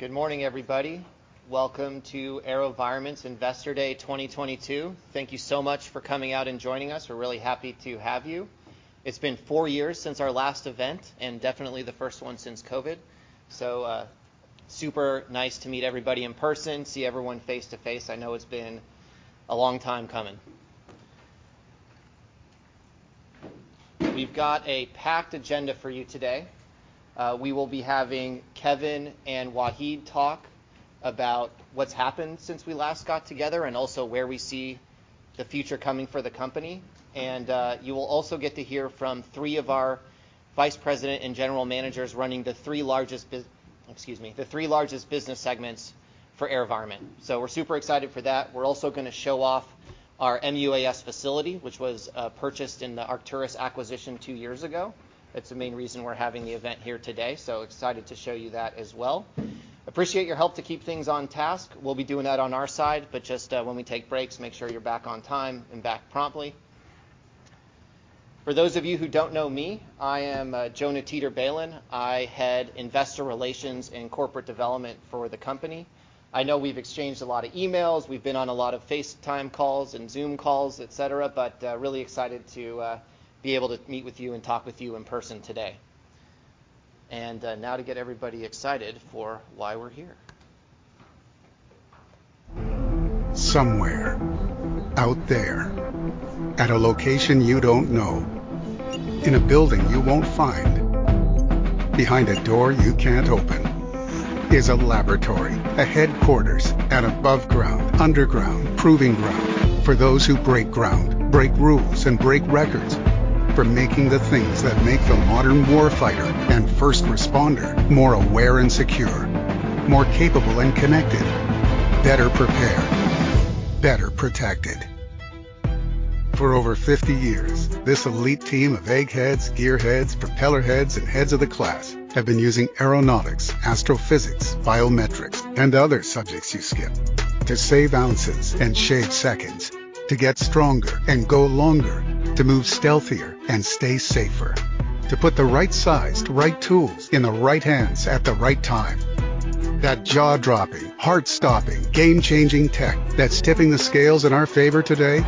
Good morning, everybody. Welcome to AeroVironment's Investor Day 2022. Thank you so much for coming out and joining us. We're really happy to have you. It's been four years since our last event and definitely the first one since COVID. Super nice to meet everybody in person, see everyone face to face. I know it's been a long time coming. We've got a packed agenda for you today. We will be having Kevin and Wahid talk about what's happened since we last got together and also where we see the future coming for the company. You will also get to hear from three of our vice president and general managers running the three largest business segments for AeroVironment. We're super excited for that. We're also gonna show off our MUAS facility, which was purchased in the Arcturus acquisition two years ago. It's the main reason we're having the event here today. Excited to show you that as well. Appreciate your help to keep things on task. We'll be doing that on our side, but just when we take breaks, make sure you're back on time and back promptly. For those of you who don't know me, I am Jonah Teeter-Balin. I head Investor Relations and Corporate Development for the company. I know we've exchanged a lot of emails. We've been on a lot of FaceTime calls and Zoom calls, et cetera, but really excited to be able to meet with you and talk with you in person today. Now to get everybody excited for why we're here. Somewhere out there, at a location you don't know, in a building you won't find, behind a door you can't open, is a laboratory, a headquarters, an above ground, underground proving ground for those who break ground, break rules, and break records, for making the things that make the modern warfighter and first responder more aware and secure, more capable and connected, better prepared, better protected. For over 50 years, this elite team of eggheads, gearheads, propeller heads, and heads of the class have been using aeronautics, astrophysics, biometrics, and other subjects you skip to save ounces and shave seconds, to get stronger and go longer, to move stealthier and stay safer, to put the right sized right tools in the right hands at the right time. That jaw-dropping, heart-stopping, game-changing tech that's tipping the scales in our favor today,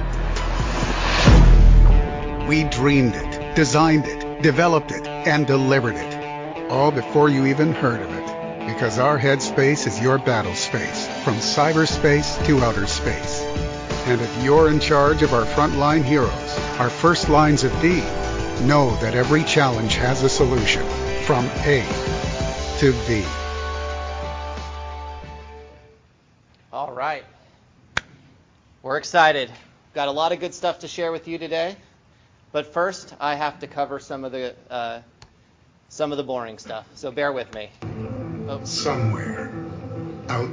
we dreamed it, designed it, developed it, and delivered it, all before you even heard of it. Because our head space is your battle space, from cyberspace to outer space. If you're in charge of our frontline heroes, our first lines of D, know that every challenge has a solution, from A to V. All right. We're excited. Got a lot of good stuff to share with you today. First, I have to cover some of the boring stuff, so bear with me. Somewhere out-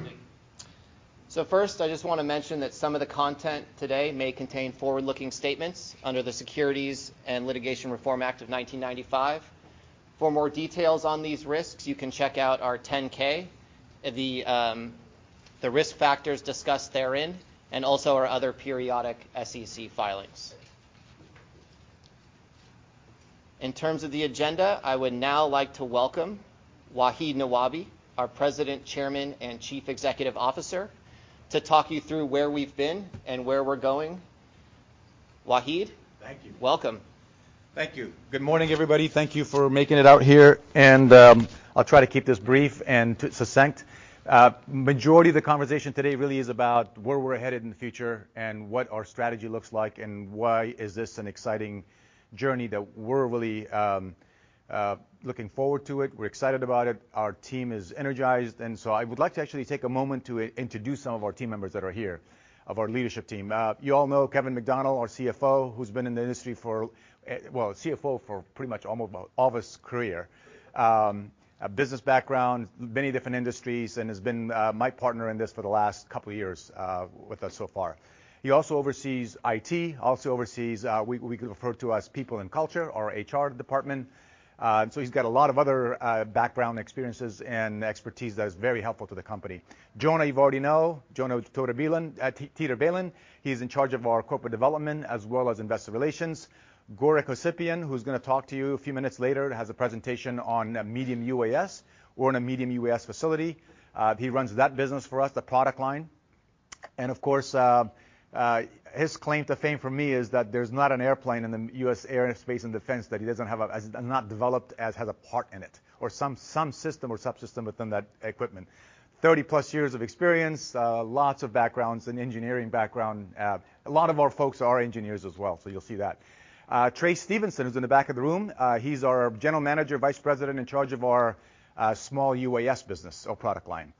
First, I just wanna mention that some of the content today may contain forward-looking statements under the Private Securities Litigation Reform Act of 1995. For more details on these risks, you can check out our 10-K, the risk factors discussed therein, and also our other periodic SEC filings. In terms of the agenda, I would now like to welcome Wahid Nawabi, our President, Chairman, and Chief Executive Officer, to talk you through where we've been and where we're going. Wahid? Thank you. Welcome. Thank you. Good morning, everybody. Thank you for making it out here. I'll try to keep this brief and succinct. Majority of the conversation today really is about where we're headed in the future and what our strategy looks like and why is this an exciting journey that we're really looking forward to it. We're excited about it. Our team is energized, and so I would like to actually take a moment to introduce some of our team members that are here, of our leadership team. You all know Kevin McDonnell, our CFO, who's been in the industry for well, CFO for pretty much almost all of his career. A business background, many different industries, and has been my partner in this for the last couple years with us so far. He also oversees IT, also oversees what we could refer to as people and culture, our HR department. So he's got a lot of other background experiences and expertise that is very helpful to the company. Jonah, you already know. Jonah Teeter-Balin. He's in charge of our corporate development as well as investor relations. Gorik Hossepian, who's gonna talk to you a few minutes later, has a presentation on medium UAS. We're in a medium UAS facility. He runs that business for us, the product line. Of course, his claim to fame for me is that there's not an airplane in the U.S. Air and Space and Defense that he doesn't have a part in it or some system or subsystem within that equipment. 30+ years of experience, lots of backgrounds and engineering background. A lot of our folks are engineers as well, so you'll see that. Trace Stevenson, who's in the back of the room, he's our general manager, Vice President in charge of our small UAS business or product line.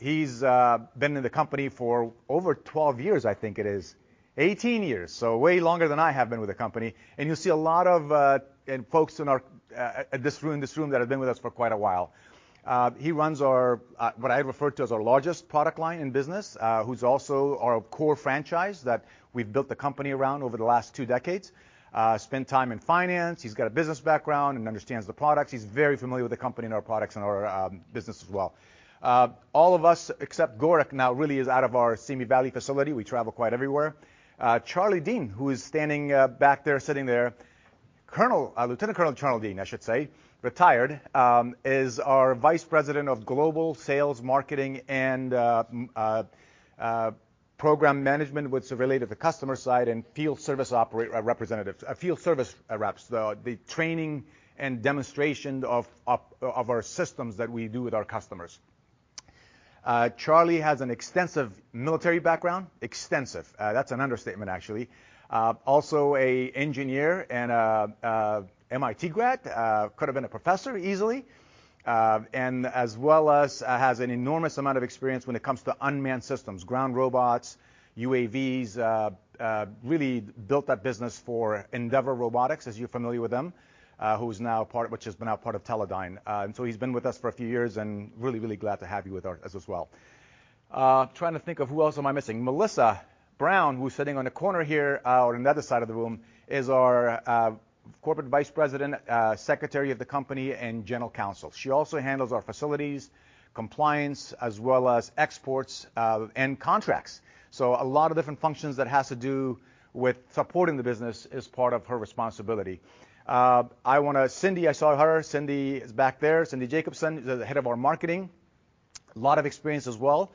He's been in the company for over 12 years, I think it is. 18 years, so way longer than I have been with the company. You'll see a lot of folks in this room that have been with us for quite a while. He runs our what I refer to as our largest product line in business, who's also our core franchise that we've built the company around over the last two decades. Spend time in finance. He's got a business background and understands the products. He's very familiar with the company and our products and our business as well. All of us, except Gorik now, really is out of our Simi Valley facility. We travel quite everywhere. Charlie Dean, who is standing back there, sitting there, Lieutenant Colonel Charlie Dean, I should say, retired, is our Vice President of Global Sales, Marketing, and Program Management, which relate to the customer side and field service representatives, field service reps. The training and demonstration of our systems that we do with our customers. Charlie has an extensive military background. Extensive. That's an understatement, actually. Also a engineer and MIT grad. Could have been a professor easily. Has an enormous amount of experience when it comes to unmanned systems, ground robots, UAVs. Really built that business for Endeavor Robotics, as you're familiar with them, which is now part of Teledyne. He's been with us for a few years, and really glad to have you with us as well. Trying to think of who else am I missing. Melissa Brown, who's sitting on the corner here or in the other side of the room, is our Corporate Vice President, Secretary of the company, and General Counsel. She also handles our facilities, compliance, as well as exports and contracts. A lot of different functions that has to do with supporting the business is part of her responsibility. Cindy, I saw her. Cindy is back there. Cindy Jacobson is the head of our marketing. Lot of experience as well.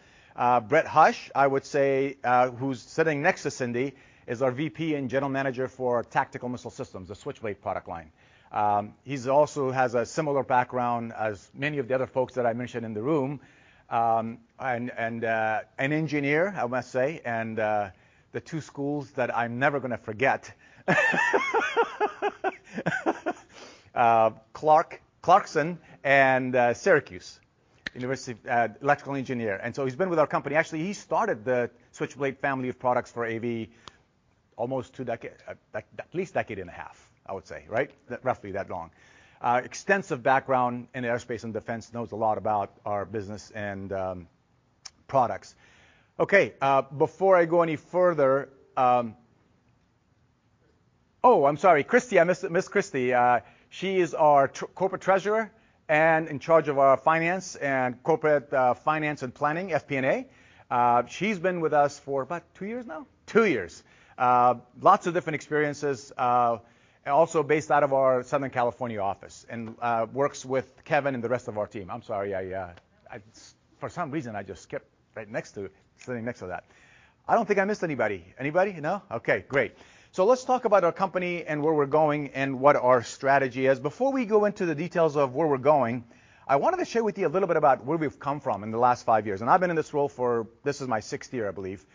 Brett Hush, I would say, who's sitting next to Cindy, is our VP and General Manager for Tactical Missile Systems, the Switchblade product line. He also has a similar background as many of the other folks that I mentioned in the room. And an engineer, I must say, and the two schools that I'm never gonna forget, Clarkson and Syracuse University, electrical engineer. He's been with our company. Actually, he started the Switchblade family of products for AV almost two decades, like at least a decade and a half, I would say, right? Roughly that long. Extensive background in aerospace and defense, knows a lot about our business and products. Okay, before I go any further. Oh, I'm sorry. Kristy, I missed Miss Kristy. She is our corporate treasurer and in charge of our finance and corporate finance and planning, FP&A. She's been with us for about two years now. Lots of different experiences, also based out of our Southern California office and works with Kevin and the rest of our team. I'm sorry, I for some reason just skipped right next to sitting next to that. I don't think I missed anybody. Anybody? No? Okay, great. Let's talk about our company and where we're going and what our strategy is. Before we go into the details of where we're going, I wanted to share with you a little bit about where we've come from in the last five years. I've been in this role for, this is my sixth year, I believe.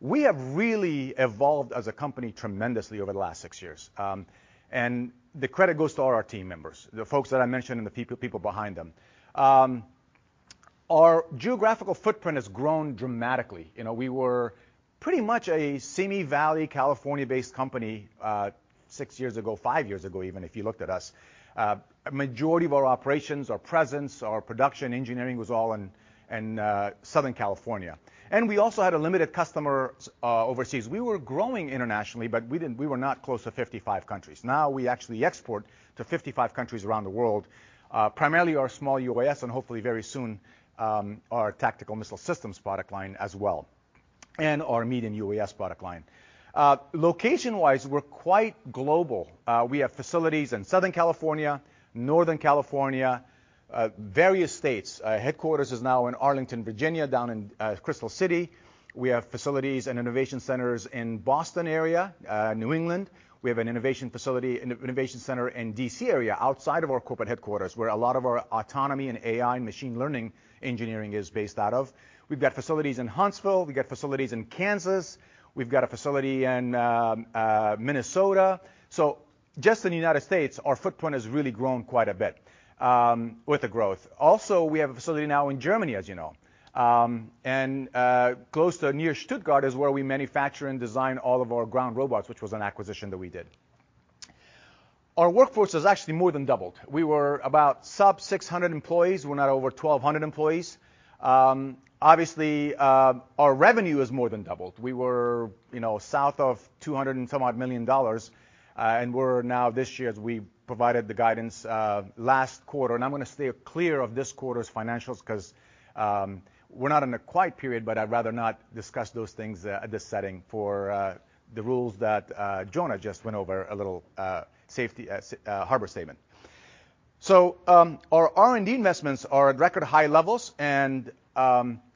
We have really evolved as a company tremendously over the last six years. The credit goes to all our team members, the folks that I mentioned and the people behind them. Our geographical footprint has grown dramatically. You know, we were pretty much a Simi Valley, California-based company, six years ago, five years ago, even if you looked at us. A majority of our operations, our presence, our production engineering was all in Southern California. We also had a limited customer overseas. We were growing internationally, but we didn't, we were not close to 55 countries. We actually export to 55 countries around the world, primarily our small UAS and hopefully very soon, our tactical missile systems product line as well, and our medium UAS product line. Location-wise, we're quite global. We have facilities in Southern California, Northern California, various states. Headquarters is now in Arlington, Virginia, down in Crystal City. We have facilities and innovation centers in Boston area, New England. We have an innovation facility and innovation center in D.C. area outside of our corporate headquarters, where a lot of our autonomy and AI and machine learning engineering is based out of. We've got facilities in Huntsville, we've got facilities in Kansas, we've got a facility in Minnesota. Just in the United States, our footprint has really grown quite a bit with the growth. Also, we have a facility now in Germany, as you know. Near Stuttgart is where we manufacture and design all of our ground robots, which was an acquisition that we did. Our workforce has actually more than doubled. We were about sub 600 employees. We're now over 1,200 employees. Obviously, our revenue has more than doubled. We were, you know, south of $200 and some odd million, and we're now this year as we provided the guidance last quarter. I'm gonna steer clear of this quarter's financials because we're not in a quiet period, but I'd rather not discuss those things at this setting for the rules that Jonah just went over, a safe harbor statement. Our R&D investments are at record high levels and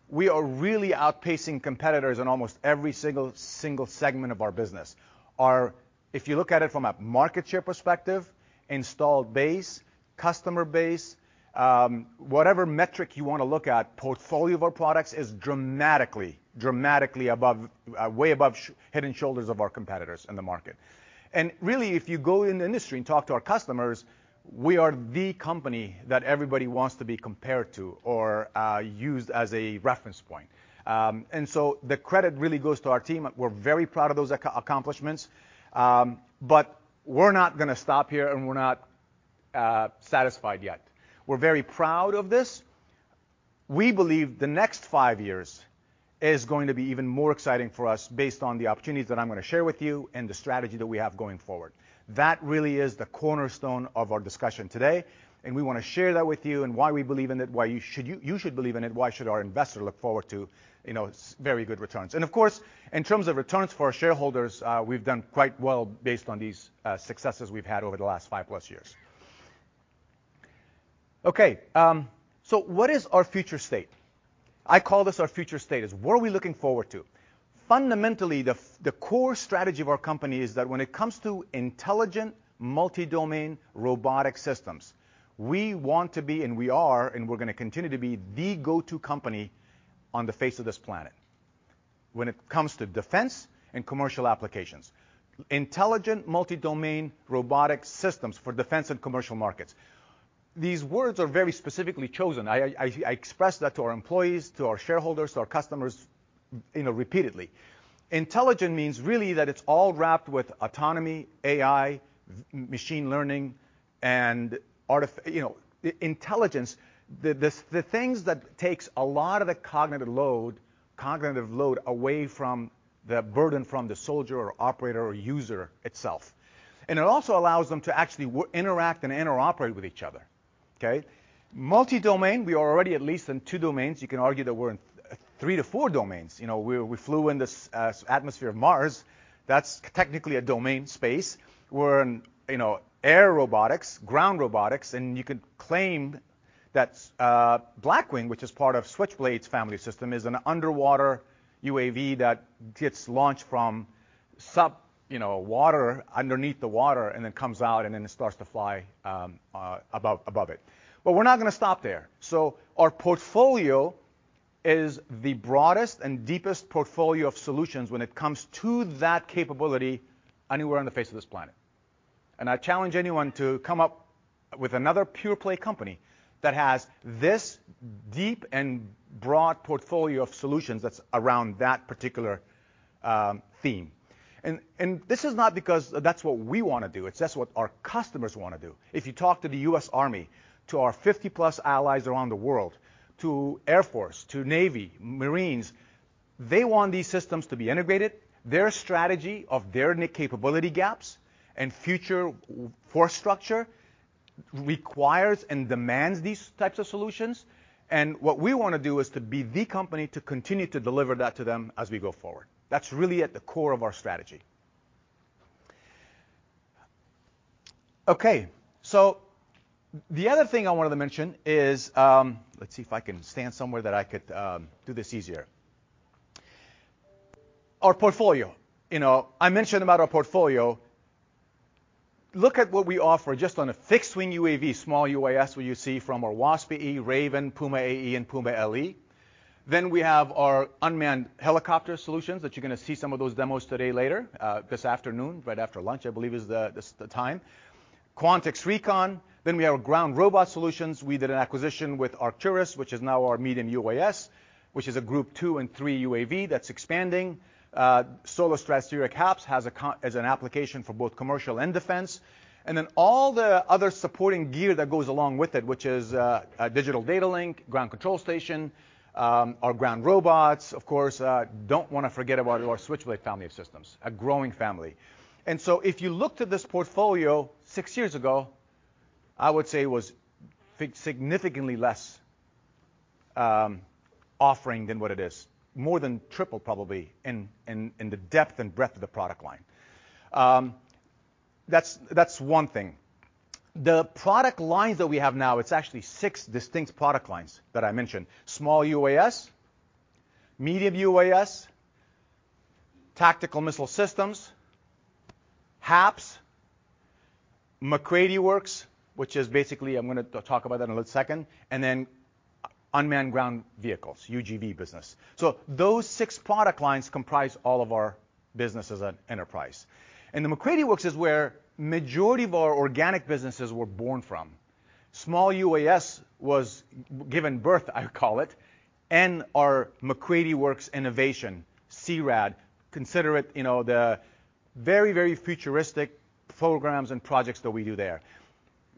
we are really outpacing competitors in almost every single segment of our business. If you look at it from a market share perspective, installed base, customer base, whatever metric you wanna look at, portfolio of our products is dramatically above, way above head and shoulders above our competitors in the market. Really, if you go in the industry and talk to our customers, we are the company that everybody wants to be compared to or used as a reference point. The credit really goes to our team. We're very proud of those accomplishments. We're not gonna stop here, and we're not satisfied yet. We're very proud of this. We believe the next five years is going to be even more exciting for us based on the opportunities that I'm gonna share with you and the strategy that we have going forward. That really is the cornerstone of our discussion today, and we wanna share that with you and why we believe in it, why you should believe in it, why should our investor look forward to, you know, very good returns. Of course, in terms of returns for our shareholders, we've done quite well based on these successes we've had over the last 5+ years. Okay. What is our future state? I call this our future state is what are we looking forward to? Fundamentally, the core strategy of our company is that when it comes to intelligent, multi-domain robotic systems, we want to be and we are, and we're gonna continue to be the go-to company on the face of this planet when it comes to defense and commercial applications. Intelligent multi-domain robotic systems for defense and commercial markets. These words are very specifically chosen. I expressed that to our employees, to our shareholders, to our customers, you know, repeatedly. Intelligent means really that it's all wrapped with autonomy, AI, machine learning and artificial intelligence. The things that takes a lot of the cognitive load away from the burden from the soldier or operator or user itself. It also allows them to actually interact and interoperate with each other. Okay? Multi-domain. We are already at least in two domains. You can argue that we're in three to four domains. You know, we flew in the atmosphere of Mars. That's technically a domain space. We're in, you know, air robotics, ground robotics, and you could claim that Blackwing, which is part of Switchblade's family system, is an underwater UAV that gets launched from water, underneath the water and then comes out and then it starts to fly above it. But we're not gonna stop there. Our portfolio is the broadest and deepest portfolio of solutions when it comes to that capability anywhere on the face of this planet. I challenge anyone to come up with another pure-play company that has this deep and broad portfolio of solutions that's around that particular theme. This is not because that's what we wanna do, it's that's what our customers wanna do. If you talk to the U.S. Army, to our 50+ allies around the world, to Air Force, to Navy, Marines, they want these systems to be integrated. Their strategy of their capability gaps and future warfighting force structure requires and demands these types of solutions. What we wanna do is to be the company to continue to deliver that to them as we go forward. That's really at the core of our strategy. Okay. The other thing I wanted to mention is, let's see if I can stand somewhere that I could do this easier. Our portfolio, you know, I mentioned about our portfolio. Look at what we offer just on a fixed-wing UAV, small UAS, what you see from our Wasp AE, Raven, Puma AE, and Puma LE. We have our unmanned helicopter solutions that you're gonna see some of those demos today later, this afternoon, right after lunch. I believe is the time. Quantix Recon, then we have ground robot solutions. We did an acquisition with Arcturus, which is now our medium UAS, which is a group two and three UAV that's expanding. Solar Stratospheric HAPS has as an application for both commercial and defense. All the other supporting gear that goes along with it, which is a digital data link, ground control station, our ground robots, of course, don't wanna forget about our Switchblade family of systems, a growing family. If you looked at this portfolio six years ago, I would say it was significantly less offering than what it is. More than triple probably in the depth and breadth of the product line. That's one thing. The product lines that we have now, it's actually six distinct product lines that I mentioned. Small UAS, medium UAS, tactical missile systems, HAPS, MacCready Works, which is basically. I'm gonna talk about that in a second. Unmanned ground vehicles, UGV business. Those six product lines comprise all of our business as an enterprise. The MacCready Works is where majority of our organic businesses were born from. Small UAS was given birth, I call it, and our MacCready Works innovation, CRAD, consider it, you know, the very, very futuristic programs and projects that we do there.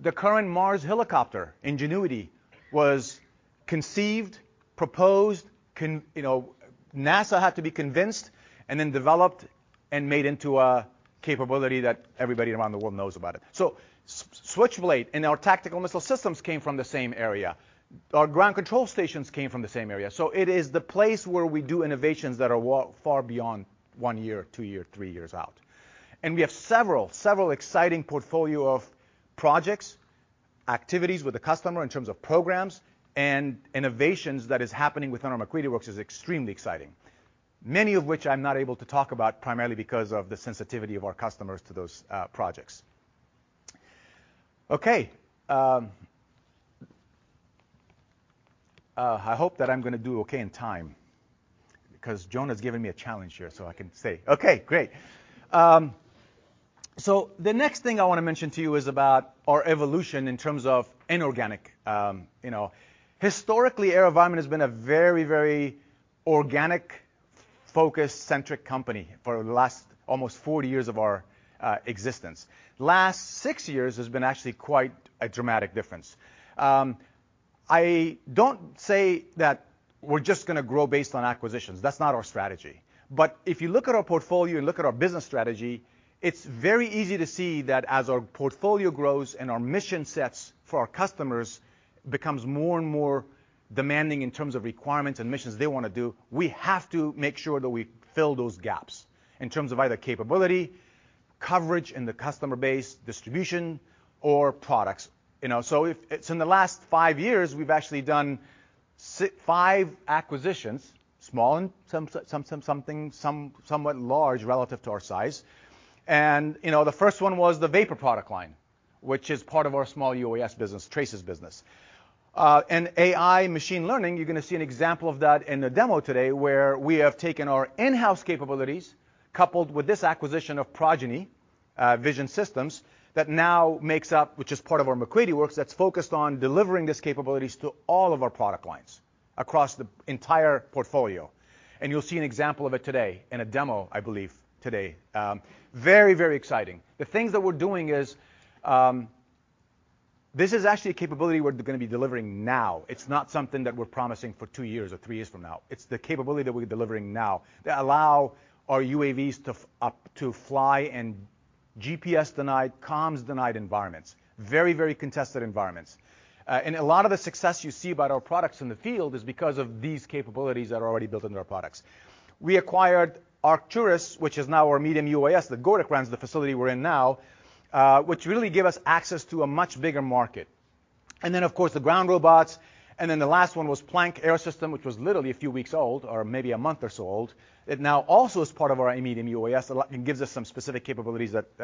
The current Mars helicopter, Ingenuity, was conceived, proposed, you know, NASA had to be convinced and then developed and made into a capability that everybody around the world knows about it. Switchblade and our tactical missile systems came from the same area. Our ground control stations came from the same area. It is the place where we do innovations that are far beyond one year, two year, three years out. We have several exciting portfolio of projects, activities with the customer in terms of programs and innovations that is happening within our MacCready Works is extremely exciting. Many of which I'm not able to talk about primarily because of the sensitivity of our customers to those projects. Okay. I hope that I'm gonna do okay in time because Jonah has given me a challenge here, so I can say, "Okay, great." The next thing I wanna mention to you is about our evolution in terms of inorganic. You know, historically, AeroVironment has been a very, very organic focus-centric company for the last almost 40 years of our existence. Last six years has been actually quite a dramatic difference. I don't say that we're just gonna grow based on acquisitions. That's not our strategy. If you look at our portfolio and look at our business strategy, it's very easy to see that as our portfolio grows and our mission sets for our customers becomes more and more demanding in terms of requirements and missions they wanna do, we have to make sure that we fill those gaps in terms of either capability coverage in the customer base, distribution, or products. You know, if it's in the last five years, we've actually done five acquisitions, small and some somewhat large relative to our size. You know, the first one was the VAPOR product line, which is part of our small UAS business, Trace's business. In AI machine learning, you're gonna see an example of that in the demo today, where we have taken our in-house capabilities coupled with this acquisition of Progeny Systems that now makes up, which is part of our MacCready Works, that's focused on delivering these capabilities to all of our product lines across the entire portfolio. You'll see an example of it today in a demo, I believe, today. Very, very exciting. The things that we're doing is, this is actually a capability we're gonna be delivering now. It's not something that we're promising for two years or three years from now. It's the capability that we're delivering now that allow our UAVs to fly in GPS-denied, comms-denied environments. Very, very contested environments. A lot of the success you see about our products in the field is because of these capabilities that are already built into our products. We acquired Arcturus, which is now our medium UAS that Gorik runs the facility we're in now, which really gave us access to a much bigger market. And then, of course, the ground robots, and then the last one was Planck Aerosystems, which was literally a few weeks old, or maybe a month or so old. It now also is part of our medium UAS. It gives us some specific capabilities that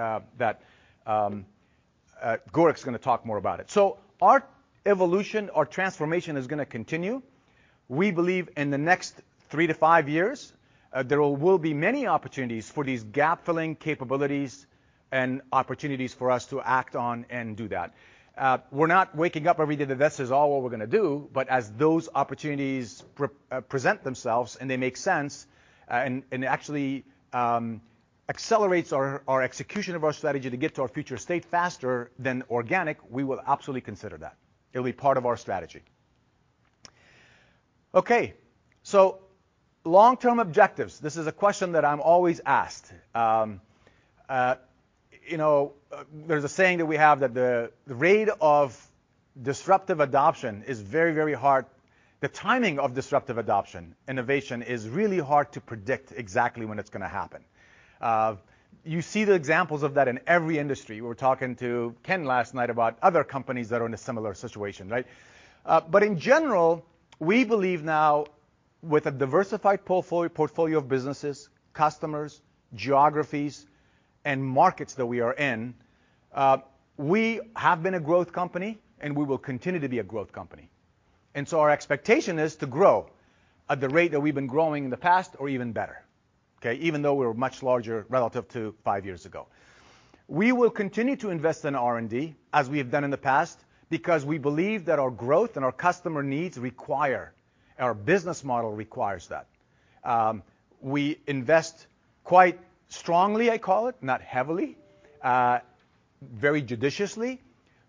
Gorik's gonna talk more about it. Our evolution or transformation is gonna continue. We believe in the next three to five years, there will be many opportunities for these gap-filling capabilities and opportunities for us to act on and do that. We're not waking up every day that this is all what we're gonna do, but as those opportunities present themselves, and they make sense, and actually accelerates our execution of our strategy to get to our future state faster than organic, we will absolutely consider that. It'll be part of our strategy. Okay. Long-term objectives, this is a question that I'm always asked. You know, there's a saying that we have that the rate of disruptive adoption is very, very hard. The timing of disruptive adoption innovation is really hard to predict exactly when it's gonna happen. You see the examples of that in every industry. We were talking to Ken last night about other companies that are in a similar situation, right? In general, we believe now with a diversified portfolio of businesses, customers, geographies, and markets that we are in, we have been a growth company, and we will continue to be a growth company. Our expectation is to grow at the rate that we've been growing in the past or even better, okay? Even though we're much larger relative to five years ago. We will continue to invest in R&D as we have done in the past because we believe that our growth and our customer needs require our business model requires that. We invest quite strongly, I call it, not heavily, very judiciously.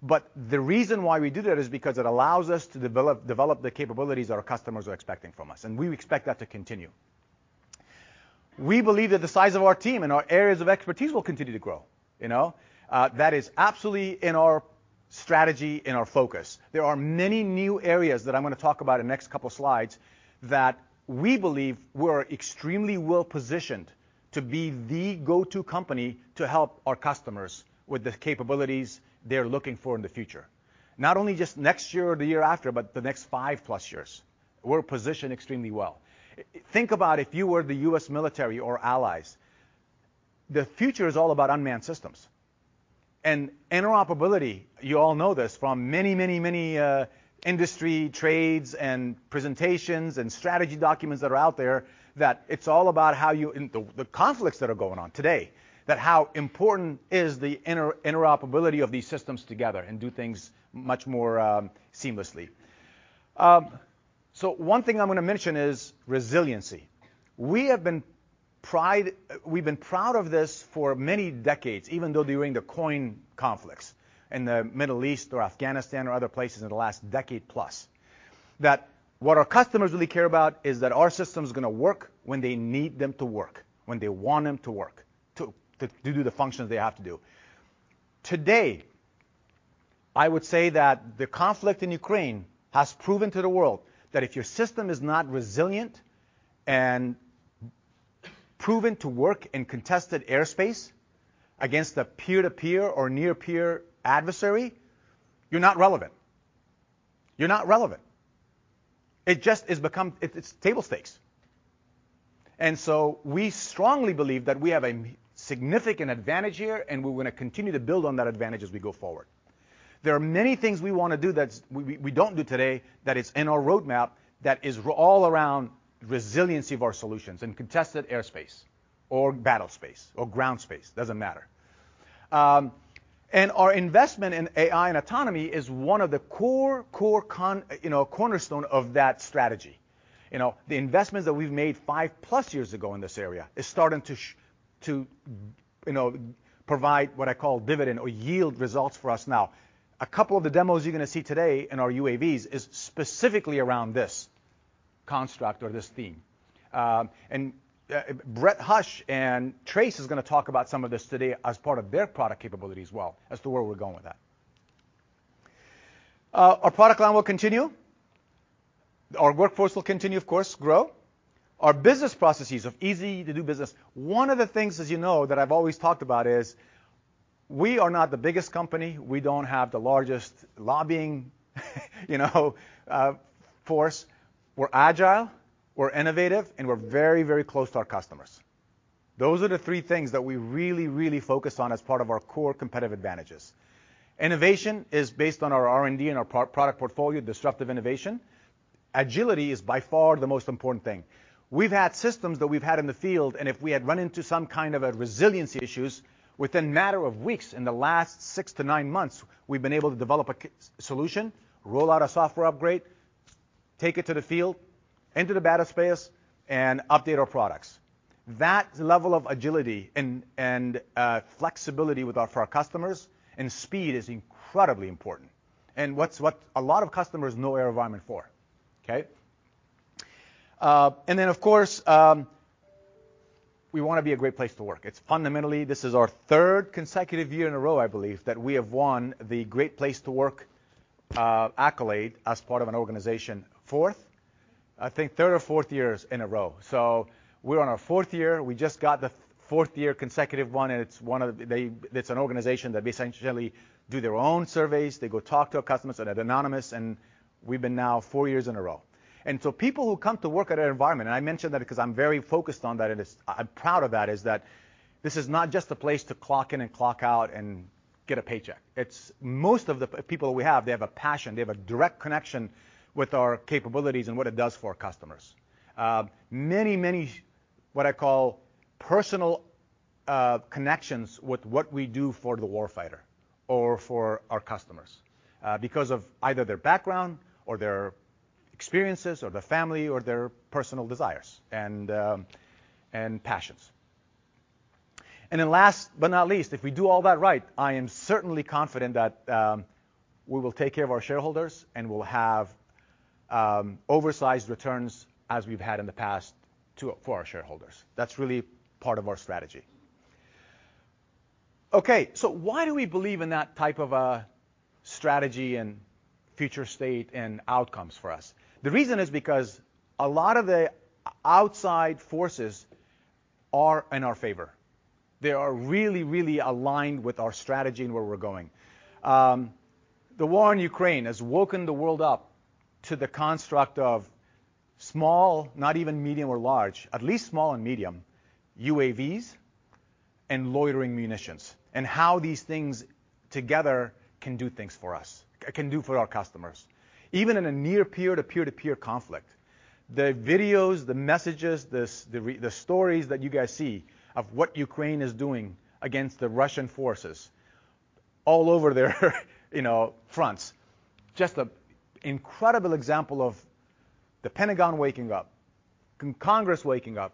The reason why we do that is because it allows us to develop the capabilities our customers are expecting from us, and we expect that to continue. We believe that the size of our team and our areas of expertise will continue to grow, you know. That is absolutely in our strategy and our focus. There are many new areas that I'm gonna talk about in the next couple slides that we believe we're extremely well positioned to be the go-to company to help our customers with the capabilities they're looking for in the future. Not only just next year or the year after, but the next 5+ years. We're positioned extremely well. Think about if you were the U.S. military or allies. The future is all about unmanned systems and interoperability. You all know this from many, many, many industry trades and presentations and strategy documents that are out there that it's all about how you. The conflicts that are going on today, that how important is the interoperability of these systems together and do things much more seamlessly. One thing I'm gonna mention is resiliency. We have been proud of this for many decades, even though during the COIN conflicts in the Middle East or Afghanistan or other places in the last decade plus, that what our customers really care about is that our system's gonna work when they need them to work, when they want them to work, to do the functions they have to do. Today, I would say that the conflict in Ukraine has proven to the world that if your system is not resilient and proven to work in contested airspace against a peer or near-peer adversary, you're not relevant. You're not relevant. It's become table stakes. We strongly believe that we have a significant advantage here, and we're gonna continue to build on that advantage as we go forward. There are many things we wanna do that we don't do today that is in our roadmap that is all around resiliency of our solutions in contested airspace or battle space or ground space. Doesn't matter. Our investment in AI and autonomy is one of the core cornerstone of that strategy. You know, the investments that we've made 5+ years ago in this area is starting to, you know, provide what I call dividend or yield results for us now. A couple of the demos you're gonna see today in our UAVs is specifically around this construct or this theme. Brett Hush and Trace is gonna talk about some of this today as part of their product capability as well as to where we're going with that. Our product line will continue. Our workforce will continue, of course, grow. Our business processes of easy to do business. One of the things, as you know, that I've always talked about is we are not the biggest company. We don't have the largest lobbying, you know, force. We're agile, we're innovative, and we're very, very close to our customers. Those are the three things that we really, really focus on as part of our core competitive advantages. Innovation is based on our R&D and our product portfolio, disruptive innovation. Agility is by far the most important thing. We've had systems that we've had in the field, and if we had run into some kind of a resiliency issues, within a matter of weeks in the last six to nine months, we've been able to develop a key solution, roll out a software upgrade, take it to the field, into the battle space, and update our products. That level of agility and flexibility with our, for our customers and speed is incredibly important and what's what a lot of customers know AeroVironment for. Okay? Of course, we wanna be a great place to work. It's fundamentally this is our third consecutive year in a row, I believe, that we have won the Great Place To Work accolade as part of an organization. Fourth, I think third or fourth years in a row. We're on our fourth year. We just got the fourth year consecutive one, and it's one of the it's an organization that essentially do their own surveys. They go talk to our customers that are anonymous. We've been now four years in a row. People who come to work at AeroVironment, and I mention that 'cause I'm very focused on that, and I'm proud of that, is that this is not just a place to clock in and clock out and get a paycheck. Most of the people we have, they have a passion. They have a direct connection with our capabilities and what it does for our customers. Many what I call personal connections with what we do for the war fighter or for our customers because of either their background or their experiences or their family or their personal desires and passions. Last but not least, if we do all that right, I am certainly confident that we will take care of our shareholders, and we'll have oversized returns as we've had in the past for our shareholders. That's really part of our strategy. Okay. Why do we believe in that type of a strategy and future state and outcomes for us? The reason is because a lot of the outside forces are in our favor. They are really aligned with our strategy and where we're going. The war in Ukraine has woken the world up to the construct of small, not even medium or large, at least small and medium UAVs and loitering munitions, and how these things together can do things for us, can do for our customers. Even in a near peer-to-peer conflict, the videos, the messages, the stories that you guys see of what Ukraine is doing against the Russian forces all over their, you know, fronts, just an incredible example of the Pentagon waking up, Congress waking up,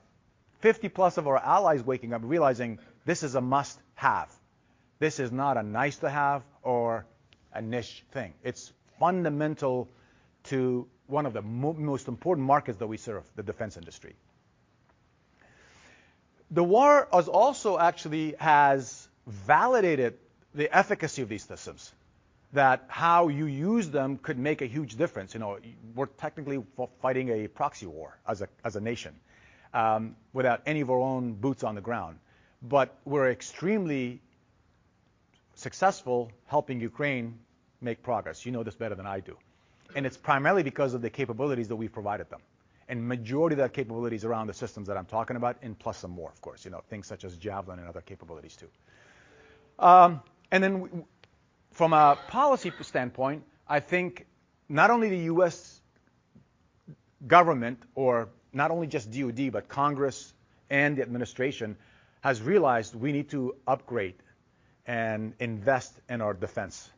50+ of our allies waking up and realizing this is a must-have. This is not a nice to have or a niche thing. It's fundamental to one of the most important markets that we serve, the defense industry. The war has also actually validated the efficacy of these systems, that how you use them could make a huge difference. You know, we're technically fighting a proxy war as a nation, without any of our own boots on the ground. We're extremely successful helping Ukraine make progress. You know this better than I do. It's primarily because of the capabilities that we've provided them, and majority of that capability is around the systems that I'm talking about, and plus some more of course, you know, things such as Javelin and other capabilities too. From a policy standpoint, I think not only the U.S. government or not only just DoD, but Congress and the administration has realized we need to upgrade and invest in our defense,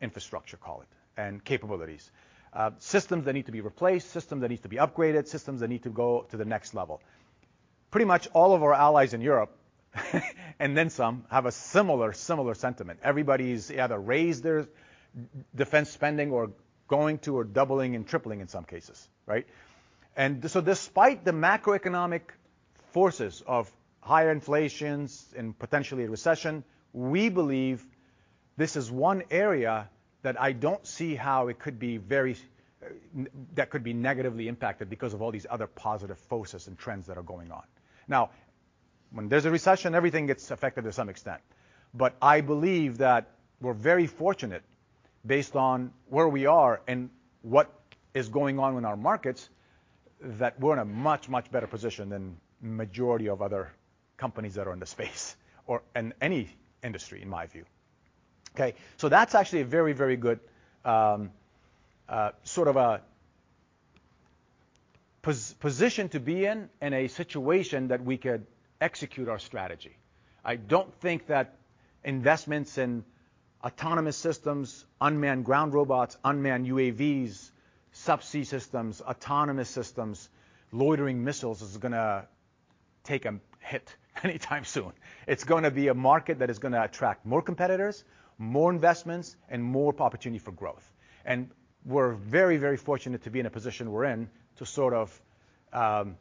infrastructure, call it, and capabilities. Systems that need to be replaced, systems that need to be upgraded, systems that need to go to the next level. Pretty much all of our allies in Europe, and then some, have a similar sentiment. Everybody's either raised their defense spending or going to, or doubling and tripling in some cases, right? Despite the macroeconomic forces of higher inflation and potentially a recession, we believe this is one area that I don't see how it could be very negatively impacted because of all these other positive forces and trends that are going on. Now, when there's a recession, everything gets affected to some extent. I believe that we're very fortunate based on where we are and what is going on in our markets, that we're in a much, much better position than majority of other companies that are in the space or in any industry, in my view. Okay? That's actually a very, very good sort of a position to be in in a situation that we could execute our strategy. I don't think that investments in autonomous systems, unmanned ground robots, unmanned UAVs, subsea systems, autonomous systems, loitering missiles is gonna take a hit anytime soon. It's gonna be a market that is gonna attract more competitors, more investments, and more opportunity for growth. We're very, very fortunate to be in a position we're in to sort of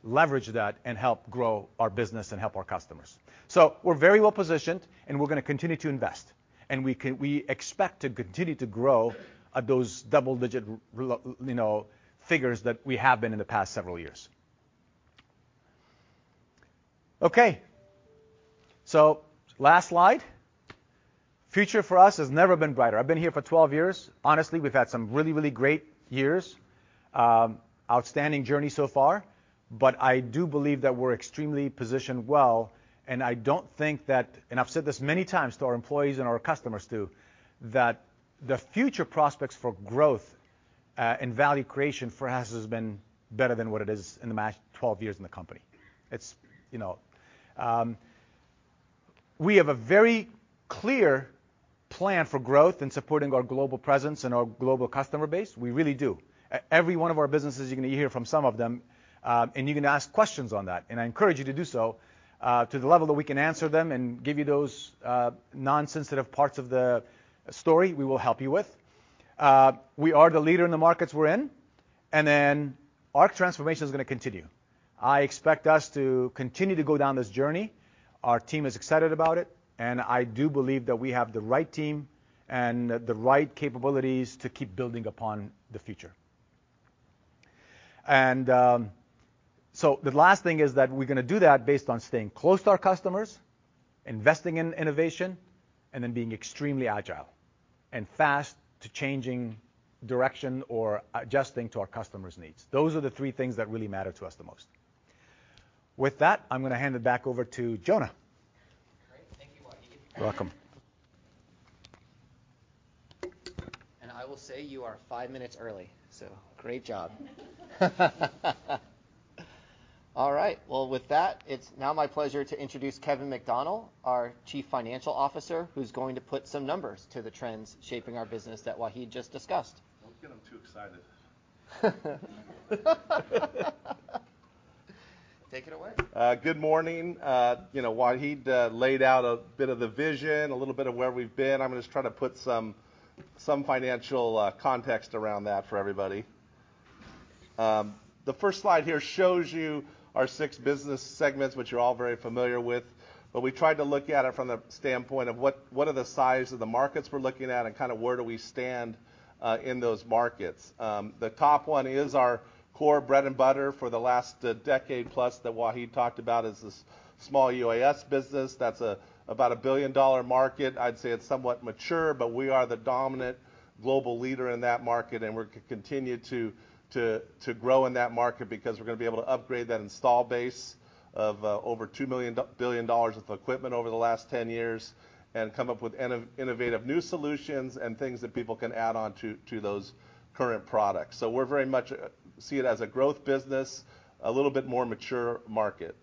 leverage that and help grow our business and help our customers. We're very well-positioned, and we're gonna continue to invest, and we expect to continue to grow at those double-digit, you know, figures that we have been in the past several years. Okay. Last slide. Future for us has never been brighter. I've been here for 12 years. Honestly, we've had some really, really great years. Outstanding journey so far, but I do believe that we're extremely positioned well, and I don't think that, and I've said this many times to our employees and our customers too, that the future prospects for growth, and value creation for us has been better than what it is in the 12 years in the company. It's, you know. We have a very clear plan for growth in supporting our global presence and our global customer base. We really do. Every one of our businesses, you're gonna hear from some of them, and you can ask questions on that, and I encourage you to do so, to the level that we can answer them and give you those non-sensitive parts of the story we will help you with. We are the leader in the markets we're in, and then our transformation is gonna continue. I expect us to continue to go down this journey. Our team is excited about it, and I do believe that we have the right team and the right capabilities to keep building upon the future. The last thing is that we're gonna do that based on staying close to our customers, investing in innovation, and then being extremely agile and fast to changing direction or adjusting to our customers' needs. Those are the three things that really matter to us the most. With that, I'm gonna hand it back over to Jonah. Great. Thank you, Wahid. You're welcome. I will say you are five minutes early, so great job. All right. Well, with that, it's now my pleasure to introduce Kevin McDonnell, our Chief Financial Officer, who's going to put some numbers to the trends shaping our business that Wahid just discussed. Don't get them too excited. Take it away. Good morning. You know, Wahid laid out a bit of the vision, a little bit of where we've been. I'm gonna just try to put some financial context around that for everybody. The first slide here shows you our six business segments, which you're all very familiar with, but we tried to look at it from the standpoint of what are the size of the markets we're looking at and kind of where do we stand in those markets. The top one is our core bread and butter for the last decade plus that Wahid talked about is the small UAS business. That's about a billion-dollar market. I'd say it's somewhat mature, but we are the dominant global leader in that market, and we're gonna continue to grow in that market because we're gonna be able to upgrade that install base of over $2 billion of equipment over the last 10 years and come up with innovative new solutions and things that people can add on to those current products. We very much see it as a growth business, a little bit more mature market.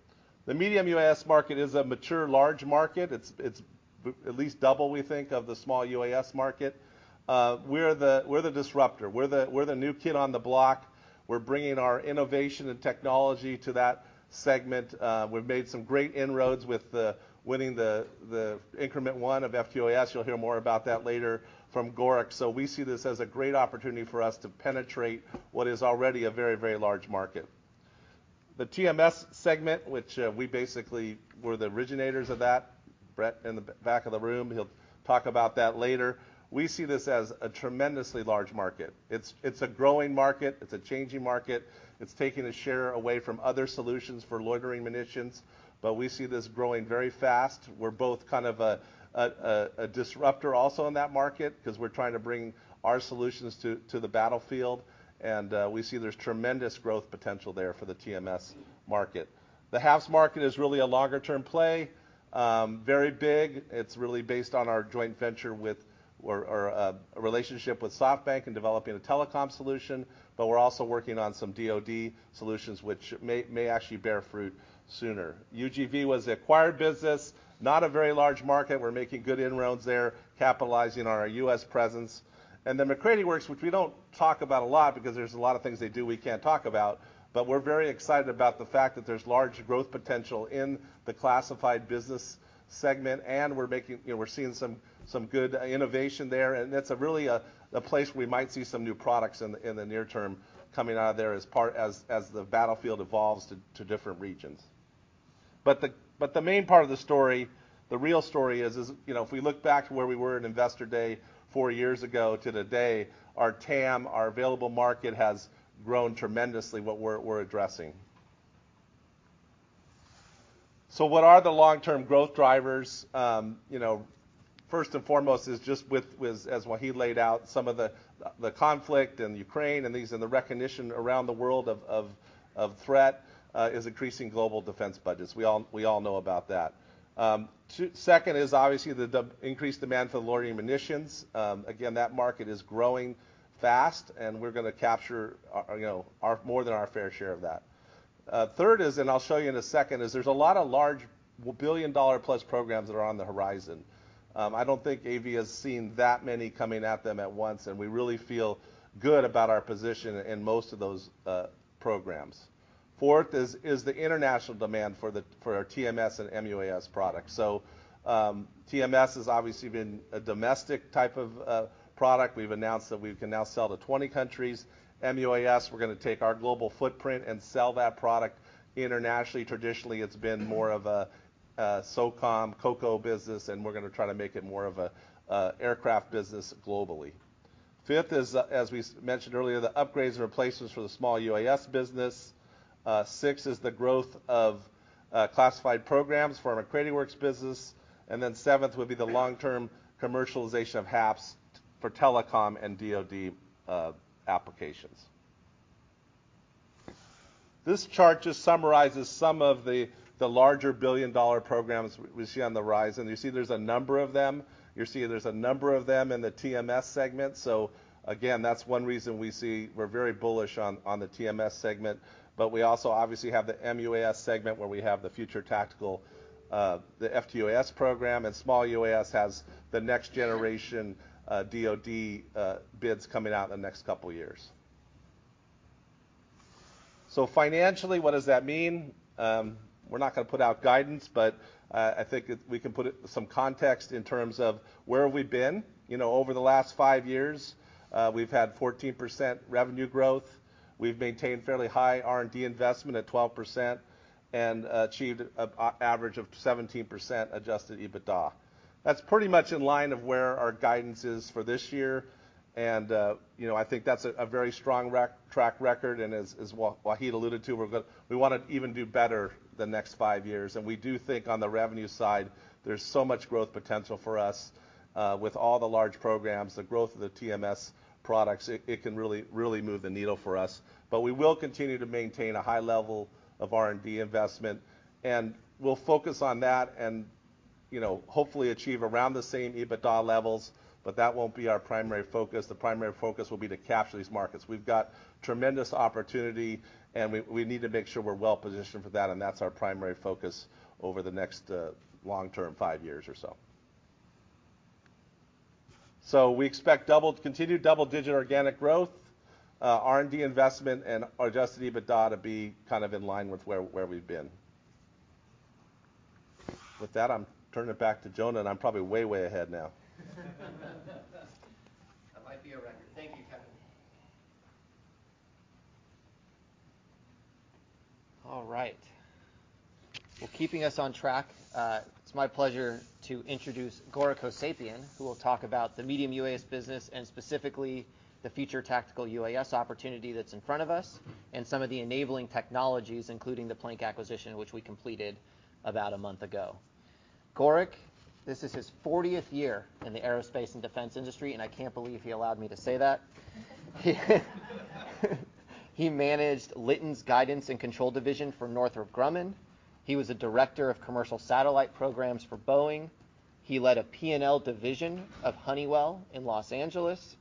The medium UAS market is a mature large market. It's at least double, we think, of the small UAS market. We're the disruptor. We're the new kid on the block. We're bringing our innovation and technology to that segment. We've made some great inroads with winning the increment one of FTUAS. You'll hear more about that later from Gorik. We see this as a great opportunity for us to penetrate what is already a very, very large market. The TMS segment, which we basically were the originators of that. Brett in the back of the room, he'll talk about that later. We see this as a tremendously large market. It's a growing market. It's a changing market. It's taking a share away from other solutions for loitering munitions, but we see this growing very fast. We're both kind of a disruptor also in that market because we're trying to bring our solutions to the battlefield, and we see there's tremendous growth potential there for the TMS market. The HAPS market is really a longer-term play, very big. It's really based on our joint venture or a relationship with SoftBank in developing a telecom solution, but we're also working on some DoD solutions which may actually bear fruit sooner. UGV was an acquired business, not a very large market. We're making good inroads there, capitalizing on our U.S. presence. Then MacCready Works, which we don't talk about a lot because there's a lot of things they do we can't talk about, but we're very excited about the fact that there's large growth potential in the classified business segment, and we're making, we're seeing some good innovation there, and it's really a place we might see some new products in the near term coming out of there as the battlefield evolves to different regions. The main part of the story, the real story is, you know, if we look back to where we were in Investor Day four years ago to today, our TAM, our available market has grown tremendously, what we're addressing. What are the long-term growth drivers? You know, first and foremost is just with, as Wahid laid out, some of the conflict in Ukraine and the recognition around the world of threat is increasing global defense budgets. We all know about that. Second is obviously the increased demand for loitering munitions. Again, that market is growing fast, and we're gonna capture our, you know, our more than our fair share of that. Third is, and I'll show you in a second, there's a lot of large billion-dollar-plus programs that are on the horizon. I don't think AV has seen that many coming at them at once, and we really feel good about our position in most of those programs. Fourth is the international demand for our TMS and MUAS products. TMS has obviously been a domestic type of product. We've announced that we can now sell to 20 countries. MUAS, we're gonna take our global footprint and sell that product internationally. Traditionally, it's been more of a SOCOM COCO business, and we're gonna try to make it more of a aircraft business globally. Fifth is, as we mentioned earlier, the upgrades and replacements for the small UAS business. Six is the growth of classified programs from our MacCready Works business. Seventh will be the long-term commercialization of HAPS for telecom and DoD applications. This chart just summarizes some of the larger billion-dollar programs we see on the horizon. You see there's a number of them. You see there's a number of them in the TMS segment, so again, that's one reason we see we're very bullish on the TMS segment. We also obviously have the MUAS segment where we have the future tactical the FTUAS program, and small UAS has the next generation DoD bids coming out in the next couple years. Financially, what does that mean? We're not gonna put out guidance, but I think we can put it in some context in terms of where we've been. You know, over the last five years, we've had 14% revenue growth. We've maintained fairly high R&D investment at 12% and achieved an average of 17% adjusted EBITDA. That's pretty much in line with where our guidance is for this year, and, you know, I think that's a very strong track record, and as Wahid alluded to, we want to even do better the next five years. We do think on the revenue side, there's so much growth potential for us, with all the large programs, the growth of the TMS products. It can really move the needle for us. We will continue to maintain a high level of R&D investment, and we'll focus on that and, you know, hopefully achieve around the same EBITDA levels, but that won't be our primary focus. The primary focus will be to capture these markets. We've got tremendous opportunity, and we need to make sure we're well positioned for that, and that's our primary focus over the next long term, five years or so. We expect continued double-digit organic growth, R&D investment and adjusted EBITDA to be kind of in line with where we've been. With that, I'm turning it back to Jonah, and I'm probably way ahead now. That might be a record. Thank you, Kevin. All right. Well, keeping us on track, it's my pleasure to introduce Gorik Hossepian, who will talk about the medium UAS business and specifically the future tactical UAS opportunity that's in front of us and some of the enabling technologies, including the Planck acquisition, which we completed about a month ago. Gorik, this is his 40th year in the aerospace and defense industry, and I can't believe he allowed me to say that. He managed Litton's Guidance and Control division for Northrop Grumman. He was a director of commercial satellite programs for Boeing. He led a P&L division of Honeywell in Los Angeles.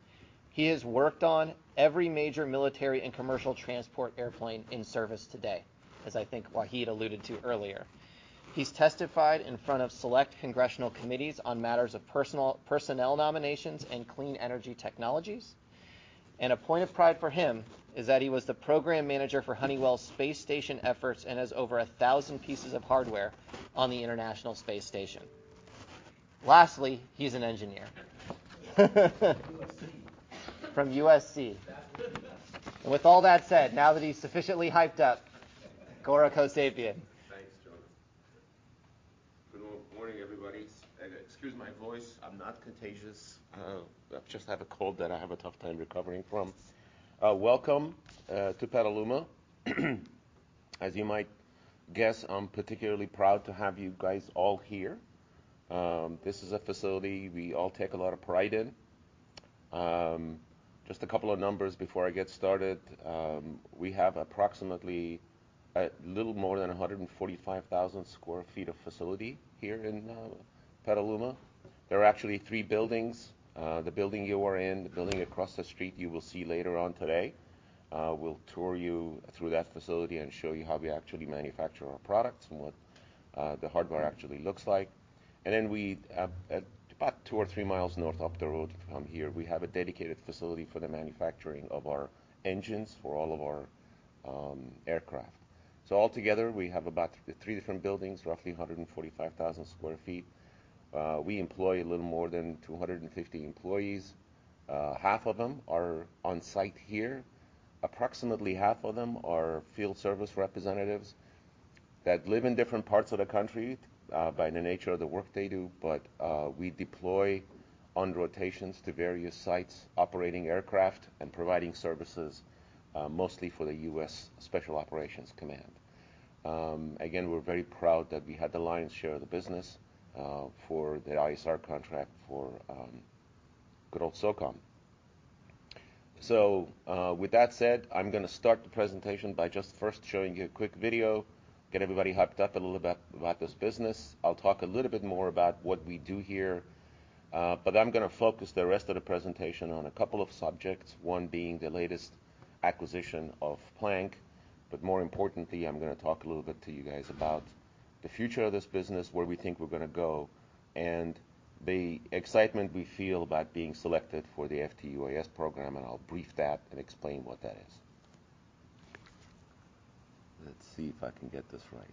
He has worked on every major military and commercial transport airplane in service today, as I think Wahid alluded to earlier. He's testified in front of select congressional committees on matters of personnel nominations and clean energy technologies. A point of pride for him is that he was the program manager for Honeywell's space station efforts and has over 1,000 pieces of hardware on the International Space Station. Lastly, he's an engineer from USC. With all that said, now that he's sufficiently hyped up, Gorik Hossepian. Thanks, Jonah. Good morning, everybody. Excuse my voice. I'm not contagious. I just have a cold that I have a tough time recovering from. Welcome to Petaluma. As you might guess, I'm particularly proud to have you guys all here. This is a facility we all take a lot of pride in. Just a couple of numbers before I get started. We have approximately a little more than 145,000 sq ft of facility here in Petaluma. There are actually three buildings. The building you are in, the building across the street you will see later on today. We'll tour you through that facility and show you how we actually manufacture our products and what the hardware actually looks like. We have about 2 or 3 mi north up the road from here, a dedicated facility for the manufacturing of our engines for all of our aircraft. Altogether, we have about three different buildings, roughly 145,000 sq ft. We employ a little more than 250 employees. Half of them are on site here. Approximately half of them are field service representatives that live in different parts of the country, by the nature of the work they do. We deploy on rotations to various sites, operating aircraft and providing services, mostly for the U.S. Special Operations Command. Again, we're very proud that we had the lion's share of the business, for the ISR contract for good old SOCOM. With that said, I'm gonna start the presentation by just first showing you a quick video, get everybody hyped up a little bit about this business. I'll talk a little bit more about what we do here, but I'm gonna focus the rest of the presentation on a couple of subjects, one being the latest acquisition of Planck, but more importantly, I'm gonna talk a little bit to you guys about The future of this business, where we think we're going to go, and the excitement we feel about being selected for the FTUAS program, and I'll brief that and explain what that is. Let's see if I can get this right.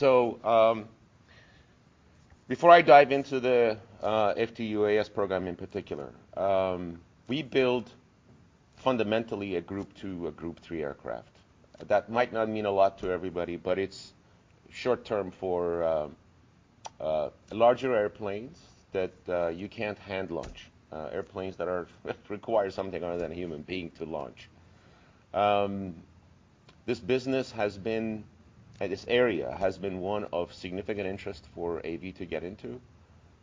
Hold on a second. Okay. Before I dive into the FTUAS program in particular, we build fundamentally a Group Two, a Group Three aircraft. That might not mean a lot to everybody, but it's shorthand for larger airplanes that you can't hand launch, airplanes that require something other than a human being to launch. This business has been, or this area has been one of significant interest for AV to get into.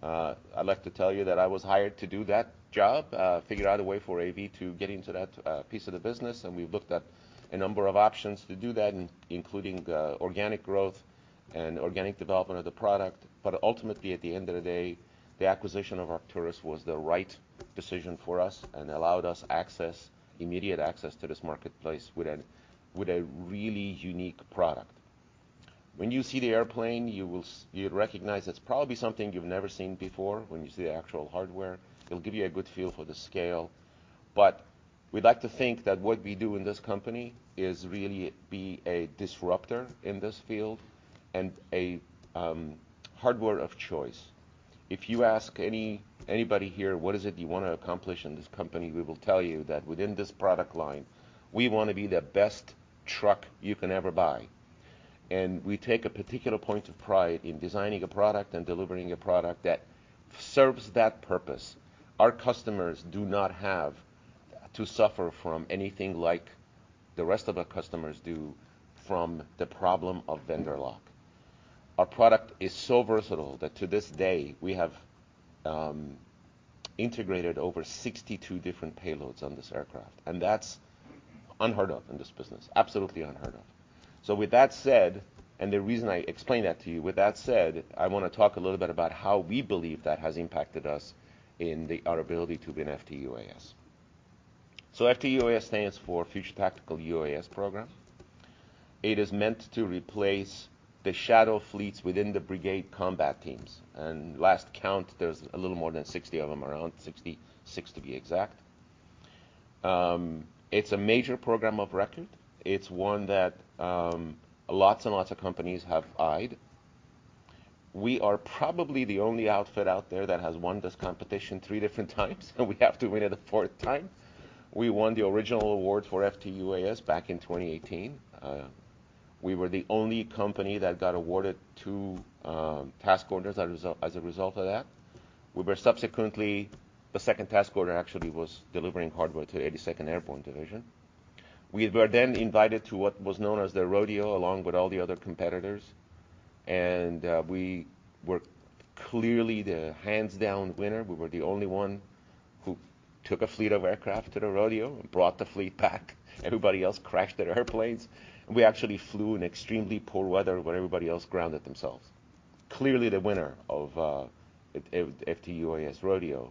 I'd like to tell you that I was hired to do that job, figure out a way for AV to get into that piece of the business, and we've looked at a number of options to do that, including organic growth and organic development of the product. Ultimately, at the end of the day, the acquisition of Arcturus was the right decision for us and allowed us access, immediate access to this marketplace with a really unique product. When you see the airplane, you'll recognize it's probably something you've never seen before when you see the actual hardware. It'll give you a good feel for the scale. We'd like to think that what we do in this company is really be a disruptor in this field and hardware of choice. If you ask anybody here what is it you wanna accomplish in this company, we will tell you that within this product line, we wanna be the best truck you can ever buy. We take a particular point of pride in designing a product and delivering a product that serves that purpose. Our customers do not have to suffer from anything like the rest of our customers do from the problem of vendor lock. Our product is so versatile that to this day we have integrated over 62 different payloads on this aircraft, and that's unheard of in this business. Absolutely unheard of. With that said, and the reason I explain that to you, with that said, I wanna talk a little bit about how we believe that has impacted us in our ability to win FTUAS. FTUAS stands for Future Tactical UAS program. It is meant to replace the Shadow fleets within the brigade combat teams, and last count, there's a little more than 60 of them, around 66 to be exact. It's a major program of record. It's one that lots and lots of companies have eyed. We are probably the only outfit out there that has won this competition three different times, and we have to win it a fourth time. We won the original award for FTUAS back in 2018. We were the only company that got awarded two task orders as a result of that. We were subsequently the second task order actually was delivering hardware to the 82nd Airborne Division. We were then invited to what was known as the rodeo, along with all the other competitors, and we were clearly the hands-down winner. We were the only one who took a fleet of aircraft to the rodeo and brought the fleet back. Everybody else crashed their airplanes. We actually flew in extremely poor weather when everybody else grounded themselves. Clearly the winner of the FTUAS rodeo.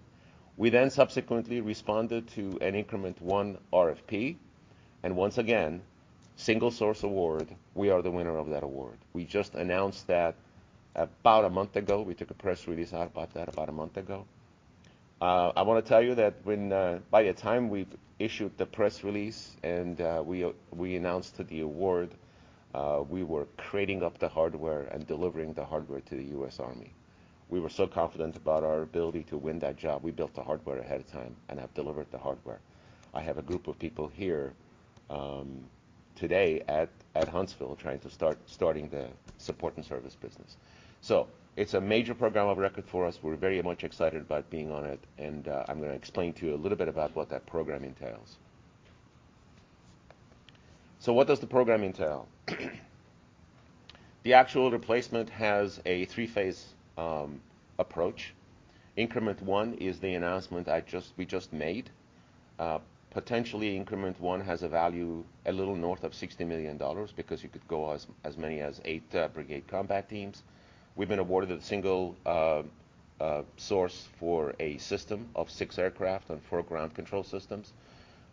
We then subsequently responded to an increment one RFP, and once again, single source award, we are the winner of that award. We just announced that about a month ago. We took a press release out about that about a month ago. I wanna tell you that when by the time we've issued the press release and we announced the award, we were crating up the hardware and delivering the hardware to the U.S. Army. We were so confident about our ability to win that job, we built the hardware ahead of time and have delivered the hardware. I have a group of people here today at Huntsville trying to start the support and service business. It's a major program of record for us. We're very much excited about being on it, and I'm gonna explain to you a little bit about what that program entails. What does the program entail? The actual replacement has a three-phase approach. Increment One is the announcement we just made. Potentially Increment One has a value a little north of $60 million because you could go as many as eight brigade combat teams. We've been awarded a single source for a system of six aircraft and four ground control systems.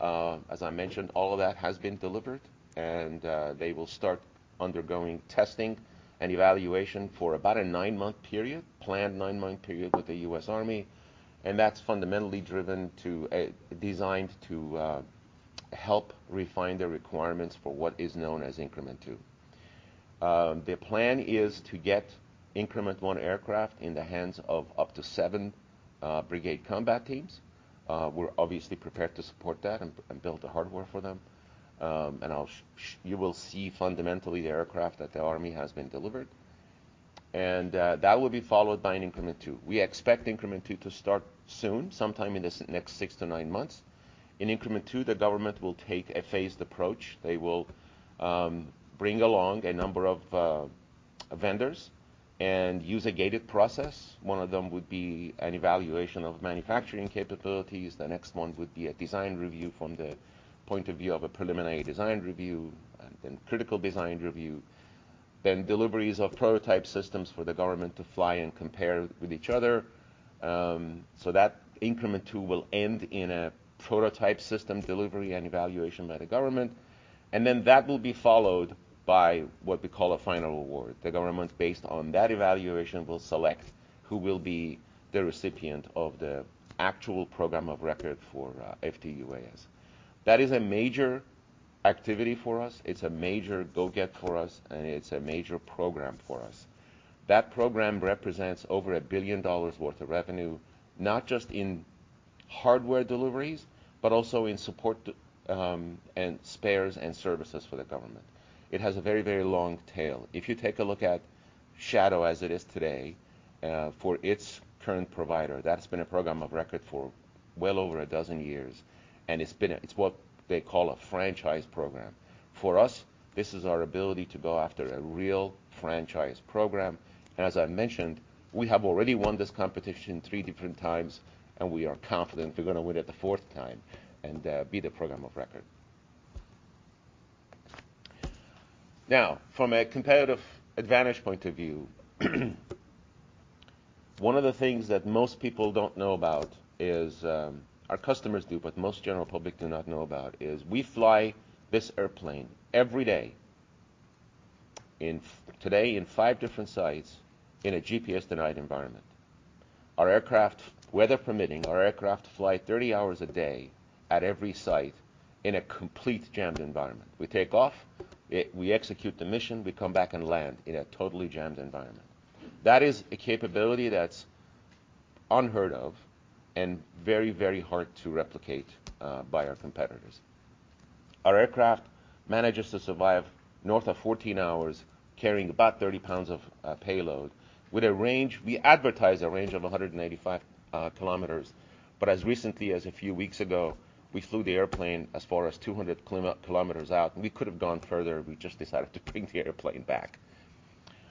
As I mentioned, all of that has been delivered, and they will start undergoing testing and evaluation for about a nine-month period, planned nine-month period with the U.S. Army, and that's fundamentally designed to help refine the requirements for what is known as Increment two. The plan is to get Increment one aircraft in the hands of up to seven brigade combat teams. We're obviously prepared to support that and build the hardware for them. You will see fundamentally the aircraft that have been delivered to the Army. That will be followed by an Increment Two. We expect Increment two to start soon, sometime in the next six to nine months. In Increment Two, the government will take a phased approach. They will bring along a number of vendors and use a gated process. One of them would be an evaluation of manufacturing capabilities. The next one would be a design review from the point of view of a preliminary design review, and then critical design review. Then deliveries of prototype systems for the government to fly and compare with each other. Increment Two will end in a prototype system delivery and evaluation by the government, and then that will be followed by what we call a final award. The government, based on that evaluation, will select who will be the recipient of the actual program of record for FTUAS. That is a major activity for us. It's a major get for us, and it's a major program for us. That program represents over $1 billion worth of revenue, not just in hardware deliveries, but also in support, and spares and services for the government. It has a very, very long tail. If you take a look at Shadow as it is today, for its current provider, that's been a program of record for well over a dozen years, and it's been a franchise program. It's what they call a franchise program. For us, this is our ability to go after a real franchise program. As I mentioned, we have already won this competition three different times, and we are confident we're gonna win it the fourth time and be the program of record. Now, from a competitive advantage point of view, one of the things that most people don't know about is, Our customers do, but most general public do not know about, is we fly this airplane every day today in five different sites in a GPS-denied environment. Our aircraft, weather permitting, fly 30 hours a day at every site in a complete jammed environment. We take off, we execute the mission, we come back and land in a totally jammed environment. That is a capability that's unheard of and very, very hard to replicate by our competitors. Our aircraft manages to survive north of 14 hours carrying about 30 lbs of payload with a range, we advertise a range of 185 km, but as recently as a few weeks ago, we flew the airplane as far as 200 km out, and we could have gone further. We just decided to bring the airplane back.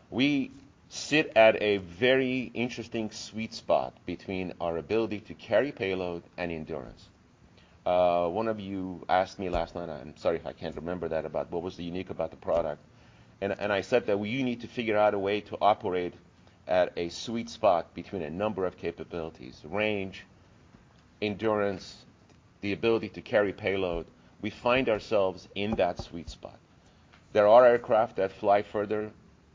We sit at a very interesting sweet spot between our ability to carry payload and endurance. One of you asked me last night, and I'm sorry if I can't remember that, about what was unique about the product and I said that we need to figure out a way to operate at a sweet spot between a number of capabilities, range, endurance, the ability to carry payload. We find ourselves in that sweet spot. There are aircraft that fly further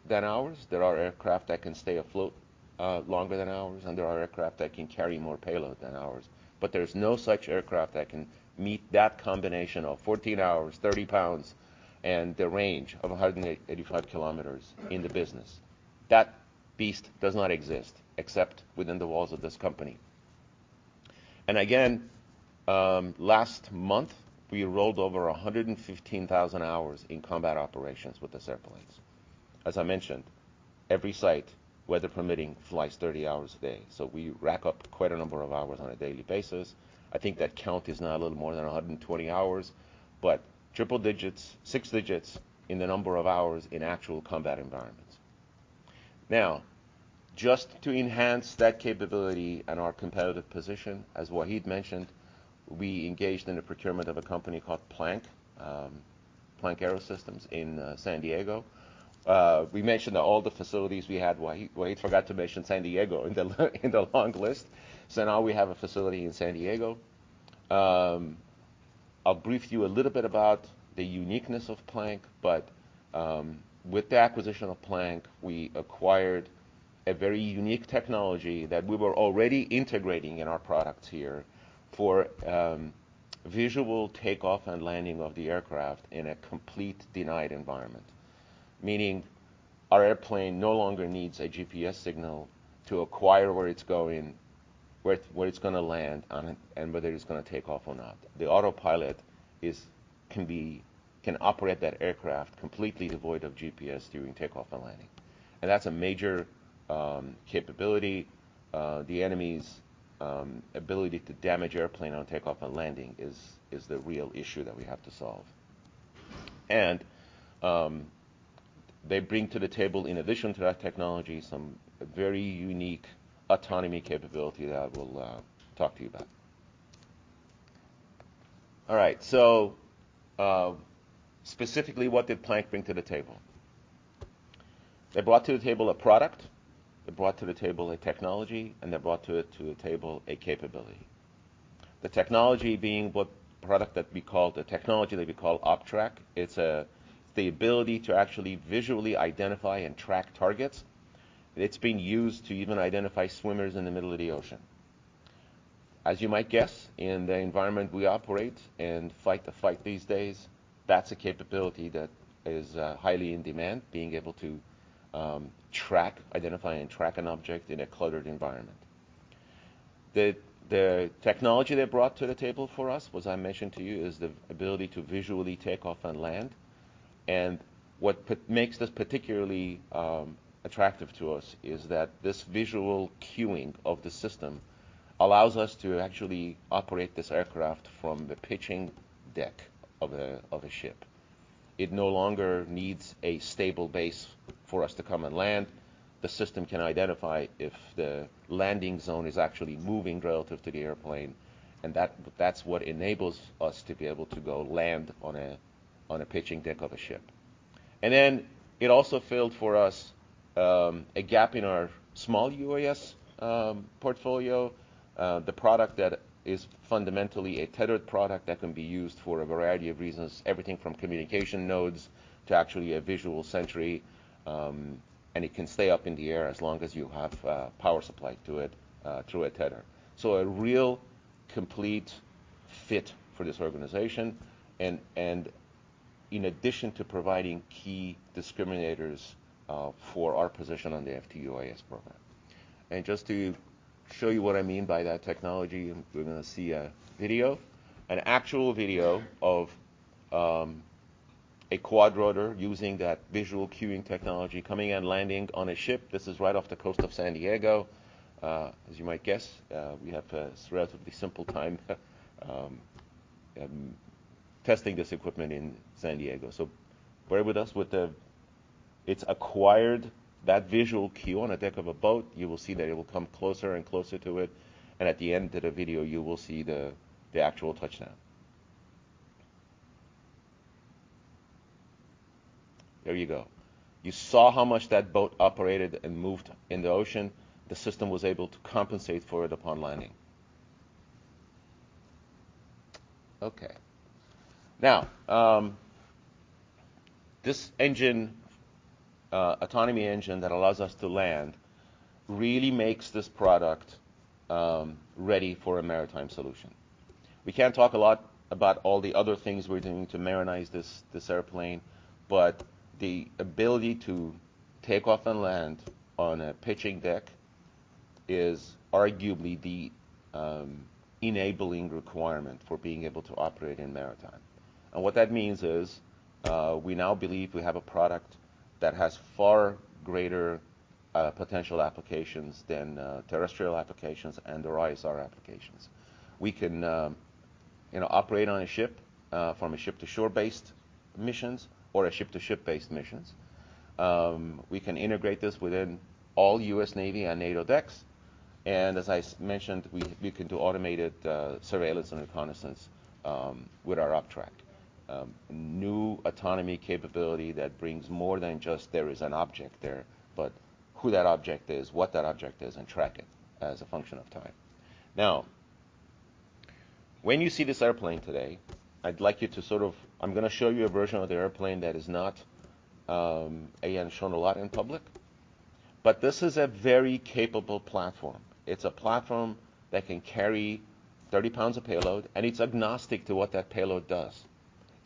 than ours. There are aircraft that can stay afloat longer than ours, and there are aircraft that can carry more payload than ours. There's no such aircraft that can meet that combination of 14 hours, 30 lbs and the range of 185 km in the business. That beast does not exist except within the walls of this company. Again, last month we rolled over 115,000 hours in combat operations with these airplanes. As I mentioned, every site, weather permitting, flies 30 hours a day, so we rack up quite a number of hours on a daily basis. I think that count is now a little more than 120,000 hours, but triple digits, six digits in the number of hours in actual combat environments. Now, just to enhance that capability and our competitive position, as Wahid mentioned, we engaged in the procurement of a company called Planck Aerosystems in San Diego. We mentioned all the facilities we had. Wahid forgot to mention San Diego in the long list. Now we have a facility in San Diego. I'll brief you a little bit about the uniqueness of Planck, but with the acquisition of Planck, we acquired a very unique technology that we were already integrating in our products here for visual takeoff and landing of the aircraft in a complete denied environment, meaning our airplane no longer needs a GPS signal to acquire where it's going, where it's gonna land on, and whether it's gonna take off or not. The autopilot can operate that aircraft completely devoid of GPS during takeoff and landing, and that's a major capability. The enemy's ability to damage the airplane on takeoff and landing is the real issue that we have to solve. They bring to the table, in addition to that technology, some very unique autonomy capability that I will talk to you about. All right. Specifically what did Planck bring to the table? They brought to the table a product, they brought to the table a technology, and they brought to the table a capability. The technology being the technology that we call OpTrack. It's the ability to actually visually identify and track targets. It's being used to even identify swimmers in the middle of the ocean. As you might guess, in the environment we operate and fight the fight these days, that's a capability that is highly in demand, being able to track, identify and track an object in a cluttered environment. The technology they brought to the table for us, as I mentioned to you, is the ability to visually take off and land, and what makes this particularly attractive to us is that this visual cueing of the system allows us to actually operate this aircraft from the pitching deck of a ship. It no longer needs a stable base for us to come and land. The system can identify if the landing zone is actually moving relative to the airplane, and that's what enables us to be able to go land on a pitching deck of a ship. It also filled for us a gap in our small UAS portfolio. The product that is fundamentally a tethered product that can be used for a variety of reasons, everything from communication nodes to actually a visual sentry, and it can stay up in the air as long as you have power supply to it through a tether. A real complete fit for this organization and in addition to providing key discriminators for our position on the FTUAS program. Just to show you what I mean by that technology, we're gonna see a video, an actual video of a quadrotor using that visual cueing technology coming and landing on a ship. This is right off the coast of San Diego. As you might guess, we have a relatively simple time testing this equipment in San Diego. Bear with us with the. It's acquired that visual cue on a deck of a boat. You will see that it will come closer and closer to it, and at the end of the video you will see the actual touchdown. There you go. You saw how much that boat operated and moved in the ocean. The system was able to compensate for it upon landing. Okay. Now, this autonomy engine that allows us to land really makes this product ready for a maritime solution. We can't talk a lot about all the other things we're doing to marinize this airplane, but the ability to take off and land on a pitching deck is arguably the enabling requirement for being able to operate in maritime. What that means is, we now believe we have a product that has far greater potential applications than terrestrial applications and the ISR applications. We can, you know, operate on a ship, from a ship-to-shore based missions or a ship-to-ship based missions. We can integrate this within all U.S. Navy and NATO decks, and as I mentioned, we can do automated surveillance and reconnaissance with our OpTrack. New autonomy capability that brings more than just there is an object there, but who that object is, what that object is, and track it as a function of time. Now, when you see this airplane today, I'd like you to sort of. I'm gonna show you a version of the airplane that is not yet shown a lot in public, but this is a very capable platform. It's a platform that can carry 30 lbs of payload, and it's agnostic to what that payload does.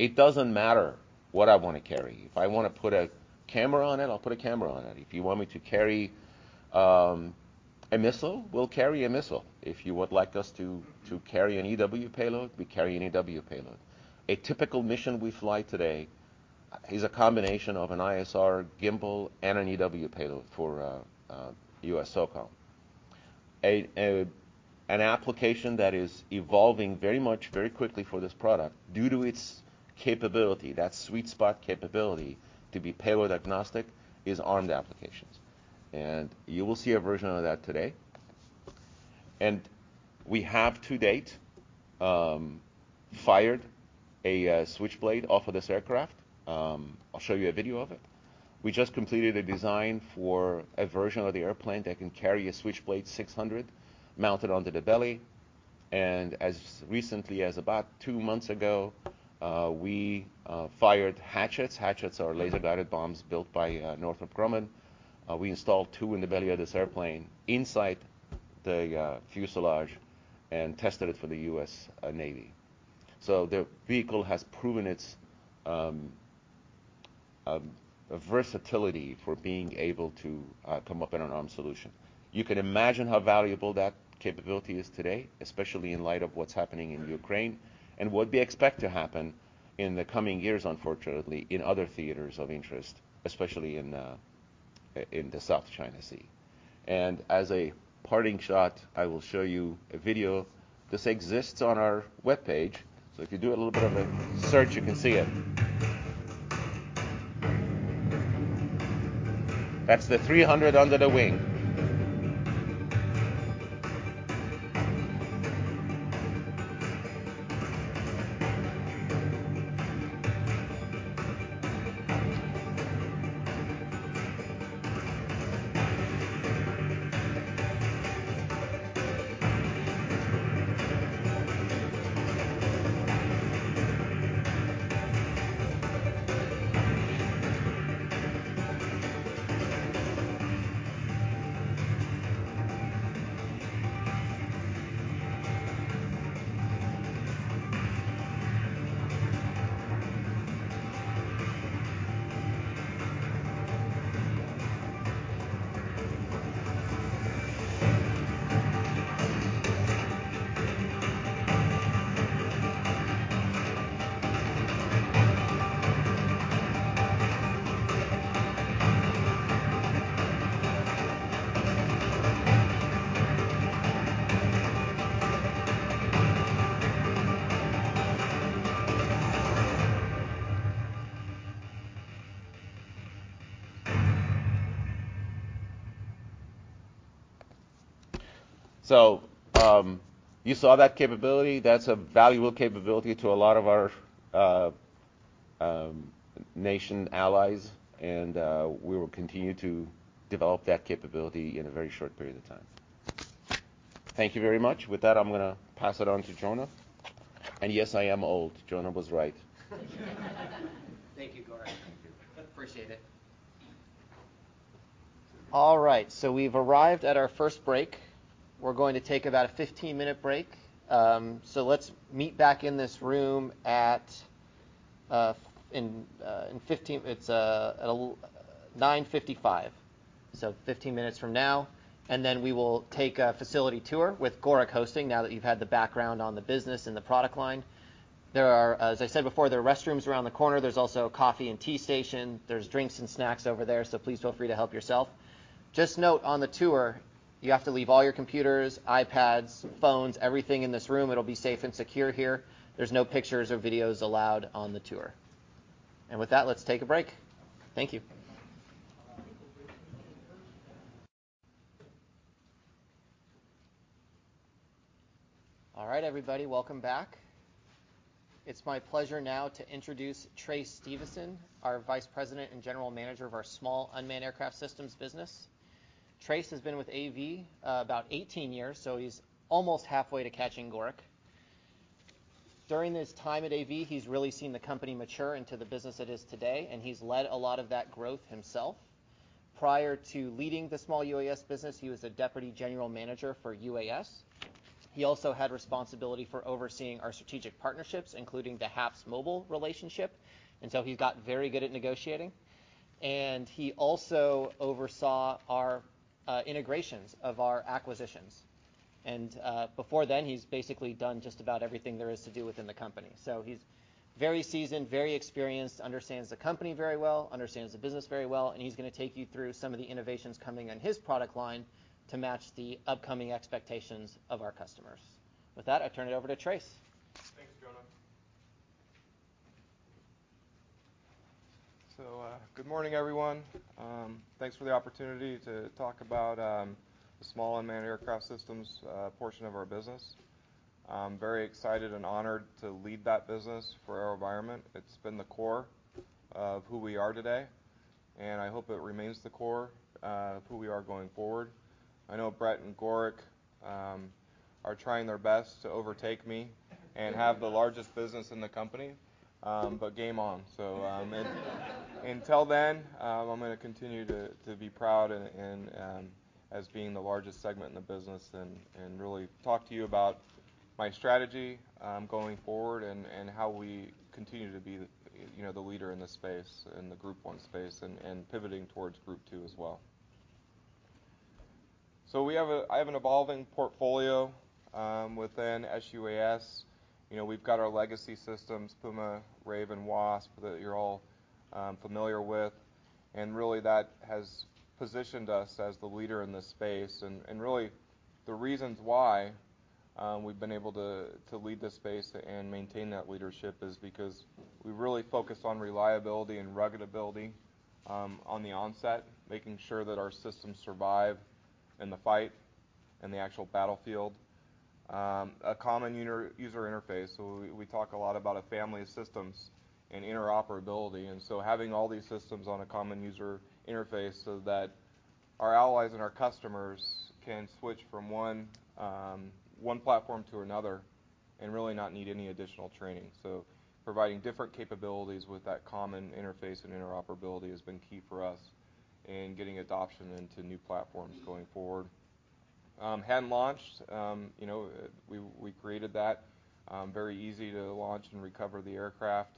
It doesn't matter what I wanna carry. If I wanna put a camera on it, I'll put a camera on it. If you want me to carry a missile, we'll carry a missile. If you would like us to carry an EW payload, we carry an EW payload. A typical mission we fly today is a combination of an ISR gimbal and an EW payload for U.S. SOCOM. An application that is evolving very quickly for this product due to its capability, that sweet spot capability to be payload agnostic, is armed applications, and you will see a version of that today. We have to date fired a Switchblade off of this aircraft. I'll show you a video of it. We just completed a design for a version of the airplane that can carry a Switchblade 600 mounted onto the belly, and as recently as about two months ago, we fired Hatchets. Hatchets are laser guided bombs built by Northrop Grumman. We installed two in the belly of this airplane inside the fuselage and tested it for the U.S. Navy. The vehicle has proven its versatility for being able to come up in an armed solution. You can imagine how valuable that capability is today, especially in light of what's happening in Ukraine and what we expect to happen in the coming years, unfortunately, in other theaters of interest, especially in the South China Sea. As a parting shot, I will show you a video. This exists on our webpage, so if you do a little bit of a search you can see it. That's the 300 under the wing. You saw that capability. That's a valuable capability to a lot of our nation allies, and we will continue to develop that capability in a very short period of time. Thank you very much. With that, I'm gonna pass it on to Jonah. Yes, I am old. Jonah was right. Thank you, Gorik. Thank you. Appreciate it. All right. We've arrived at our first break. We're going to take about a 15-minute break. Let's meet back in this room at 9:55, so 15 minutes from now, and then we will take a facility tour with Gorik hosting now that you've had the background on the business and the product line. There are, as I said before, restrooms around the corner. There's also a coffee and tea station. There's drinks and snacks over there, so please feel free to help yourself. Just note on the tour, you have to leave all your computers, iPads, phones, everything in this room. It'll be safe and secure here. There's no pictures or videos allowed on the tour. With that, let's take a break. Thank you. All right, everybody. Welcome back. It's my pleasure now to introduce Trace Stevenson, our Vice President and General Manager of our small unmanned aircraft systems business. Trace has been with AV about 18 years, so he's almost halfway to catching Gorik. During his time at AV, he's really seen the company mature into the business it is today, and he's led a lot of that growth himself. Prior to leading the small UAS business, he was a deputy general manager for UAS. He also had responsibility for overseeing our strategic partnerships, including the HAPSMobile relationship, and so he got very good at negotiating. He also oversaw our integrations of our acquisitions. Before then, he's basically done just about everything there is to do within the company. He's very seasoned, very experienced, understands the company very well, understands the business very well, and he's gonna take you through some of the innovations coming in his product line to match the upcoming expectations of our customers. With that, I turn it over to Trace. Thanks, Jonah. Good morning, everyone. Thanks for the opportunity to talk about the small unmanned aircraft systems portion of our business. I'm very excited and honored to lead that business for AeroVironment. It's been the core of who we are today, and I hope it remains the core of who we are going forward. I know Brett and Gorik are trying their best to overtake me and have the largest business in the company, but game on. Until then, I'm gonna continue to be proud and as being the largest segment in the business and really talk to you about my strategy going forward and how we continue to be the, you know, the leader in this space, in the Group One space, and pivoting towards Group Two as well. I have an evolving portfolio within SUAS. You know, we've got our legacy systems, Puma, Raven, Wasp, that you're all familiar with, and really that has positioned us as the leader in this space. Really the reasons why we've been able to lead this space and maintain that leadership is because we really focus on reliability and rugged ability on the onset, making sure that our systems survive in the fight, in the actual battlefield. A common user interface. We talk a lot about a family of systems and interoperability, and having all these systems on a common user interface so that our allies and our customers can switch from one platform to another and really not need any additional training. Providing different capabilities with that common interface and interoperability has been key for us in getting adoption into new platforms going forward. Hand launch, you know, we created that. Very easy to launch and recover the aircraft.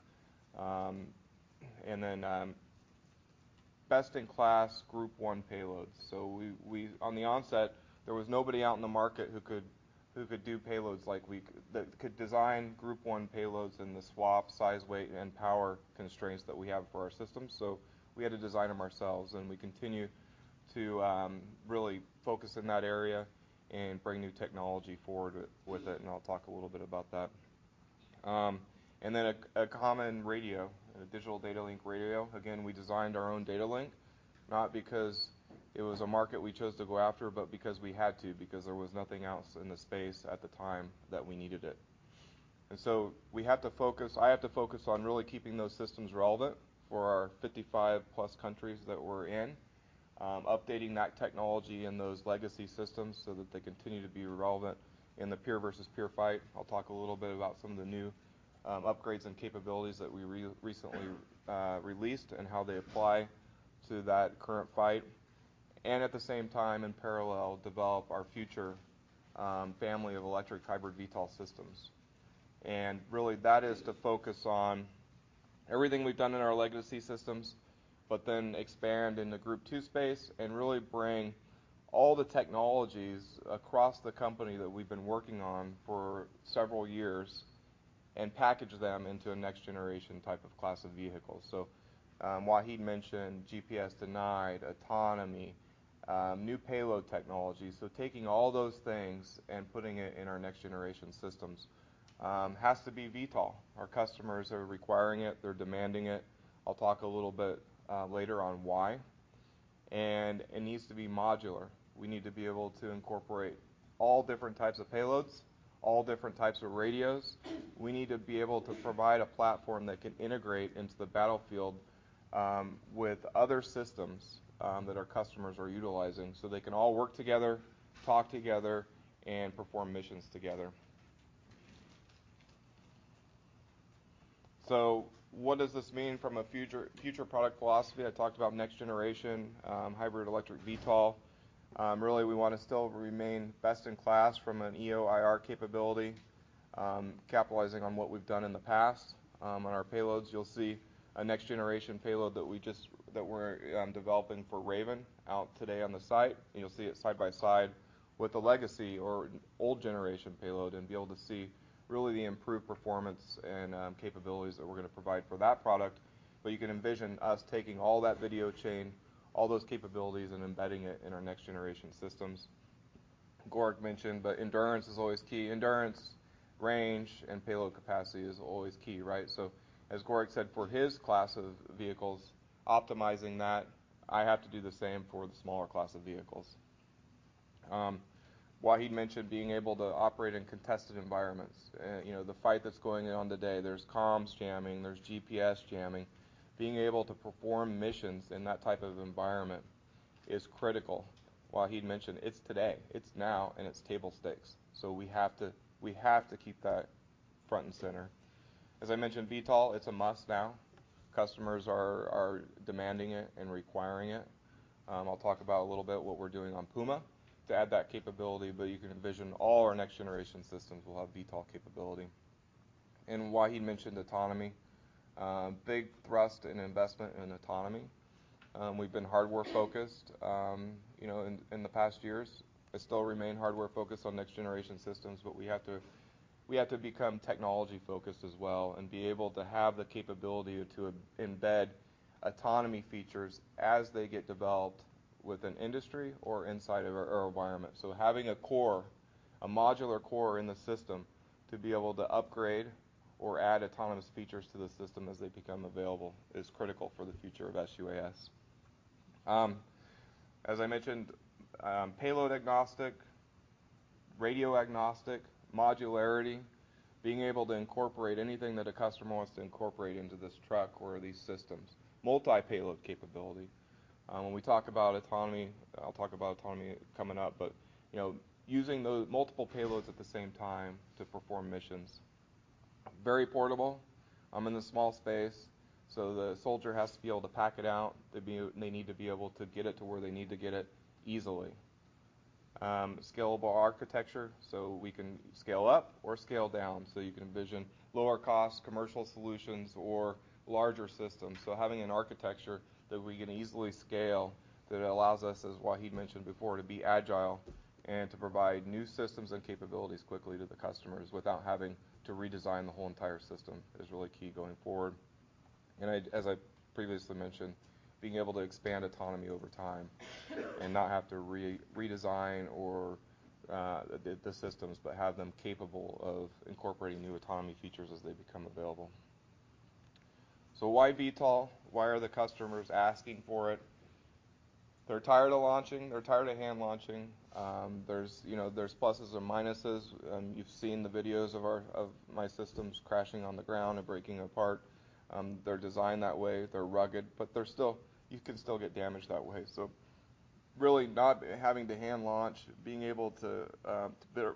Best-in-class Group One payloads. At the onset, there was nobody out in the market who could do payloads like we could, that could design Group One payloads in the swap, size, weight, and power constraints that we have for our system. We had to design them ourselves, and we continue to really focus in that area and bring new technology forward with it, and I'll talk a little bit about that. A common radio, a digital data link radio. Again, we designed our own data link, not because it was a market we chose to go after, but because we had to, because there was nothing else in the space at the time that we needed it. I have to focus on really keeping those systems relevant for our 55+ countries that we're in, updating that technology and those legacy systems so that they continue to be relevant in the peer versus peer fight. I'll talk a little bit about some of the new upgrades and capabilities that we recently released and how they apply to that current fight. At the same time, in parallel, develop our future family of electric hybrid VTOL systems. Really, that is to focus on everything we've done in our legacy systems, but then expand in the Group Two space and really bring all the technologies across the company that we've been working on for several years and package them into a next generation type of class of vehicles. Wahid mentioned GPS-denied, autonomy, new payload technology. Taking all those things and putting it in our next generation systems has to be VTOL. Our customers are requiring it. They're demanding it. I'll talk a little bit later on why. It needs to be modular. We need to be able to incorporate all different types of payloads, all different types of radios. We need to be able to provide a platform that can integrate into the battlefield with other systems that our customers are utilizing, so they can all work together, talk together, and perform missions together. What does this mean from a future product philosophy? I talked about next generation hybrid electric VTOL. Really we wanna still remain best in class from an EO/IR capability, capitalizing on what we've done in the past. On our payloads, you'll see a next generation payload that we're developing for Raven out today on the site. You'll see it side by side with the legacy or old generation payload and be able to see really the improved performance and capabilities that we're gonna provide for that product. You can envision us taking all that video chain, all those capabilities, and embedding it in our next generation systems. Gorik mentioned that endurance is always key. Endurance, range, and payload capacity is always key, right? As Gorik said for his class of vehicles, optimizing that, I have to do the same for the smaller class of vehicles. Wahid mentioned being able to operate in contested environments. You know, the fight that's going on today, there's comms jamming, there's GPS jamming. Being able to perform missions in that type of environment is critical. Wahid mentioned it's today, it's now, and it's table stakes, so we have to keep that front and center. As I mentioned, VTOL, it's a must now. Customers are demanding it and requiring it. I'll talk about a little bit what we're doing on Puma to add that capability, but you can envision all our next generation systems will have VTOL capability. Wahid mentioned autonomy. Big thrust and investment in autonomy. We've been hardware focused, you know, in the past years, but still remain hardware focused on next generation systems. We have to become technology focused as well and be able to have the capability to embed autonomy features as they get developed with an industry or inside of our environment. Having a core, a modular core in the system to be able to upgrade or add autonomous features to the system as they become available is critical for the future of SUAS. As I mentioned, payload agnostic, radio agnostic, modularity, being able to incorporate anything that a customer wants to incorporate into this truck or these systems. Multi-payload capability. When we talk about autonomy, I'll talk about autonomy coming up, but, you know, using multiple payloads at the same time to perform missions. Very portable, in the small space, so the soldier has to be able to pack it out, they need to be able to get it to where they need to get it easily. Scalable architecture, so we can scale up or scale down. You can envision lower cost commercial solutions or larger systems. Having an architecture that we can easily scale that allows us, as Wahid mentioned before, to be agile and to provide new systems and capabilities quickly to the customers without having to redesign the whole entire system is really key going forward. I, as I previously mentioned, being able to expand autonomy over time and not have to redesign or the systems, but have them capable of incorporating new autonomy features as they become available. Why VTOL? Why are the customers asking for it? They're tired of launching. They're tired of hand launching. There's pluses and minuses, and you've seen the videos of our systems crashing on the ground and breaking apart. They're designed that way. They're rugged, but you can still get damaged that way. Really not having to hand launch, being able to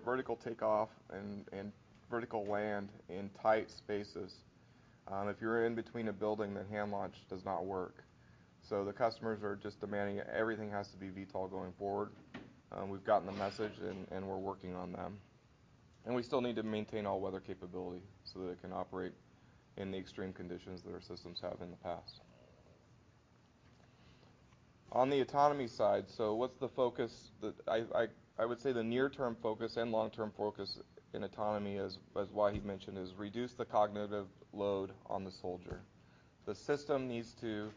vertical take off and vertical land in tight spaces. If you're in between a building, the hand launch does not work. The customers are just demanding everything has to be VTOL going forward. We've gotten the message and we're working on them. We still need to maintain all-weather capability so that it can operate in the extreme conditions that our systems have in the past. On the autonomy side, what's the focus that I would say the near-term focus and long-term focus in autonomy as Wahid mentioned, is reduce the cognitive load on the soldier. The system needs to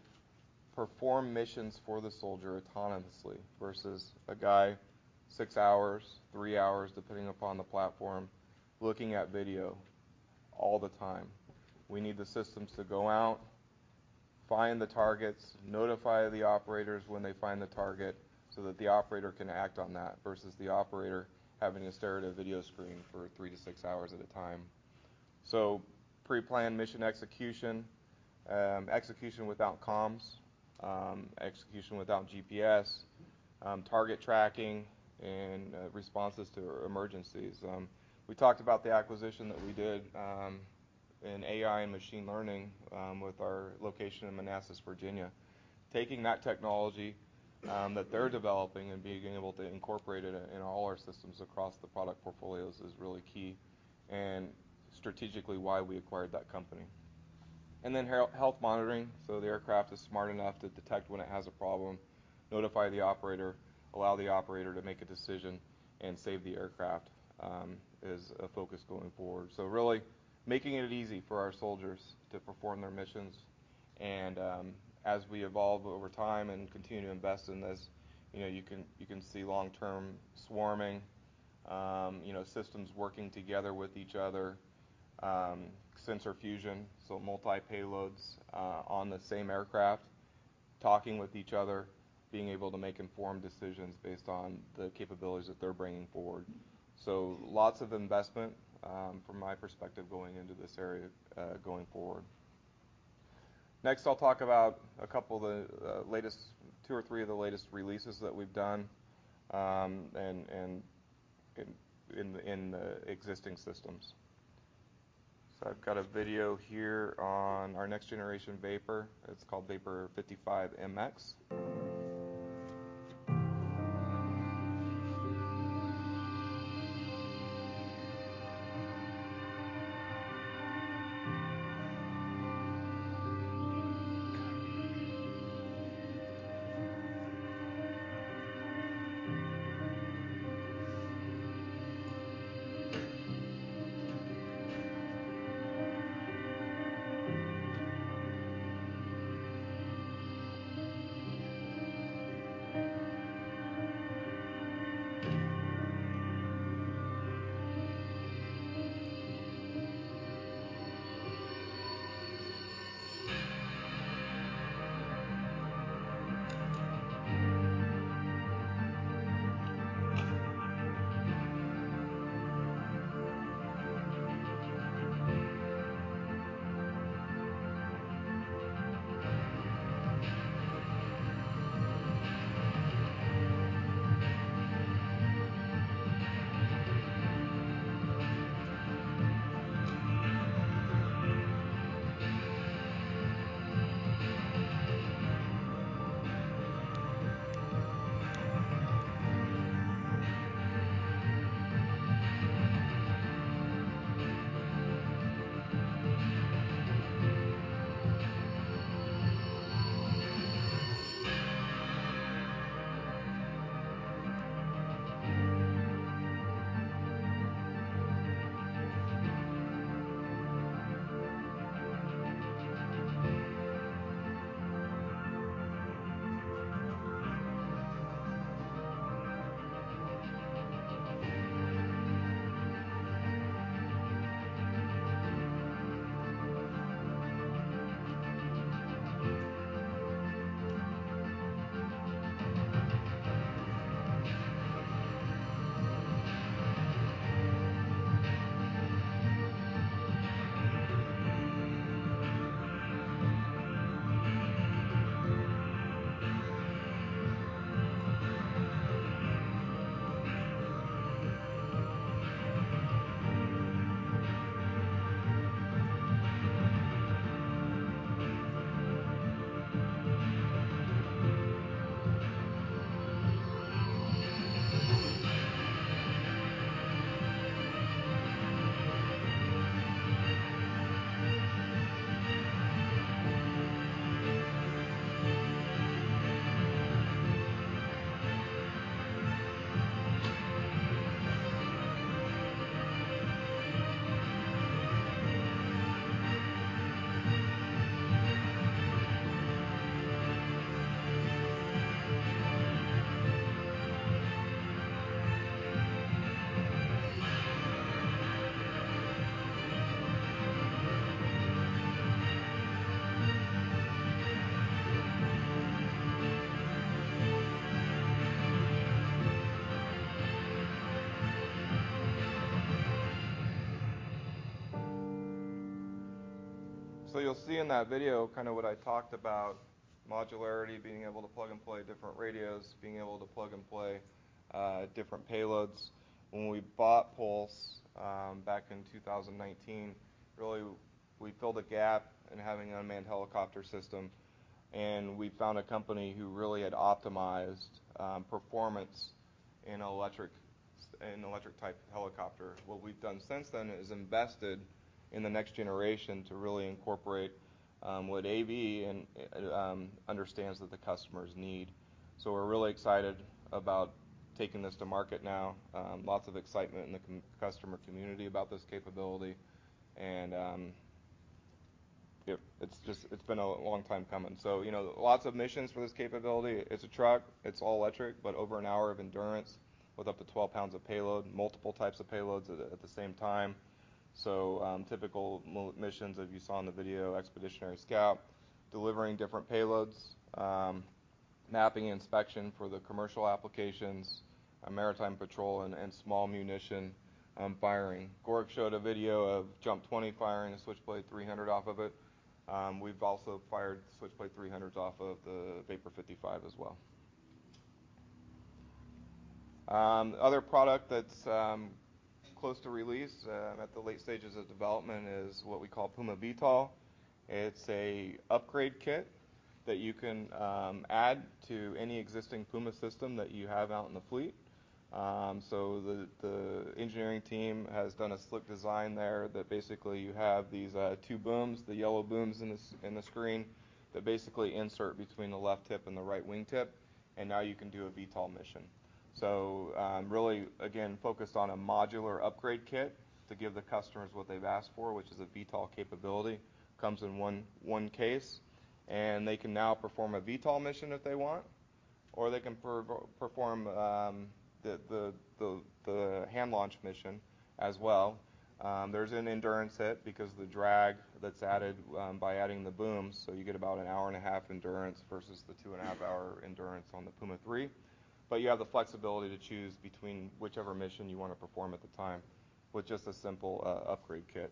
perform missions for the soldier autonomously versus a guy six hours, three hours, depending upon the platform, looking at video all the time. We need the systems to go out, find the targets, notify the operators when they find the target so that the operator can act on that versus the operator having to stare at a video screen for three to six hours at a time. Pre-planned mission execution without comms, execution without GPS, target tracking and responses to emergencies. We talked about the acquisition that we did in AI and machine learning with our location in Manassas, Virginia. Taking that technology that they're developing and being able to incorporate it in all our systems across the product portfolios is really key and strategically why we acquired that company. Health monitoring, so the aircraft is smart enough to detect when it has a problem, notify the operator, allow the operator to make a decision, and save the aircraft, is a focus going forward. Really making it easy for our soldiers to perform their missions. As we evolve over time and continue to invest in this, you know, you can see long-term swarming, you know, systems working together with each other, sensor fusion, so multi-payloads on the same aircraft talking with each other, being able to make informed decisions based on the capabilities that they're bringing forward. Lots of investment, from my perspective, going into this area, going forward. Next, I'll talk about a couple of the latest two or three releases that we've done, and in the existing systems. I've got a video here on our next generation VAPOR. It's called VAPOR 55 MX. You'll see in that video kind of what I talked about, modularity, being able to plug and play different radios, being able to plug and play different payloads. When we bought Pulse back in 2019, really we filled a gap in having an unmanned helicopter system, and we found a company who really had optimized performance in electric-type helicopter. What we've done since then is invested in the next generation to really incorporate what AV understands that the customers need. We're really excited about taking this to market now. Lots of excitement in the customer community about this capability and it's just it's been a long time coming. You know, lots of missions for this capability. It's a truck, it's all electric, but over an hour of endurance with up to 12 lbs of payload, multiple types of payloads at the same time. Typical missions, as you saw in the video, expeditionary scout, delivering different payloads, mapping inspection for the commercial applications, a maritime patrol, and small munition firing. Gorik showed a video of JUMP 20 firing a Switchblade 300 off of it. We've also fired Switch blade 300s off of the VAPOR 55 as well. Other product that's close to release at the late stages of development is what we call Puma VTOL. It's an upgrade kit that you can add to any existing Puma system that you have out in the fleet. The engineering team has done a slick design there that basically you have these two booms, the yellow booms in the screen, that basically insert between the left tip and the right wing tip, and now you can do a VTOL mission. Really, again, focused on a modular upgrade kit to give the customers what they've asked for, which is a VTOL capability. Comes in one case, and they can now perform a VTOL mission if they want, or they can perform the hand launch mission as well. There's an endurance hit because the drag that's added by adding the booms, so you get about 1.5-hour endurance versus the 2.5-hour endurance on the Puma 3. You have the flexibility to choose between whichever mission you wanna perform at the time with just a simple upgrade kit.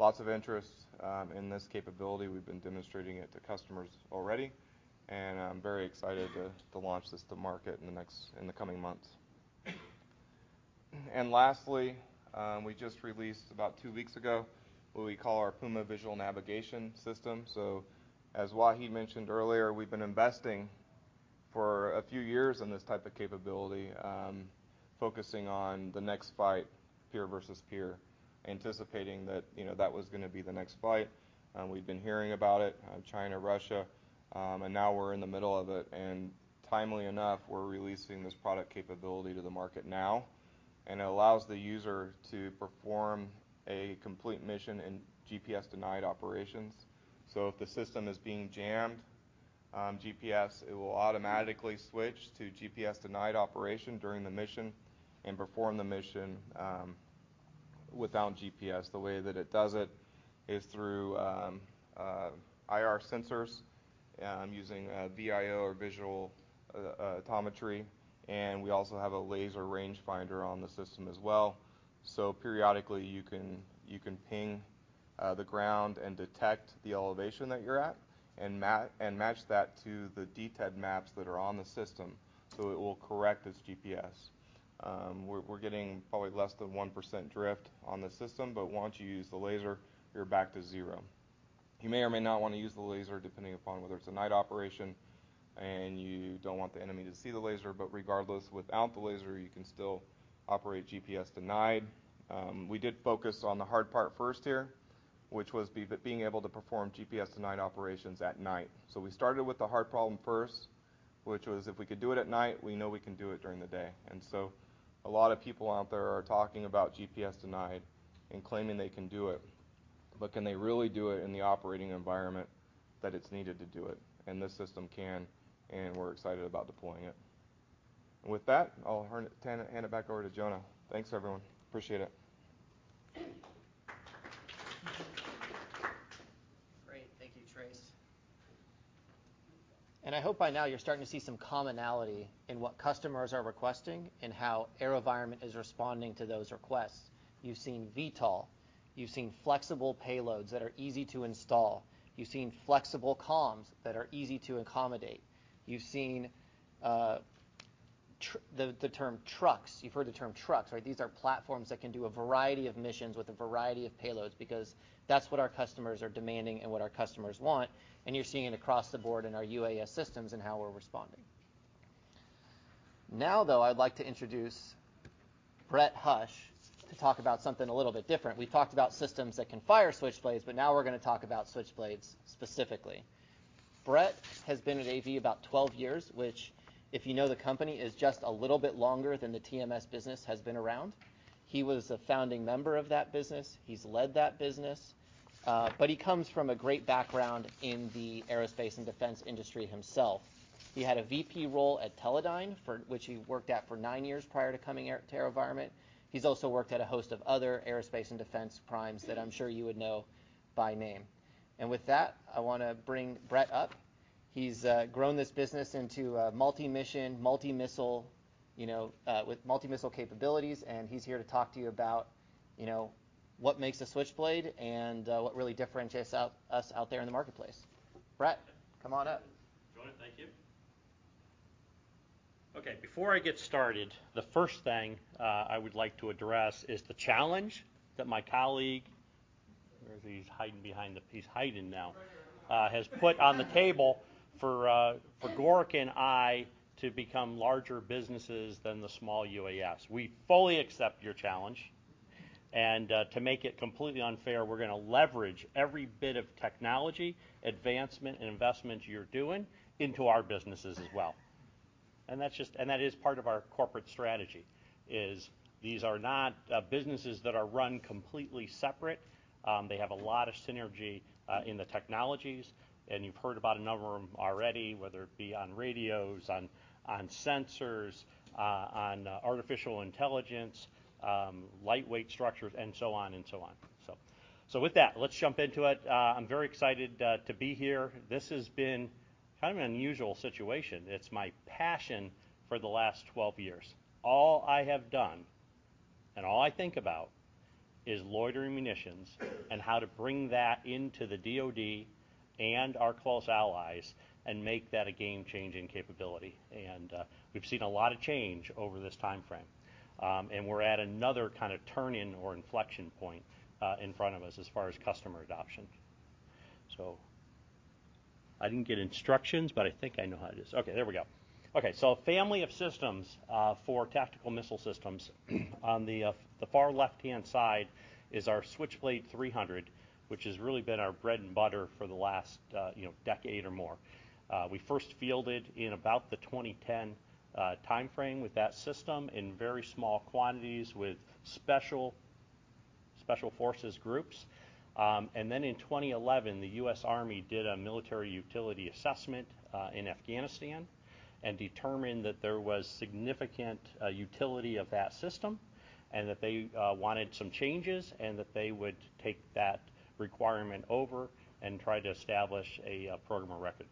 Lots of interest in this capability. We've been demonstrating it to customers already, and I'm very excited to launch this to market in the coming months. Lastly, we just released about two weeks ago what we call our Puma Visual Navigation System. As Wahid mentioned earlier, we've been investing for a few years in this type of capability, focusing on the next fight, peer versus peer, anticipating that, you know, that was gonna be the next fight. We've been hearing about it, China, Russia, and now we're in the middle of it. Timely enough, we're releasing this product capability to the market now, and it allows the user to perform a complete mission in GPS denied operations. If the system is being jammed GPS, it will automatically switch to GPS denied operation during the mission and perform the mission without GPS. The way that it does it is through IR sensors, using VIO or visual odometry, and we also have a laser range finder on the system as well. Periodically you can ping the ground and detect the elevation that you're at and match that to the DTED maps that are on the system, so it will correct its GPS. We're getting probably less than 1% drift on the system, but once you use the laser, you're back to zero. You may or may not wanna use the laser, depending upon whether it's a night operation and you don't want the enemy to see the laser, but regardless, without the laser, you can still operate GPS-denied. We did focus on the hard part first here, which was being able to perform GPS-denied operations at night. We started with the hard problem first, which was if we could do it at night, we know we can do it during the day. A lot of people out there are talking about GPS-denied and claiming they can do it. Can they really do it in the operating environment that it's needed to do it? This system can, and we're excited about deploying it. With that, I'll hand it back over to Jonah. Thanks everyone. Appreciate it. Great. Thank you, Trace. I hope by now you're starting to see some commonality in what customers are requesting and how AeroVironment is responding to those requests. You've seen VTOL, you've seen flexible payloads that are easy to install. You've seen flexible comms that are easy to accommodate. You've seen the term trucks. You've heard the term trucks, right? These are platforms that can do a variety of missions with a variety of payloads because that's what our customers are demanding and what our customers want, and you're seeing it across the board in our UAS systems and how we're responding. Now, though, I'd like to introduce Brett Hush to talk about something a little bit different. We've talked about systems that can fire Switchblades, but now we're gonna talk about Switchblades specifically. Brett has been at AV about 12 years, which, if you know the company, is just a little bit longer than the TMS business has been around. He was a founding member of that business. He's led that business. He comes from a great background in the aerospace and defense industry himself. He had a VP role at Teledyne, for which he worked at for nine years prior to coming here to AeroVironment. He's also worked at a host of other aerospace and defense primes that I'm sure you would know by name. With that, I wanna bring Brett up. He's grown this business into a multi-mission, multi-missile, you know, with multi-missile capabilities, and he's here to talk to you about, you know, what makes a Switchblade and what really differentiates us out there in the marketplace. Brett, come on up. Jonah, thank you. Okay, before I get started, the first thing I would like to address is the challenge that my colleague, where is he? He's hiding now. Right here. I'm right here. Has put on the table for Gorik and I to become larger businesses than the small UAS. We fully accept your challenge. To make it completely unfair, we're gonna leverage every bit of technology, advancement, and investment you're doing into our businesses as well. That is part of our corporate strategy. These are not businesses that are run completely separate. They have a lot of synergy in the technologies, and you've heard about a number of them already, whether it be on radios, on sensors, on artificial intelligence, lightweight structures, and so on and so on. With that, let's jump into it. I'm very excited to be here. This has been kind of an unusual situation. It's my passion for the last 12 years. All I have done and all I think about is loitering munitions and how to bring that into the DoD and our close allies and make that a game-changing capability. We've seen a lot of change over this time frame. We're at another kind of turn in or inflection point in front of us as far as customer adoption. I didn't get instructions, but I think I know how it is. Okay, there we go. Okay, family of systems for tactical missile systems. On the far left-hand side is our Switchblade 300, which has really been our bread and butter for the last decade or more. We first fielded in about the 2010 time frame with that system in very small quantities with special forces groups. Then in 2011, the U.S. Army did a military utility assessment in Afghanistan and determined that there was significant utility of that system and that they wanted some changes and that they would take that requirement over and try to establish a program of record.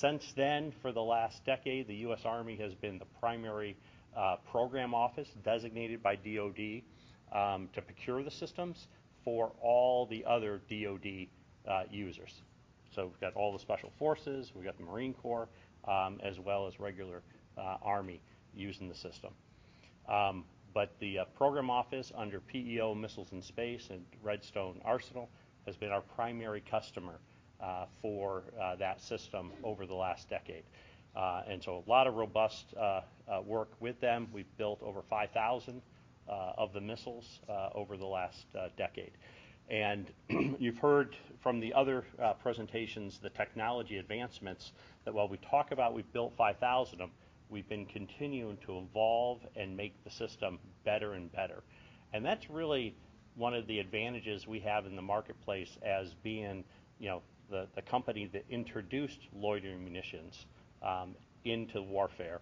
Since then, for the last decade, the U.S. Army has been the primary program office designated by DoD to procure the systems for all the other DoD users. We've got all the special forces, we've got the Marine Corps, as well as regular Army using the system. The program office under PEO Missiles and Space and Redstone Arsenal has been our primary customer for that system over the last decade. A lot of robust work with them. We've built over 5,000 of the missiles over the last decade. You've heard from the other presentations the technology advancements that while we talk about we've built 5,000 of them, we've been continuing to evolve and make the system better and better. That's really one of the advantages we have in the marketplace as being the company that introduced loitering munitions into warfare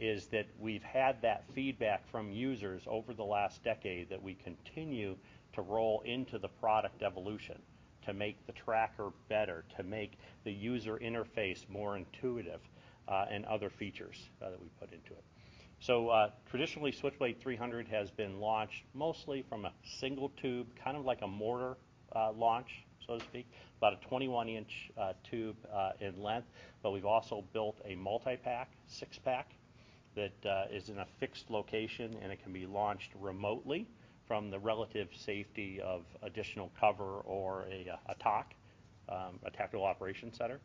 is that we've had that feedback from users over the last decade that we continue to roll into the product evolution to make the tracker better, to make the user interface more intuitive and other features that we put into it. Traditionally, Switchblade 300 has been launched mostly from a single tube, kind of like a mortar launch, so to speak, about a 21 in tube in length. We've also built a multi-pack, six-pack, that is in a fixed location and it can be launched remotely from the relative safety of additional cover or a TOC, a tactical operations center.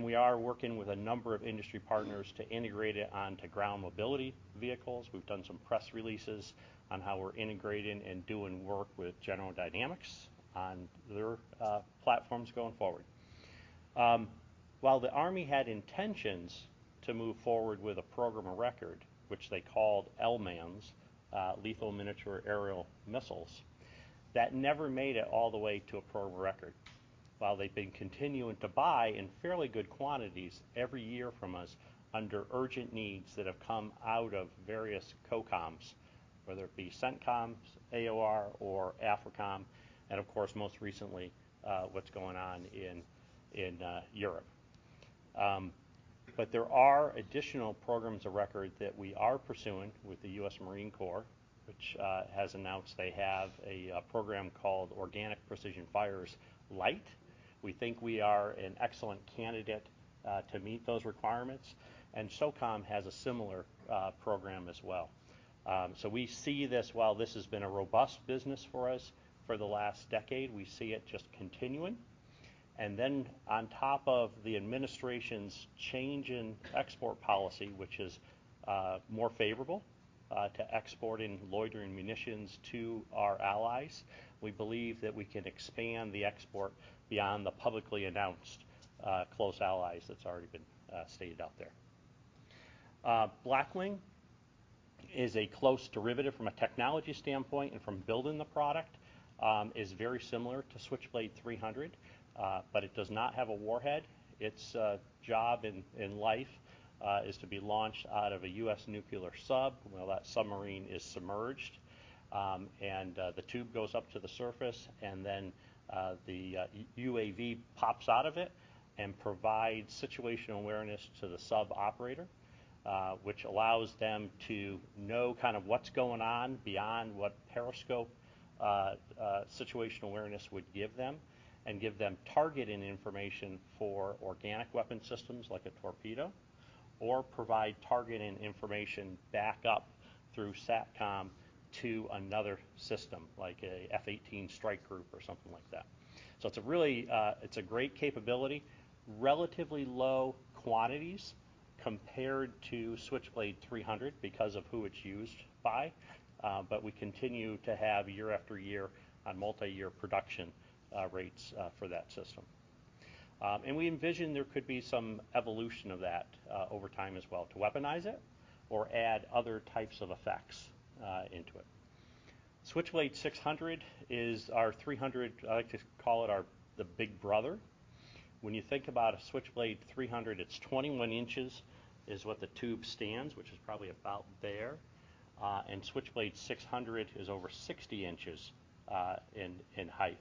We are working with a number of industry partners to integrate it onto ground mobility vehicles. We've done some press releases on how we're integrating and doing work with General Dynamics on their platforms going forward. While the Army had intentions to move forward with a program of record, which they called LMAMS, Lethal Miniature Aerial Missiles, that never made it all the way to a program of record. While they've been continuing to buy in fairly good quantities every year from us under urgent needs that have come out of various COCOMs, whether it be CENTCOM's AOR or AFRICOM, and of course, most recently, what's going on in Europe. There are additional programs of record that we are pursuing with the U.S. Marine Corps, which has announced they have a program called Organic Precision Fires-Light. We think we are an excellent candidate to meet those requirements. SOCOM has a similar program as well. We see this, while this has been a robust business for us for the last decade, we see it just continuing. Then on top of the administration's change in export policy, which is more favorable to exporting loitering munitions to our allies, we believe that we can expand the export beyond the publicly announced close allies that's already been stated out there. Blackwing is a close derivative from a technology standpoint and from building the product is very similar to Switchblade 300, but it does not have a warhead. Its job in life is to be launched out of a U.S. nuclear sub while that submarine is submerged. The tube goes up to the surface and then the UAV pops out of it and provides situational awareness to the sub operator, which allows them to know kind of what's going on beyond what periscope situational awareness would give them and give them targeting information for organic weapon systems like a torpedo or provide targeting information back up through SATCOM to another system like a F/A-18 strike group or something like that. It's a really great capability, relatively low quantities compared to Switchblade 300 because of who it's used by. We continue to have year after year on multi-year production rates for that system. We envision there could be some evolution of that over time as well to weaponize it or add other types of effects into it. Switchblade 600 is our 300. I like to call it our, the big brother. When you think about a Switchblade 300, it's 21 in is what the tube stands, which is probably about there. Switchblade 600 is over 60 in in height.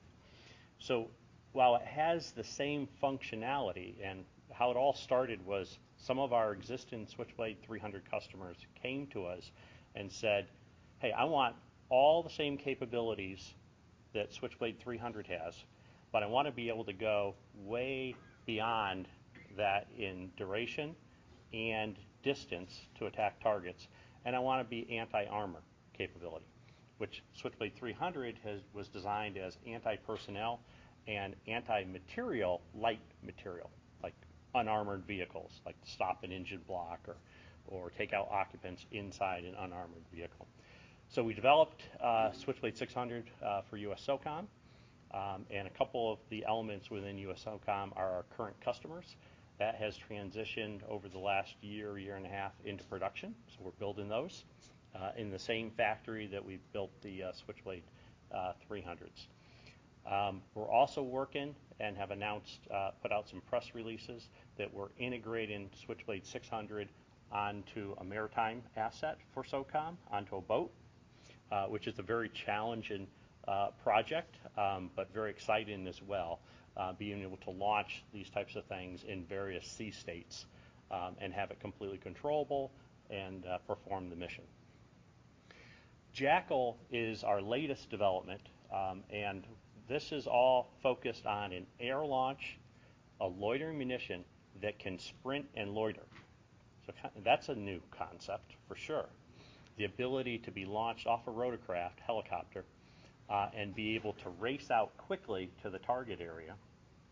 While it has the same functionality, how it all started was some of our existing Switchblade 300 customers came to us and said, "Hey, I want all the same capabilities that Switchblade 300 has, but I want to be able to go way beyond that in duration and distance to attack targets. I want to be anti-armor capability, which Switchblade 300 has, was designed as anti-personnel and anti-material, light material, like unarmored vehicles, like stop an engine block or take out occupants inside an unarmored vehicle. We developed Switchblade 600 for USSOCOM, and a couple of the elements within USSOCOM are our current customers. That has transitioned over the last year and a half into production. We're building those in the same factory that we built the Switchblade 300s. We're also working and have announced, put out some press releases that we're integrating Switchblade 600 onto a maritime asset for SOCOM, onto a boat, which is a very challenging project, but very exciting as well, being able to launch these types of things in various sea states, and have it completely controllable and perform the mission. Jackal is our latest development, and this is all focused on an air launch, a loitering munition that can sprint and loiter. That's a new concept for sure. The ability to be launched off a rotorcraft helicopter, and be able to race out quickly to the target area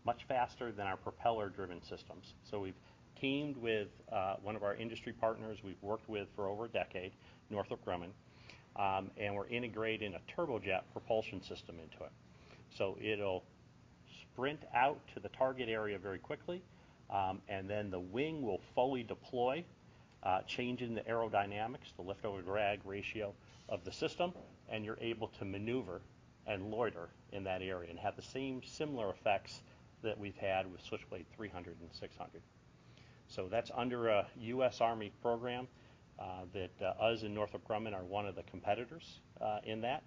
much faster than our propeller-driven systems. We've teamed with one of our industry partners we've worked with for over a decade, Northrop Grumman, and we're integrating a turbojet propulsion system into it. It'll sprint out to the target area very quickly, and then the wing will fully deploy, changing the aerodynamics, the lift over drag ratio of the system, and you're able to maneuver and loiter in that area and have the same similar effects that we've had with Switchblade 300 and 600. That's under a U.S. Army program that us and Northrop Grumman are one of the competitors in that.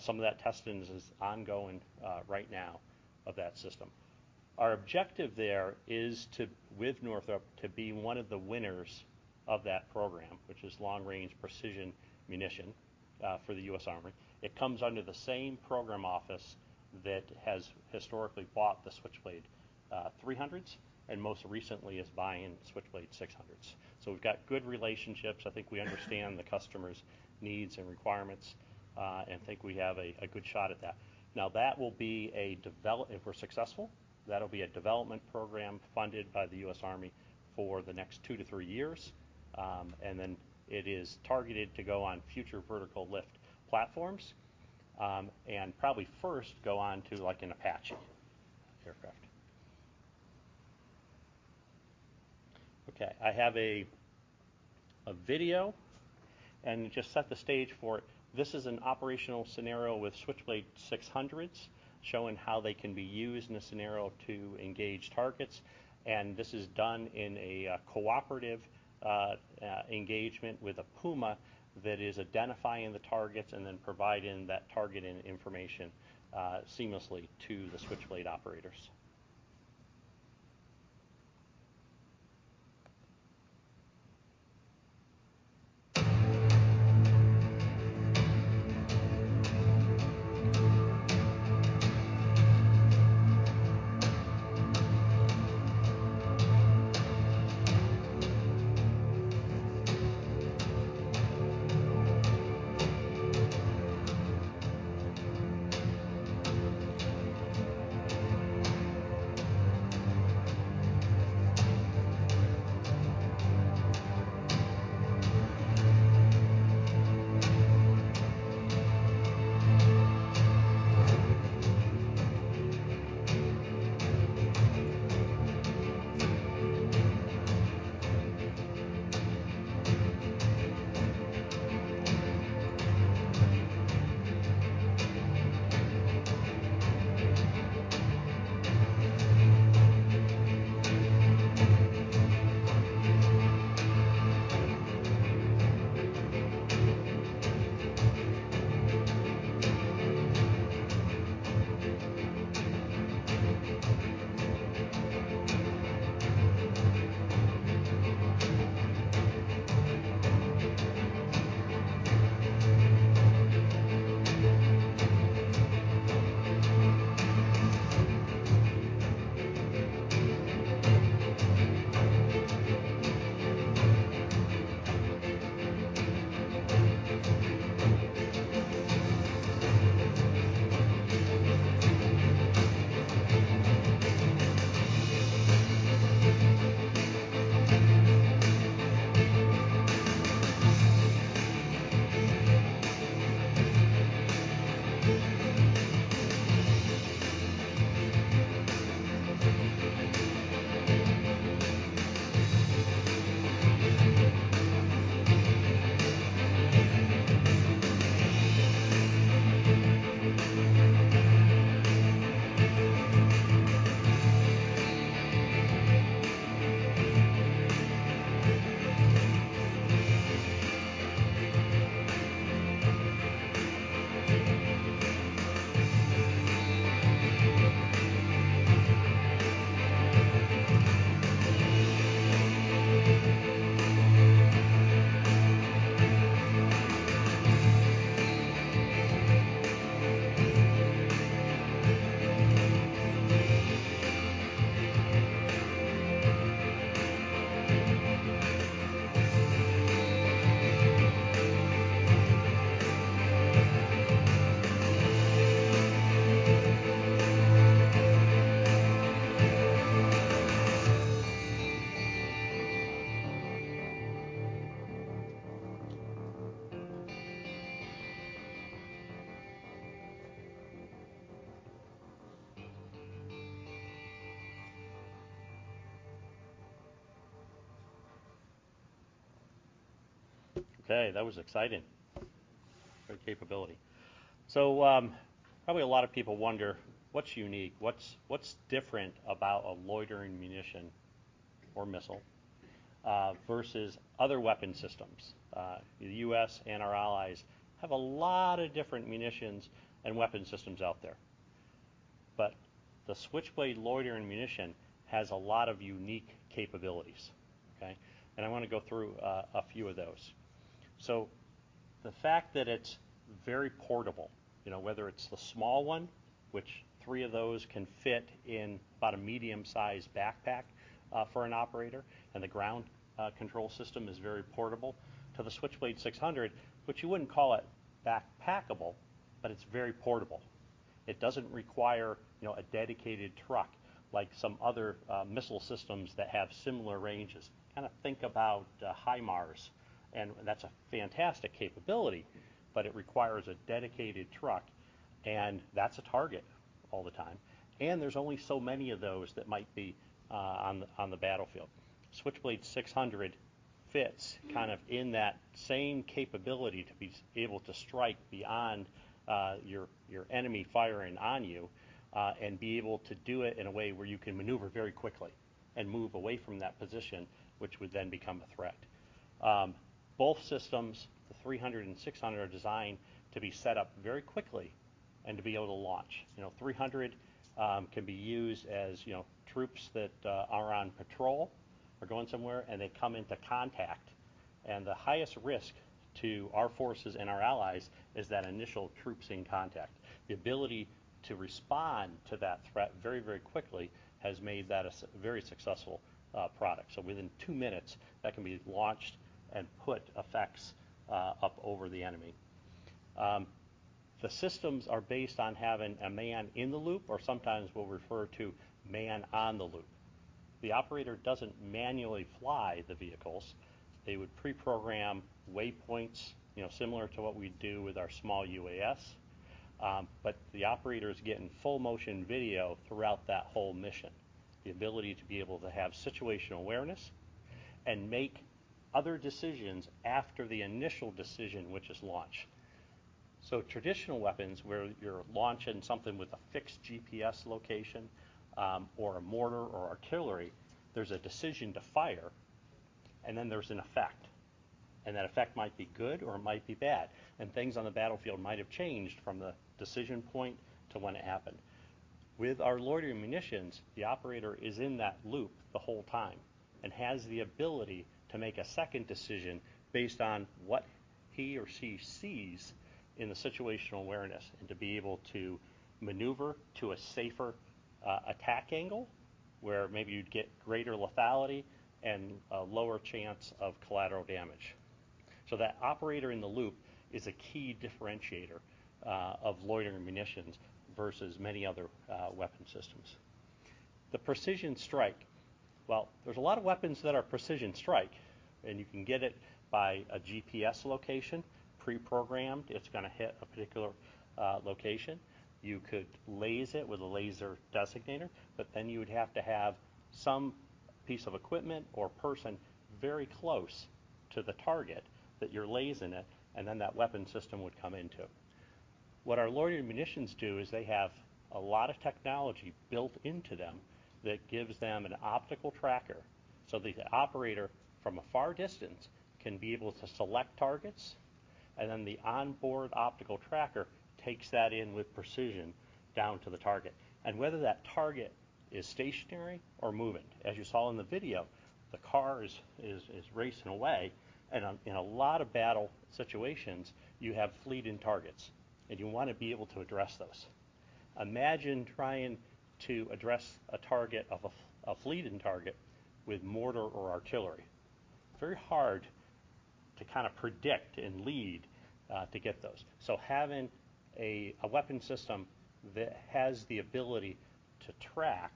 Some of that testing is ongoing right now of that system. Our objective there is to, with Northrop, to be one of the winners of that program, which is Long-Range Precision Munition for the U.S. Army. It comes under the same program office that has historically bought the Switchblade 300s and most recently is buying Switchblade 600s. We've got good relationships. I think we understand the customer's needs and requirements and think we have a good shot at that. Now, that will be a development program if we're successful, that'll be a development program funded by the U.S. Army for the next two to three years. It is targeted to go on Future Vertical Lift platforms and probably first go on to like an Apache aircraft. I have a video and just set the stage for it. This is an operational scenario with Switchblade 600s showing how they can be used in a scenario to engage targets. This is done in a cooperative engagement with a Puma that is identifying the targets and then providing that targeting information seamlessly to the Switchblade operators. Okay, that was exciting. Good capability. Probably a lot of people wonder what's unique, what's different about a loitering munition or missile versus other weapon systems. The U.S. and our allies have a lot of different munitions and weapon systems out there. The Switchblade loitering munition has a lot of unique capabilities, okay? I wanna go through a few of those. The fact that it's very portable, you know, whether it's the small one, which three of those can fit in about a medium-sized backpack, for an operator, and the ground control system is very portable, to the Switchblade 600, which you wouldn't call it backpackable, but it's very portable. It doesn't require, you know, a dedicated truck like some other missile systems that have similar ranges. Kind of think about HIMARS, and that's a fantastic capability, but it requires a dedicated truck, and that's a target all the time. There's only so many of those that might be on the battlefield. Switchblade 600 fits kind of in that same capability to be able to strike beyond your enemy firing on you and be able to do it in a way where you can maneuver very quickly and move away from that position, which would then become a threat. Both systems, the 300 and 600, are designed to be set up very quickly and to be able to launch. You know, 300 can be used as, you know, troops that are on patrol or going somewhere, and they come into contact. The highest risk to our forces and our allies is that initial troops in contact. The ability to respond to that threat very, very quickly has made that a very successful product. Within two minutes, that can be launched and put effects up over the enemy. The systems are based on having a man in the loop, or sometimes we'll refer to man on the loop. The operator doesn't manually fly the vehicles. They would pre-program way points, you know, similar to what we do with our small UAS. But the operator's getting full motion video throughout that whole mission, the ability to be able to have situational awareness and make other decisions after the initial decision, which is launch. Traditional weapons, where you're launching something with a fixed GPS location, or a mortar or artillery, there's a decision to fire, and then there's an effect, and that effect might be good or it might be bad, and things on the battlefield might have changed from the decision point to when it happened. With our loitering munitions, the operator is in that loop the whole time and has the ability to make a second decision based on what he or she sees in the situational awareness and to be able to maneuver to a safer, attack angle, where maybe you'd get greater lethality and a lower chance of collateral damage. That operator in the loop is a key differentiator of loitering munitions versus many other weapon systems. The precision strike. Well, there's a lot of weapons that are precision strike, and you can get it by a GPS location, pre-programmed. It's gonna hit a particular location. You could lase it with a laser designator, but then you would have to have some piece of equipment or person very close to the target that you're lasing it, and then that weapon system would come into it. What our loitering munitions do is they have a lot of technology built into them that gives them an optical tracker so the operator, from a far distance, can be able to select targets, and then the onboard optical tracker takes that in with precision down to the target. Whether that target is stationary or moving. As you saw in the video, the car is racing away. In a lot of battle situations, you have fleeting targets, and you wanna be able to address those. Imagine trying to address a target or a fleeting target with mortar or artillery. Very hard to kind of predict and lead to get those. Having a weapon system that has the ability to track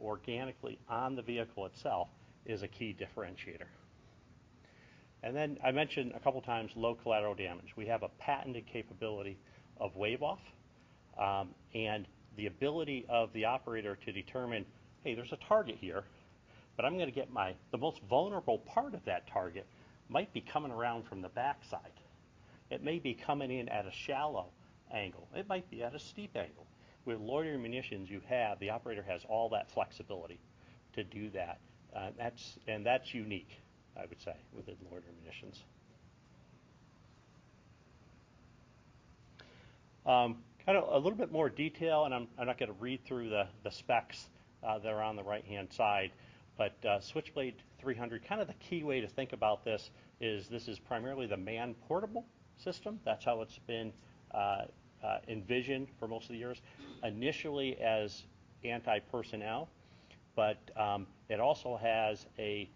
organically on the vehicle itself is a key differentiator. Then I mentioned a couple times low collateral damage. We have a patented capability of wave-off, and the ability of the operator to determine, "Hey, there's a target here, but I'm gonna get my..." The most vulnerable part of that target might be coming around from the backside. It may be coming in at a shallow angle. It might be at a steep angle. With loitering munitions, the operator has all that flexibility to do that. That's unique, I would say, within loitering munitions. Kind of a little bit more detail, and I'm not gonna read through the specs that are on the right-hand side, but Switchblade 300, kind of the key way to think about this is this is primarily the man-portable system. That's how it's been envisioned for most of the years. Initially as anti-personnel, but it also has a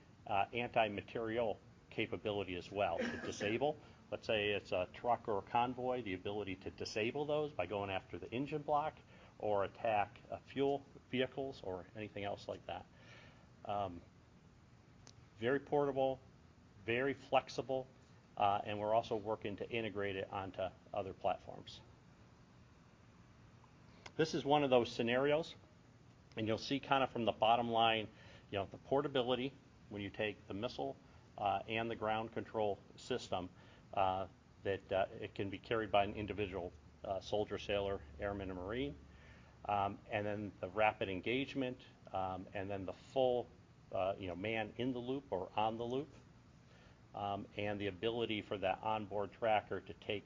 anti-materiel capability as well. To disable, let's say it's a truck or a convoy, the ability to disable those by going after the engine block or attack fuel vehicles or anything else like that. Very portable, very flexible, and we're also working to integrate it onto other platforms. This is one of those scenarios, and you'll see kind of from the bottom line, you know, the portability when you take the missile and the ground control system that it can be carried by an individual soldier, sailor, airman, and marine. The rapid engagement, and then the full, you know, man in the loop or on the loop, and the ability for that onboard tracker to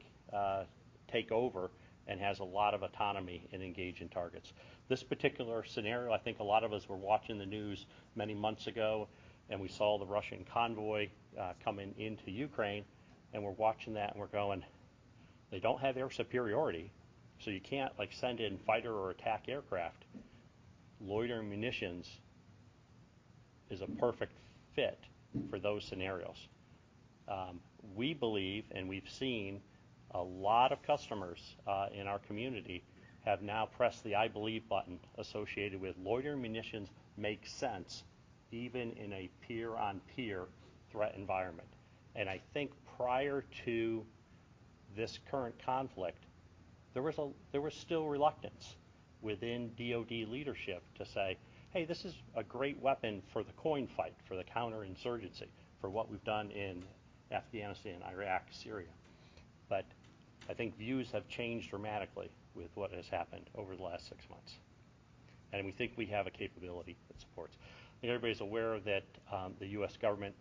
take over and has a lot of autonomy in engaging targets. This particular scenario, I think a lot of us were watching the news many months ago, and we saw the Russian convoy coming into Ukraine, and we're watching that, and we're going, "They don't have air superiority, so you can't, like, send in fighter or attack aircraft." Loitering munitions is a perfect fit for those scenarios. We believe, and we've seen a lot of customers in our community have now pressed the I believe button associated with loitering munitions make sense even in a peer-on-peer threat environment. I think prior to this current conflict, there was still reluctance within DoD leadership to say, "Hey, this is a great weapon for the coin fight, for the counterinsurgency, for what we've done in Afghanistan, Iraq, Syria." I think views have changed dramatically with what has happened over the last six months. We think we have a capability that supports. I think everybody's aware that the U.S. government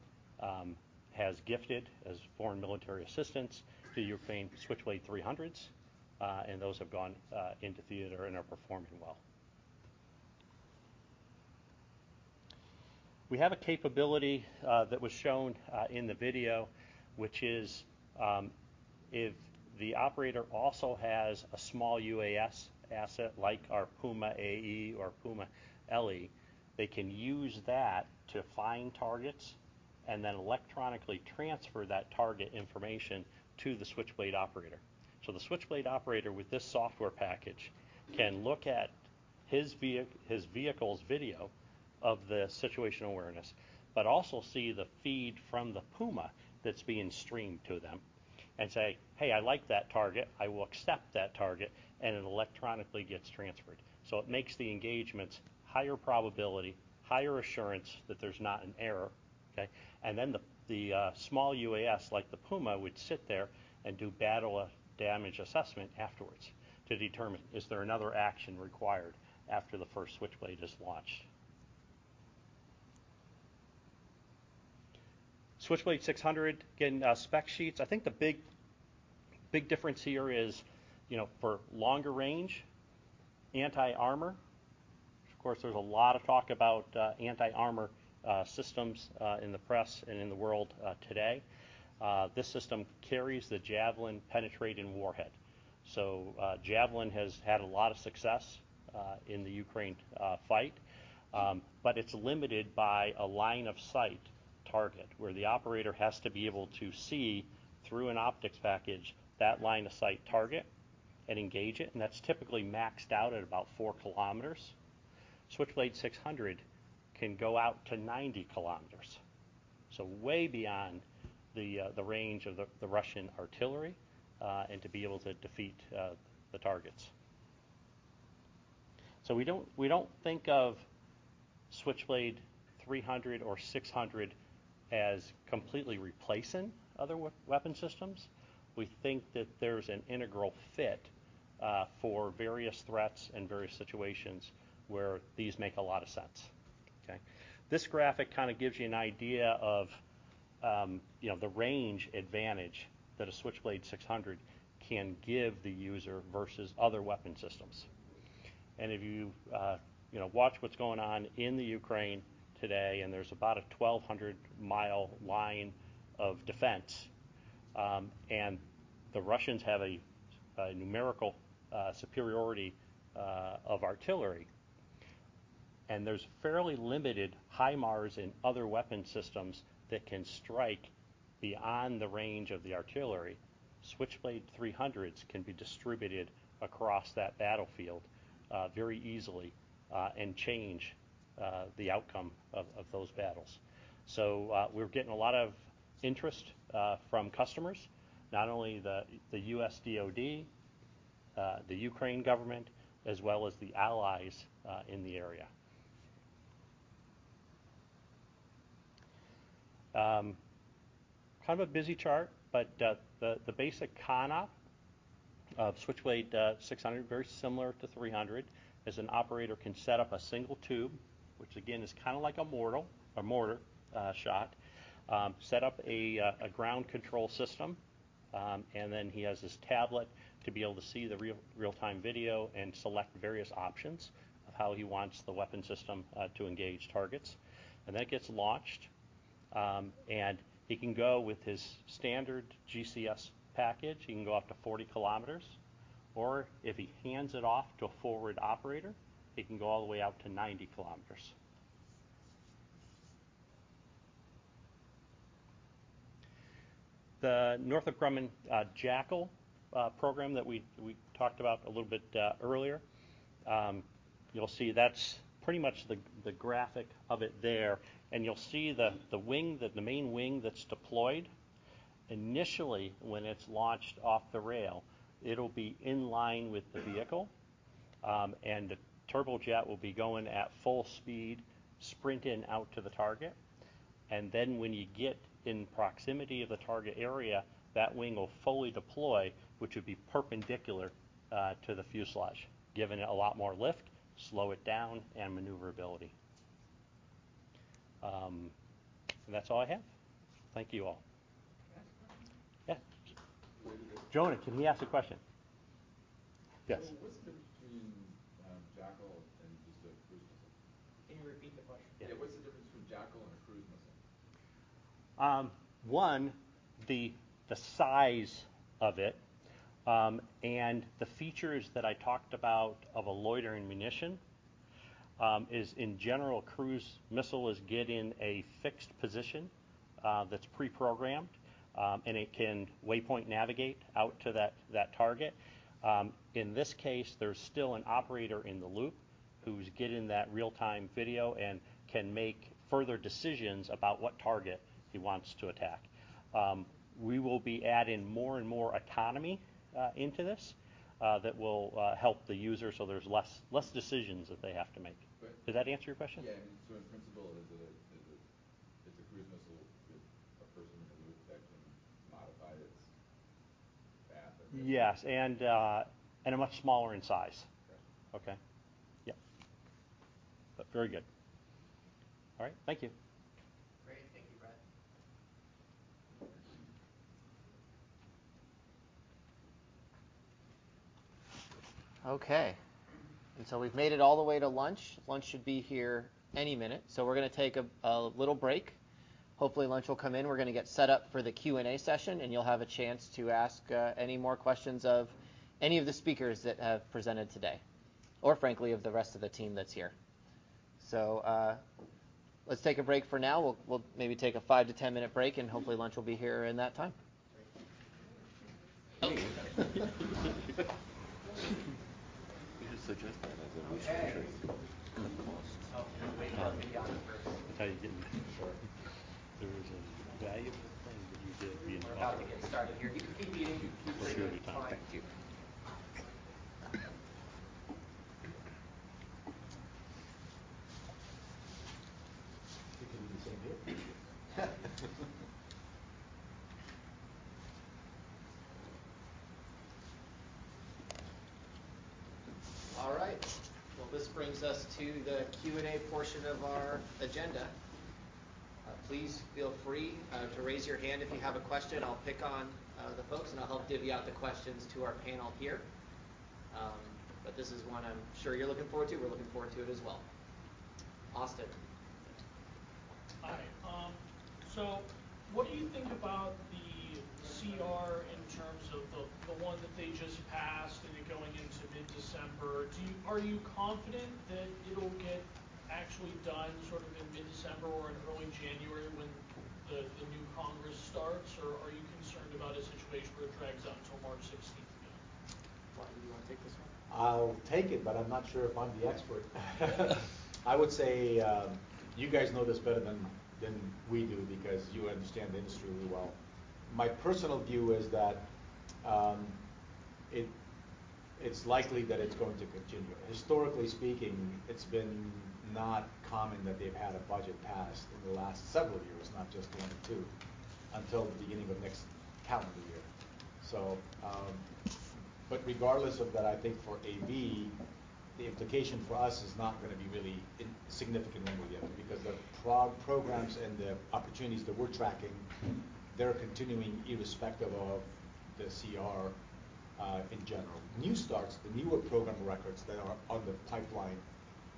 has gifted as foreign military assistance to Ukraine Switchblade 300s, and those have gone into theater and are performing well. We have a capability that was shown in the video, which is if the operator also has a small UAS asset like our Puma AE or Puma LE, they can use that to find targets and then electronically transfer that target information to the Switchblade operator. The Switchblade operator with this software package can look at his vehicle's video of the situational awareness, but also see the feed from the Puma that's being streamed to them and say, "Hey, I like that target. I will accept that target," and it electronically gets transferred. It makes the engagements higher probability, higher assurance that there's not an error. Okay? The small UAS, like the Puma, would sit there and do battle damage assessment afterwards to determine is there another action required after the first Switchblade is launched. Switchblade 600, getting spec sheets. I think the big difference here is, you know, for longer range, anti-armor. Of course, there's a lot of talk about anti-armor systems in the press and in the world today. This system carries the Javelin penetrating warhead. Javelin has had a lot of success in the Ukraine fight, but it's limited by a line of sight target where the operator has to be able to see through an optics package that line of sight target and engage it, and that's typically maxed out at about 4 km. Switchblade 600 can go out to 90 km. Way beyond the range of the Russian artillery and to be able to defeat the targets. We don't think of Switchblade 300 or 600 as completely replacing other weapon systems. We think that there's an integral fit for various threats and various situations where these make a lot of sense. Okay? This graphic kind of gives you an idea of, you know, the range advantage that a Switchblade 600 can give the user versus other weapon systems. If you know, watch what's going on in Ukraine today, and there's about a 1,200 mi line of defense, and the Russians have a numerical superiority of artillery, and there's fairly limited HIMARS and other weapon systems that can strike beyond the range of the artillery. Switchblade 300s can be distributed across that battlefield very easily, and change the outcome of those battles. We're getting a lot of interest from customers, not only the U.S. DoD, the Ukrainian government, as well as the allies in the area. Kind of a busy chart, but the basic CONOP of Switchblade 600, very similar to 300, is an operator can set up a single tube, which again is kind of like a mortar shot, set up a ground control system, and then he has his tablet to be able to see the real-time video and select various options of how he wants the weapon system to engage targets. That gets launched, and he can go with his standard GCS package. He can go up to 40 km, or if he hands it off to a forward operator, it can go all the way out to 90 km. The Northrop Grumman Jackal program that we talked about a little bit earlier, you'll see that's pretty much the graphic of it there. You'll see the wing, the main wing that's deployed. Initially, when it's launched off the rail, it'll be in line with the vehicle, and the turbojet will be going at full speed, sprinting out to the target. When you get in proximity of the target area, that wing will fully deploy, which would be perpendicular to the fuselage, giving it a lot more lift, slow it down, and maneuverability. That's all I have. Thank you, all. Can I ask a question? Yeah. Jonah, can he ask a question? Yes. What's the difference between Jackal and just a cruise missile? Can you repeat the question? Yeah. What's the difference between Jackal and a cruise missile? The size of it and the features that I talked about of a loitering munition is in general cruise missile getting a fixed position that's pre-programmed and it can waypoint navigate out to that target. In this case, there's still an operator in the loop who's getting that real-time video and can make further decisions about what target he wants to attack. We will be adding more and more autonomy into this that will help the user, so there's less decisions that they have to make. Great. Does that answer your question? Yeah. In principle, it's a cruise missile with a person in the loop that can modify its path, I guess. Yes, much smaller in size. Okay. Okay? Yeah. Very good. All right. Thank you. Great. Thank you, Brett Hush. Okay. We've made it all the way to lunch. Lunch should be here any minute. We're gonna take a little break. Hopefully, lunch will come in. We're gonna get set up for the Q&A session, and you'll have a chance to ask any more questions of any of the speakers that have presented today, or frankly, of the rest of the team that's here. Let's take a break for now. We'll maybe take a 5-10-minute break, and hopefully, lunch will be here in that time. We could suggest that as an option to cut costs. Oh. That's how you get in shape. There is a value to playing the video game. We're about to get started here. You can keep eating. We'll start in five. Appreciate your time. Thank you. You think it'll be the same here? All right. Well, this brings us to the Q&A portion of our agenda. Please feel free to raise your hand if you have a question. I'll pick on the folks, and I'll help divvy out the questions to our panel here. This is one I'm sure you're looking forward to. We're looking forward to it as well. Austin. Hi. What do you think about the CR in terms of the one that they just passed and you're going into mid-December? Are you confident that it'll get actually done sort of in mid-December or in early January when the new Congress starts, or are you concerned about a situation where it drags out until March 16th again? Wahid, do you wanna take this one? I'll take it, but I'm not sure if I'm the expert. I would say, you guys know this better than we do because you understand the industry really well. My personal view is that, it's likely that it's going to continue. Historically speaking, it's been not common that they've had a budget passed in the last several years, not just one or two, until the beginning of next calendar year. Regardless of that, I think for AV, the implication for us is not gonna be really significant one way or the other because the programs and the opportunities that we're tracking, they're continuing irrespective of the CR, in general. New starts, the newer program records that are on the pipeline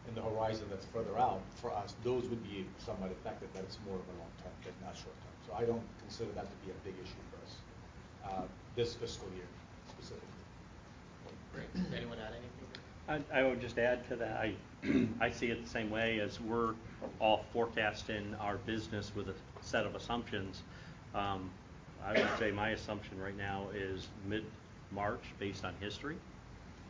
and the horizon that's further out, for us, those would be somewhat affected, but it's more of a long term and not short term. I don't consider that to be a big issue for us, this fiscal year specifically. Great. Does anyone add anything? I would just add to that, I see it the same way as we're all forecasting our business with a set of assumptions. I would say my assumption right now is mid-March based on history,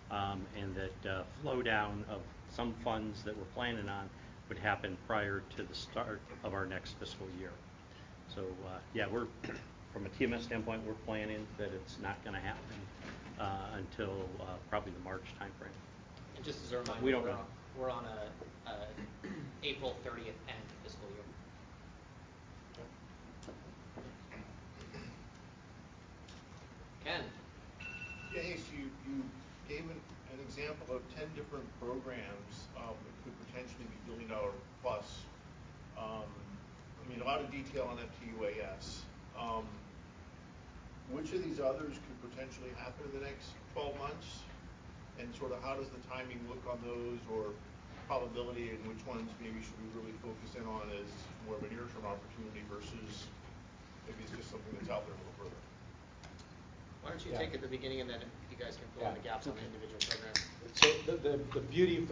and that flow down of some funds that we're planning on would happen prior to the start of our next fiscal year. From a TMS standpoint, we're planning that it's not gonna happen until probably the March timeframe. Just as a reminder. We don't know. We're on April 30th end fiscal year. Okay. Ken? Yeah, you gave an example of 10 different programs that could potentially be billion-dollar plus. I mean, a lot of detail on FTUAS. Which of these others could potentially happen in the next 12 months, and sort of how does the timing look on those, or probability and which ones maybe should we really focus in on as more of a near-term opportunity versus if it's just something that's out there a little further? Why don't you take it at the beginning, and then if you guys can fill in the gaps on the individual programs.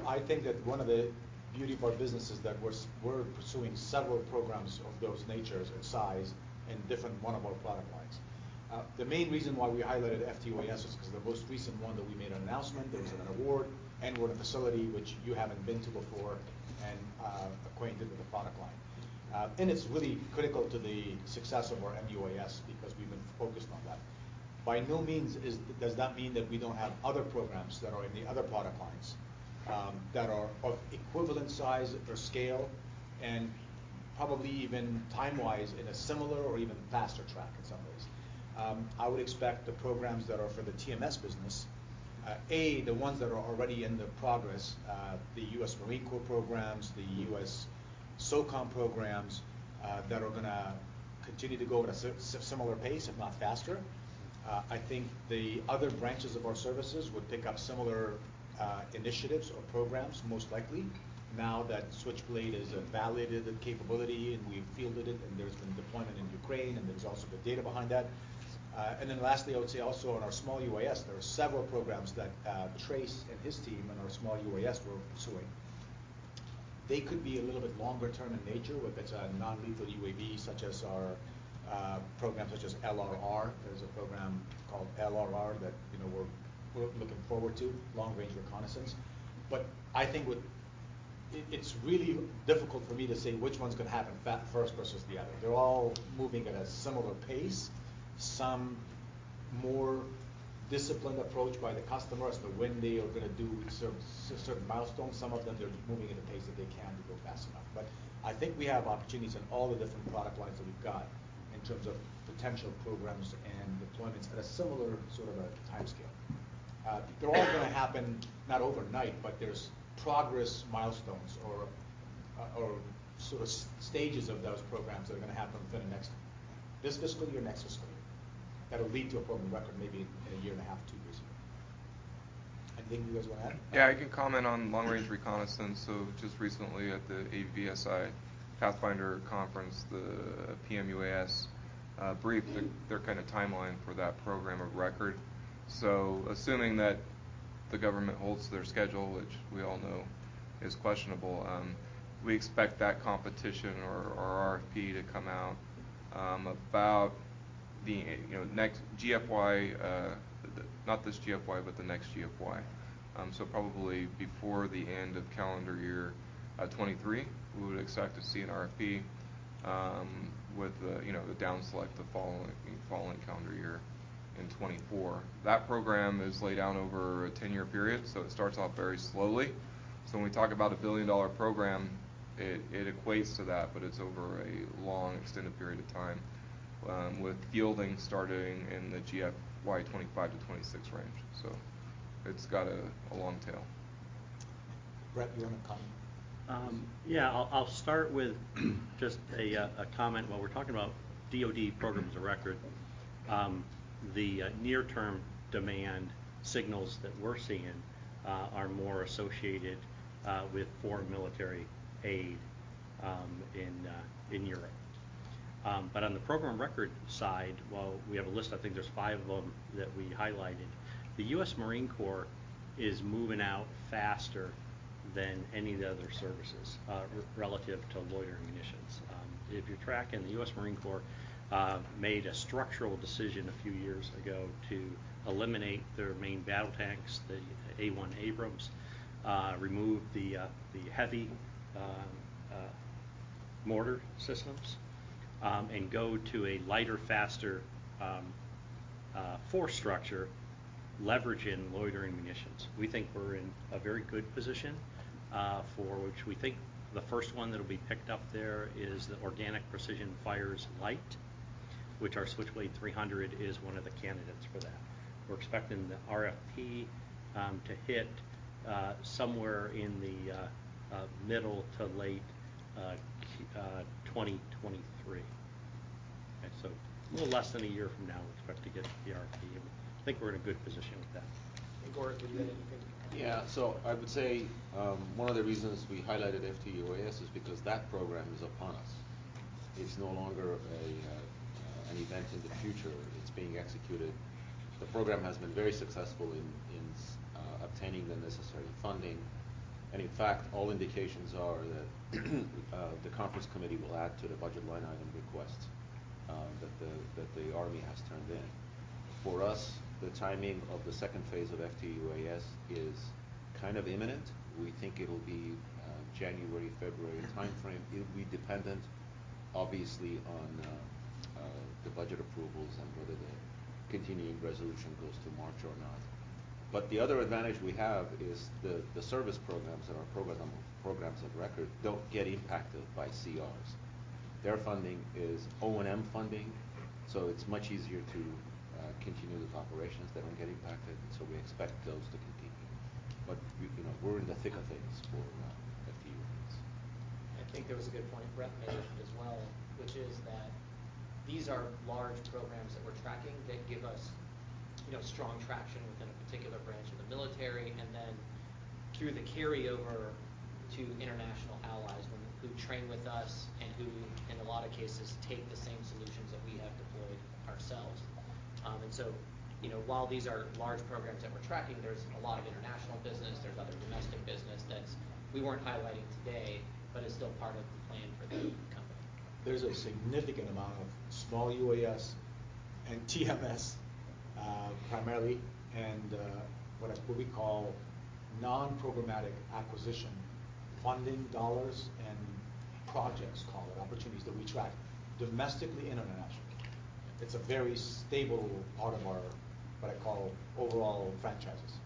I think that one of the beauty of our business is that we're pursuing several programs of those natures and size in different one of our product lines. The main reason why we highlighted FTUAS is 'cause the most recent one that we made an announcement, there was an award, and we're in a facility which you haven't been to before and acquainted with the product line. It's really critical to the success of our MUAS because we've been focused on that. By no means does that mean that we don't have other programs that are in the other product lines that are of equivalent size or scale, and probably even time-wise in a similar or even faster track in some ways. I would expect the programs that are for the TMS business, the ones that are already in progress, the U.S. Marine Corps programs, the U.S. SOCOM programs, that are gonna continue to go at a similar pace, if not faster. I think the other branches of our services would pick up similar initiatives or programs most likely now that Switchblade is a validated capability and we've fielded it and there's been deployment in Ukraine and there's also good data behind that. Lastly, I would say also on our small UAS, there are several programs that Trace and his team and our small UAS were pursuing. They could be a little bit longer term in nature, whether it's a non-lethal UAV such as our program such as LRR. There's a program called LRR that, you know, we're looking forward to, long-range reconnaissance. I think what it is, it's really difficult for me to say which one's gonna happen first versus the other. They're all moving at a similar pace. Some more disciplined approach by the customer as to when they are gonna do certain milestones. Some of them, they're moving at a pace that they can to go fast enough. I think we have opportunities in all the different product lines that we've got in terms of potential programs and deployments at a similar sort of a timescale. They're all gonna happen not overnight, but there's progress milestones or sort of stages of those programs that are gonna happen within this fiscal year, next fiscal year, that'll lead to a program of record maybe in 1.5, two years. Then you guys wanna add? Yeah, I can comment on Long-Range Reconnaissance. Just recently at the AUVSI Pathfinder conference, the PM UAS briefed their kind of timeline for that program of record. Assuming that the government holds their schedule, which we all know is questionable, we expect that competition or RFP to come out about the next GFY. Not this GFY, but the next GFY. Probably before the end of calendar year 2023, we would expect to see an RFP with the down select the following calendar year in 2024. That program is laid out over a 10-year period, so it starts off very slowly. When we talk about a billion-dollar program, it equates to that, but it's over a long, extended period of time, with fielding starting in the GFY 2025 to 2026 range. It's got a long tail. Brett, you wanna comment? Yeah. I'll start with just a comment. While we're talking about DoD programs of record, the near-term demand signals that we're seeing are more associated with foreign military aid in Europe. On the programs of record side, while we have a list, I think there's five of them that we highlighted, the U.S. Marine Corps is moving out faster than any of the other services relative to loitering munitions. If you're tracking, the U.S. Marine Corps made a structural decision a few years ago to eliminate their main battle tanks, the M1 Abrams, remove the heavy mortar systems, and go to a lighter, faster force structure leveraging loitering munitions. We think we're in a very good position for which we think the first one that'll be picked up there is the Organic Precision Fires-Light, which our Switchblade 300 is one of the candidates for that. We're expecting the RFP to hit somewhere in the middle to late 2023. Okay, so it's a little less than a year from now we expect to get the RFP, and I think we're in a good position with that. Gorik, did you have anything to add? Yeah. I would say one of the reasons we highlighted FTUAS is because that program is upon us. It's no longer an event in the future, it's being executed. The program has been very successful in obtaining the necessary funding. In fact, all indications are that the conference committee will add to the budget line item request that the Army has turned in. For us, the timing of the second phase of FTUAS is kind of imminent. We think it'll be January, February timeframe. It'll be dependent, obviously, on the budget approvals and whether the continuing resolution goes to March or not. The other advantage we have is the service programs and our programs of record don't get impacted by CRs. Their funding is O&M funding, so it's much easier to continue those operations. They don't get impacted, and so we expect those to continue. We, you know, we're in the thick of things for FTUAS wins. I think there was a good point Brett mentioned as well, which is that these are large programs that we're tracking that give us, you know, strong traction within a particular branch of the military, and then through the carryover to international allies who train with us and who, in a lot of cases, take the same solutions that we have deployed ourselves. You know, while these are large programs that we're tracking, there's a lot of international business, there's other domestic business that we weren't highlighting today but is still part of the plan for the company. There's a significant amount of small UAS and TMS, primarily, and what we call non-programmatic acquisition funding dollars and projects, call it, opportunities that we track domestically, internationally. It's a very stable part of our, what I call overall franchises.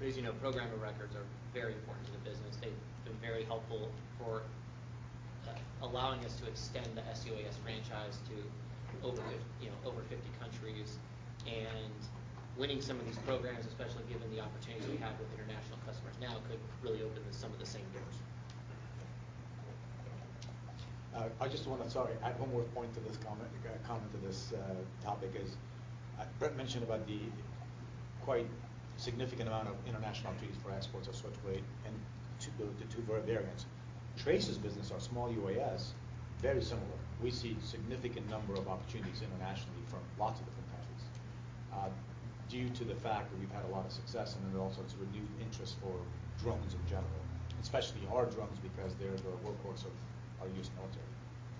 Trace, you know, programs of record are very important to the business. They've been very helpful for allowing us to extend the SUAS franchise to over 50 countries. Winning some of these programs, especially given the opportunities we have with international customers now, could really open up some of the same doors. I just wanna, sorry, add one more point to this comment to this topic. Brett mentioned about the quite significant amount of international opportunities for exports of Switchblade and the two variants. Trace's business, our small UAS, very similar. We see significant number of opportunities internationally from lots of different countries due to the fact that we've had a lot of success and then also to renewed interest for drones in general, especially our drones because they're the workhorse of our U.S. military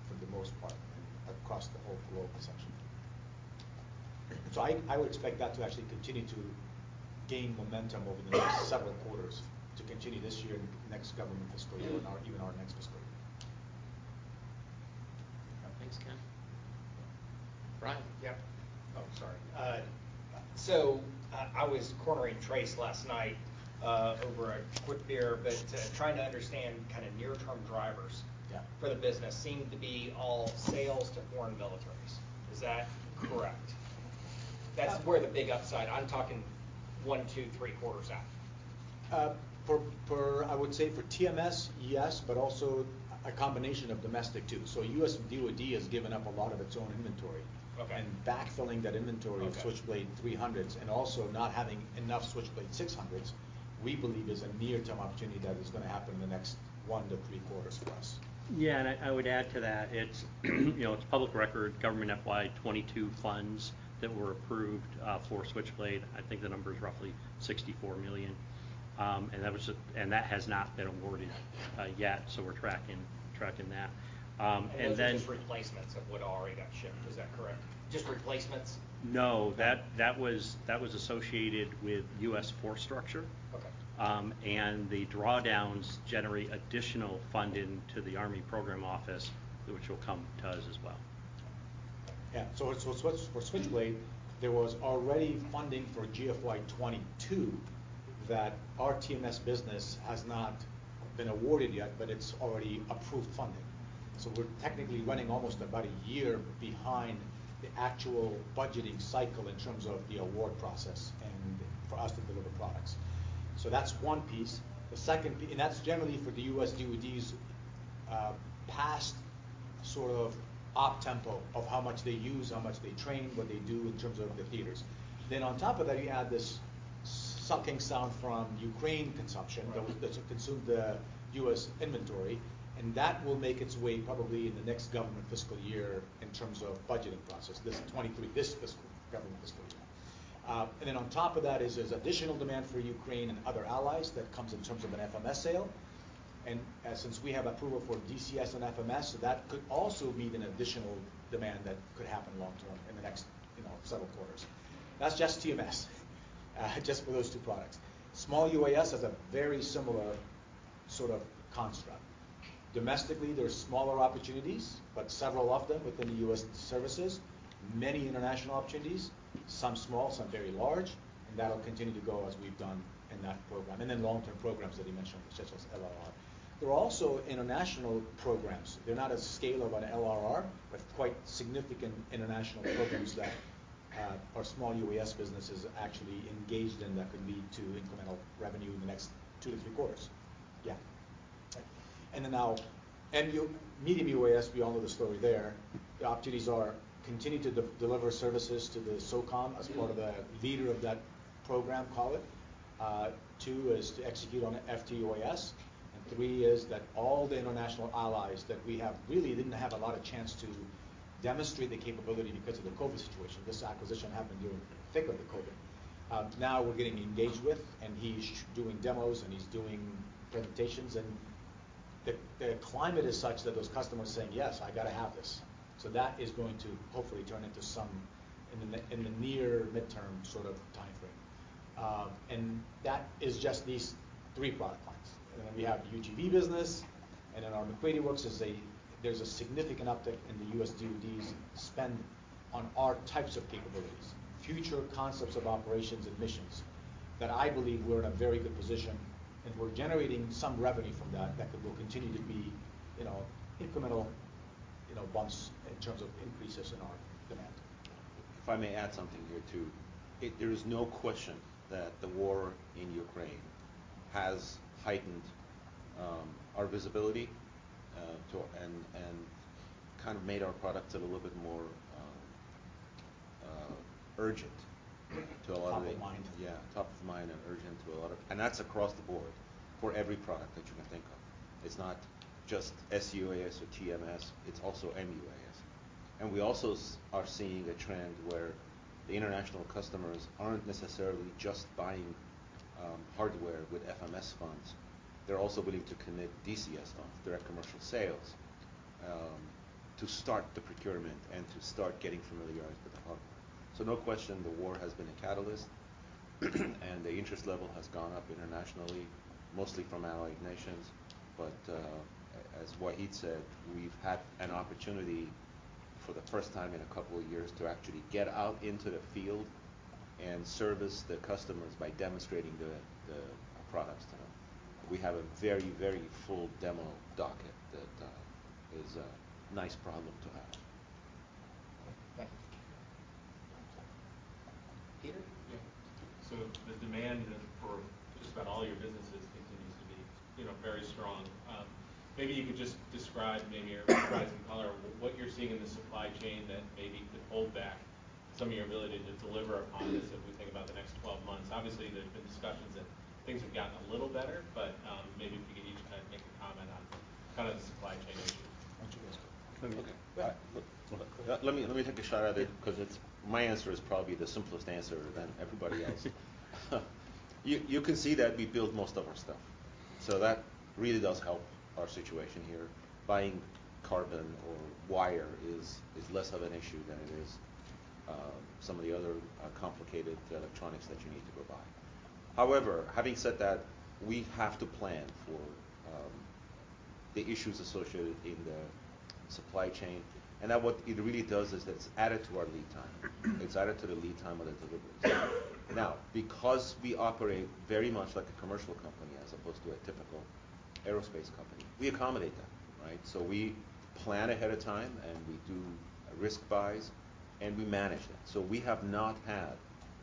for the most part and across the whole globe, essentially. I would expect that to actually continue to gain momentum over the next several quarters to continue this year and next government fiscal year and even our next fiscal year. Thanks, Ken. Brian? Yeah. Oh, sorry. I was cornering Trace last night over a quick beer but trying to understand kind of near-term drivers. Yeah. The future for the business seemed to be all sales to foreign militaries. Is that correct? That's where the big upside. I'm talking one, two, three quarters out. I would say for TMS, yes, but also a combination of domestic, too. U.S. DoD has given up a lot of its own inventory. Okay. Backfilling that inventory- Okay. of Switchblade 300s and also not having enough Switchblade 600s, we believe is a near-term opportunity that is gonna happen in the next one to three quarters for us. Yeah. I would add to that, you know, it's public record, government FY 2022 funds that were approved for Switchblade. I think the number is roughly $64 million. And that has not been awarded yet, so we're tracking that. And then- Those are just replacements of what already got shipped. Is that correct? Just replacements? No, that was associated with U.S. Force Structure. Okay. The drawdowns generate additional funding to the Army program office, which will come to us as well. Yeah. Switchblade, there was already funding for GFY 2022 that our TMS business has not been awarded yet, but it's already approved funding. We're technically running almost about a year behind the actual budgeting cycle in terms of the award process and for us to deliver products. That's one piece. That's generally for the U.S. DoD's past sort of op tempo of how much they use, how much they train, what they do in terms of the theaters. On top of that, you add this sucking sound from Ukraine consumption. Right. That, that's consumed the U.S. inventory, and that will make its way probably in the next government fiscal year in terms of budgeting process, this 2023, this fiscal, government fiscal year. Then on top of that there's additional demand for Ukraine and other allies that comes in terms of an FMS sale. Since we have approval for DCS and FMS, that could also mean an additional demand that could happen long term in the next, you know, several quarters. That's just TMS, just for those two products. Small UAS has a very similar sort of construct. Domestically, there's smaller opportunities, but several of them within the U.S. services. Many international opportunities, some small, some very large, and that'll continue to grow as we've done in that program. Then long-term programs that he mentioned, such as LRR. There are also international programs. They're not on the scale of an LRR, but quite significant international programs that our small UAS business is actually engaged in that could lead to incremental revenue in the next two to three quarters. Yeah. Then, now, medium UAS, we all know the story there. The opportunities are to continue to deliver services to the SOCOM as part of the lead of that program, call it. Two is to execute on FTUAS, and three is that all the international allies that we have really didn't have a lot of chance to demonstrate the capability because of the COVID situation. This acquisition happened during the thick of the COVID. Now we're getting engaged with, and he's doing demos, and he's doing presentations and the climate is such that those customers saying, "Yes, I gotta have this." That is going to hopefully turn into some in the near midterm sort of timeframe. That is just these three product lines. We have UGV business, and then our MacCready Works—there's a significant uptick in the U.S. DoD's spend on our types of capabilities, future concepts of operations and missions, that I believe we're in a very good position, and we're generating some revenue from that will continue to be, you know, incremental, you know, bumps in terms of increases in our demand. If I may add something here, too. There is no question that the war in Ukraine has heightened our visibility and kind of made our products a little bit more urgent to a lot of the- Top of mind. Yeah. Top of mind and urgent to a lot of. That's across the board for every product that you can think of. It's not just SUAS or TMS, it's also MUAS. We also are seeing a trend where the international customers aren't necessarily just buying hardware with FMS funds. They're also willing to commit DCS funds, Direct Commercial Sales, to start the procurement and to start getting familiarized with the hardware. No question, the war has been a catalyst, and the interest level has gone up internationally, mostly from allied nations. As Wahid said, we've had an opportunity for the first time in a couple of years to actually get out into the field and service the customers by demonstrating the products to them. We have a very full demo docket that is a nice problem to have. Thank you. Peter? Yeah. The demand for just about all your businesses continues to be, you know, very strong. Maybe you could just describe or provide some color what you're seeing in the supply chain that maybe could hold back some of your ability to deliver upon this if we think about the next 12 months. Obviously, there have been discussions that things have gotten a little better, but maybe if you could each make a comment on kind of the supply chain issue. Why don't you guys go? Okay. Yeah. Let me take a shot at it. Yeah 'Cause it's my answer is probably the simplest answer than everybody else. You can see that we build most of our stuff, so that really does help our situation here. Buying carbon or wire is less of an issue than it is some of the other complicated electronics that you need to go buy. However, having said that, we have to plan for the issues associated in the supply chain, and that what it really does is it's added to our lead time. It's added to the lead time of the deliveries. Now, because we operate very much like a commercial company as opposed to a typical aerospace company, we accommodate that, right? We plan ahead of time, and we do risk buys, and we manage that. We have not had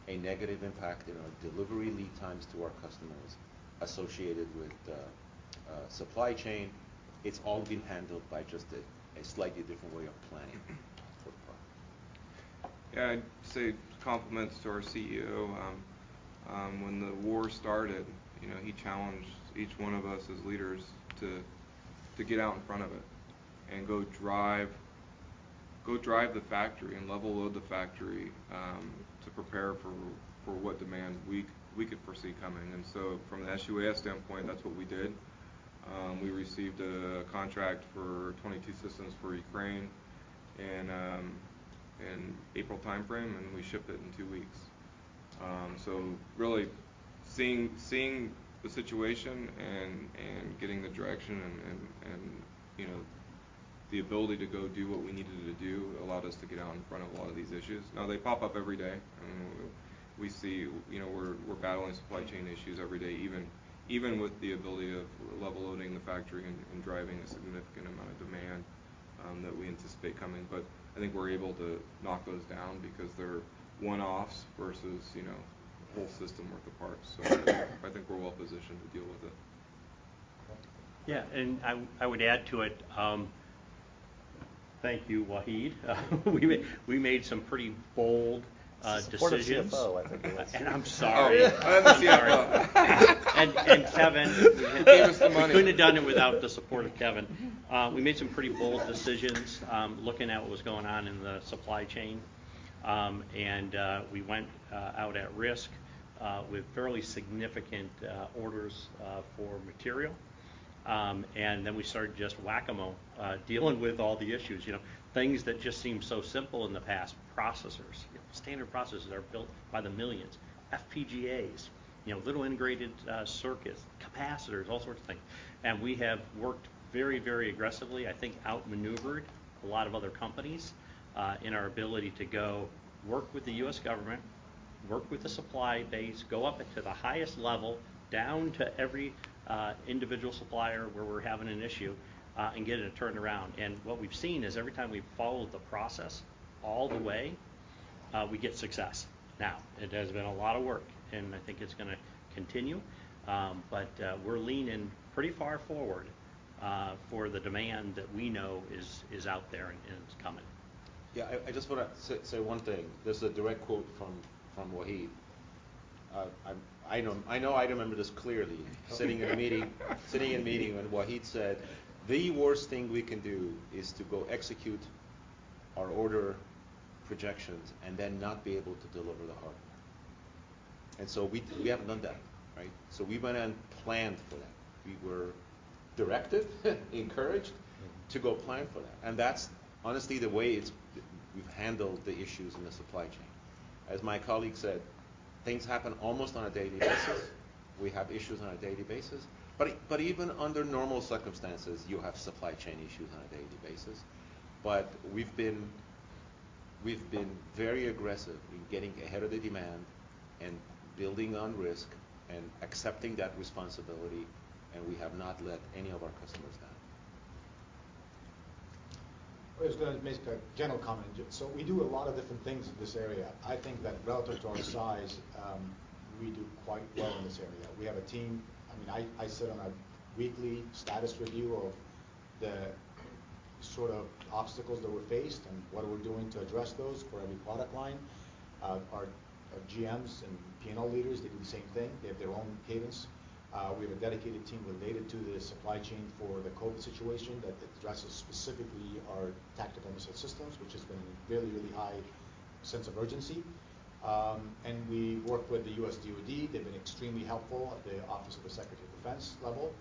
a negative impact in our delivery lead times to our customers associated with the supply chain. It's all been handled by just a slightly different way of planning for the product. Yeah. I'd say compliments to our CEO. When the war started, you know, he challenged each one of us as leaders to get out in front of it and go drive the factory and level-load the factory to prepare for what demand we could foresee coming. From an SUAS standpoint, that's what we did. We received a contract for 22 systems for Ukraine in April timeframe, and we shipped it in two weeks. So really seeing the situation and getting the direction and you know the ability to go do what we needed to do allowed us to get out in front of a lot of these issues. Now, they pop up every day. I mean, we see, you know, we're battling supply chain issues every day, even with the ability of level-loading the factory and driving a significant amount of demand that we anticipate coming. I think we're able to knock those down because they're one-offs versus, you know, a whole system worth of parts. I think we're well positioned to deal with it. Okay. Yeah. I would add to it, thank you, Wahid. We made some pretty bold decisions. Supported through the CFO, I think he wants to. I'm sorry. Oh. I'm the CFO. Kevin. He gave us the money. We couldn't have done it without the support of Kevin. We made some pretty bold decisions, looking at what was going on in the supply chain. We went out at risk with fairly significant orders for material. Then we started just whack-a-mole, dealing with all the issues. You know, things that just seemed so simple in the past. Processors, you know, standard processors are built by the millions. FPGAs, you know, little integrated circuits, capacitors, all sorts of things. We have worked very, very aggressively, I think outmaneuvered a lot of other companies, in our ability to go work with the U.S. government, work with the supply base, go up into the highest level, down to every individual supplier where we're having an issue, and get it turned around. What we've seen is every time we've followed the process all the way, we get success. Now, it has been a lot of work, and I think it's gonna continue. But, we're leaning pretty far forward, for the demand that we know is out there and is coming. Yeah. I just wanna say one thing. This is a direct quote from Wahid. I know I remember this clearly sitting in a meeting when Wahid said, "The worst thing we can do is to go execute our order projections and then not be able to deliver the hardware. We haven't done that, right? We went and planned for that. We were directed, encouraged to go plan for that. That's honestly the way it's been. We've handled the issues in the supply chain. As my colleague said, things happen almost on a daily basis. We have issues on a daily basis. Even under normal circumstances, you have supply chain issues on a daily basis. We've been very aggressive in getting ahead of the demand and building on risk and accepting that responsibility, and we have not let any of our customers down. I was gonna make a general comment. We do a lot of different things in this area. I think that relative to our size, we do quite well in this area. I sit on a weekly status review of the sort of obstacles that we're faced and what are we doing to address those for every product line. Our GMs and P&L leaders, they do the same thing. They have their own cadence. We have a dedicated team related to the supply chain for the COVID situation that addresses specifically our tactical missile systems, which has been really high sense of urgency. We work with the U.S. DoD. They've been extremely helpful at the Office of the Secretary of Defense level,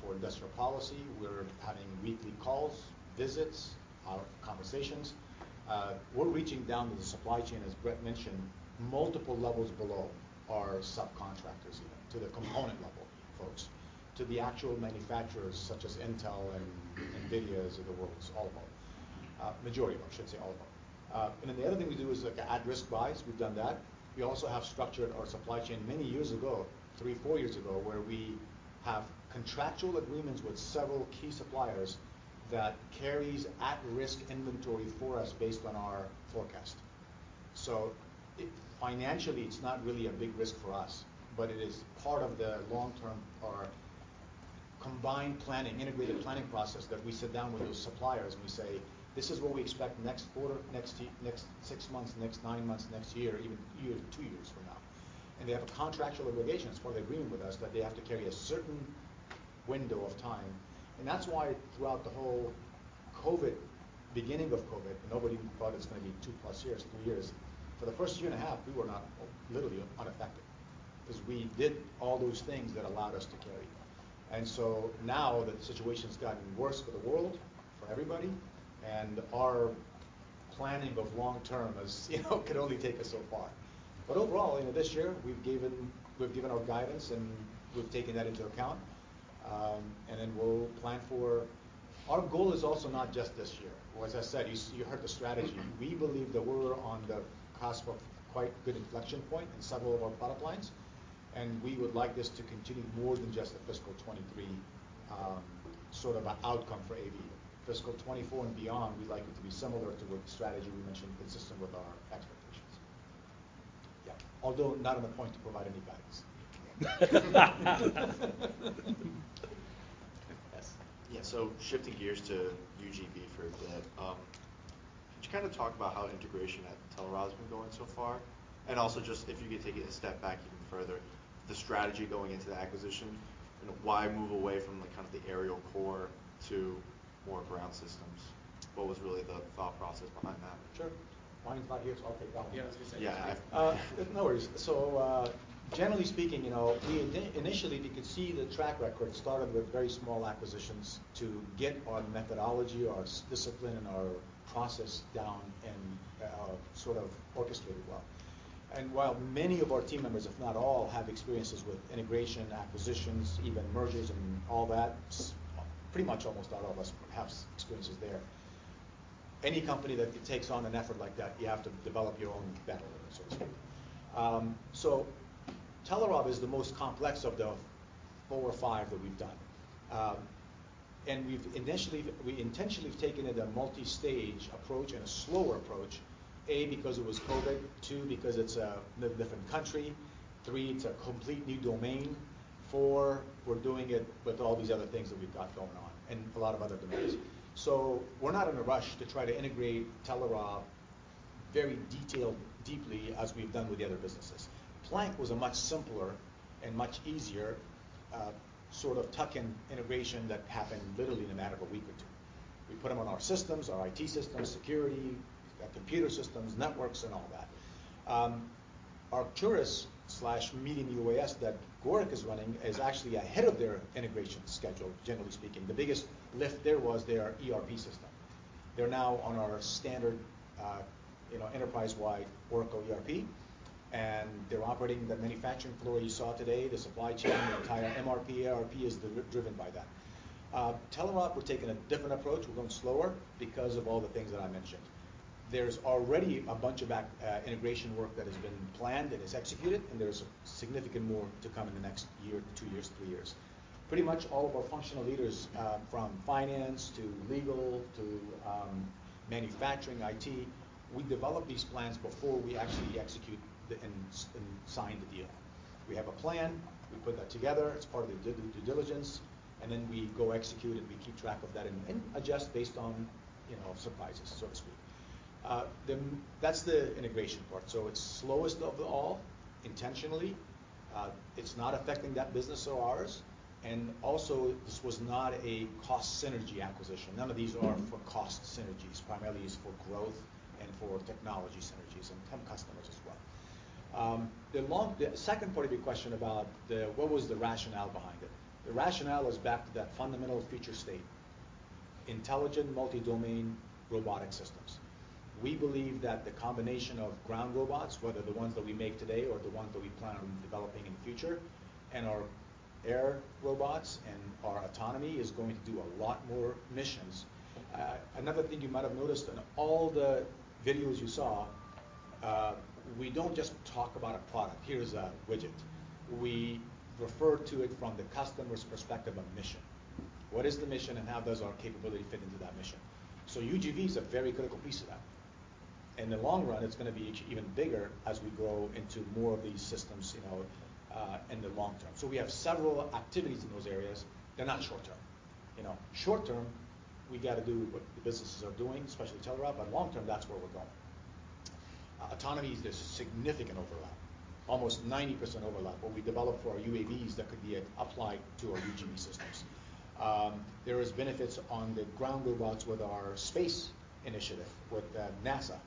for industrial policy. We're having weekly calls, visits, conversations. We're reaching down to the supply chain, as Brett mentioned, multiple levels below our subcontractors even, to the component level folks, to the actual manufacturers such as Intel and NVIDIA's of the world, all of them. Majority of them, I should say, all of them. The other thing we do is like at-risk buys. We've done that. We also have structured our supply chain many years ago, three, four years ago, where we have contractual agreements with several key suppliers that carries at-risk inventory for us based on our forecast. Financially, it's not really a big risk for us, but it is part of the long-term, our combined planning, integrated planning process that we sit down with those suppliers, and we say, "This is what we expect next quarter, next six months, next nine months, next year, even year, two years from now." They have a contractual obligation. It's part of the agreement with us that they have to carry a certain window of time. That's why throughout the whole COVID, beginning of COVID, nobody thought it's gonna be 2+ years, three years. For the first year and a half, we were literally unaffected because we did all those things that allowed us to carry on. Now that the situation's gotten worse for the world, for everybody, and our planning of long-term is, you know, could only take us so far. Overall, you know, this year we've given our guidance, and we've taken that into account. Then we'll plan for our goal is also not just this year, or as I said, you heard the strategy. We believe that we're on the cusp of quite good inflection point in several of our product lines, and we would like this to continue more than just a fiscal 2023, sort of a outcome for AV. Fiscal 2024 and beyond, we'd like it to be similar to the strategy we mentioned, consistent with our expectations. Yeah. Although not on the point to provide any guidance. Yes. Yeah. Shifting gears to UGV for a bit, could you kind of talk about how integration at Telerob has been going so far? Also just if you could take it a step back even further, the strategy going into the acquisition, and why move away from, like, kind of the aerial core to more ground systems? What was really the thought process behind that? Sure. [Mining's] not here, so I'll take that one. Yeah, I was gonna say. Yeah. No worries. Generally speaking, you know, we initially could see the track record. It started with very small acquisitions to get our methodology, our discipline, and our process down and sort of orchestrated well. While many of our team members, if not all, have experiences with integration, acquisitions, even mergers and all that, pretty much almost all of us have experiences there. Any company that takes on an effort like that, you have to develop your own battle, so to speak. Telerob is the most complex of the four or five that we've done. We intentionally have taken it a multi-stage approach and a slower approach, A, because it was COVID, two, because it's a different country, three, it's a complete new domain, four, we're doing it with all these other things that we've got going on and a lot of other domains. We're not in a rush to try to integrate Telerob very detailed, deeply as we've done with the other businesses. Planck was a much simpler and much easier sort of tuck-in integration that happened literally in a matter of a week or two. We put them on our systems, our IT systems, security, computer systems, networks and all that. Arcturus medium UAS that Gorik is running is actually ahead of their integration schedule, generally speaking. The biggest lift there was their ERP system. They're now on our standard, you know, enterprise-wide Oracle ERP, and they're operating the manufacturing floor you saw today. The supply chain, the entire MRP, ERP is driven by that. Telerob, we're taking a different approach. We're going slower because of all the things that I mentioned. There's already a bunch of back integration work that has been planned and is executed, and there's significant more to come in the next year, two years, three years. Pretty much all of our functional leaders from finance to legal to manufacturing, IT, we develop these plans before we actually execute and sign the deal. We have a plan. We put that together. It's part of the due diligence, and then we go execute, and we keep track of that and adjust based on, you know, surprises, so to speak. That's the integration part. It's slowest of them all, intentionally. It's not affecting that business or ours, and also this was not a cost synergy acquisition. None of these are for cost synergies. Primarily it's for growth and for technology synergies and temp customers as well. The second part of your question about the, what was the rationale behind it. The rationale is back to that fundamental future state, intelligent multi-domain robotic systems. We believe that the combination of ground robots, whether the ones that we make today or the ones that we plan on developing in the future, and our air robots and our autonomy, is going to do a lot more missions. Another thing you might have noticed in all the videos you saw, we don't just talk about a product. Here's a widget. We refer to it from the customer's perspective on mission. What is the mission and how does our capability fit into that mission? UGV is a very critical piece of that. In the long run, it's gonna be even bigger as we grow into more of these systems, you know, in the long term. We have several activities in those areas. They're not short term. You know, short term, we gotta do what the businesses are doing, especially Telerob. Long term, that's where we're going. Autonomy is this significant overlap, almost 90% overlap. What we develop for our UAVs, that could be applied to our UGV systems. There is benefits on the ground robots with our space initiative, with NASA.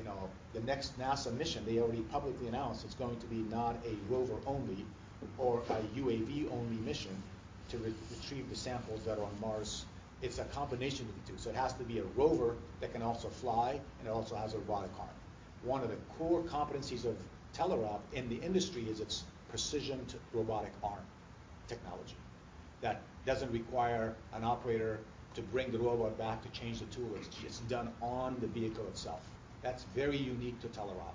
You know, the next NASA mission, they already publicly announced it's going to be not a rover only or a UAV only mission to retrieve the samples that are on Mars. It's a combination of the two. It has to be a rover that can also fly and it also has a robotic arm. One of the core competencies of Telerob in the industry is its precision robotic arm technology that doesn't require an operator to bring the robot back to change the tool. It's done on the vehicle itself. That's very unique to Telerob,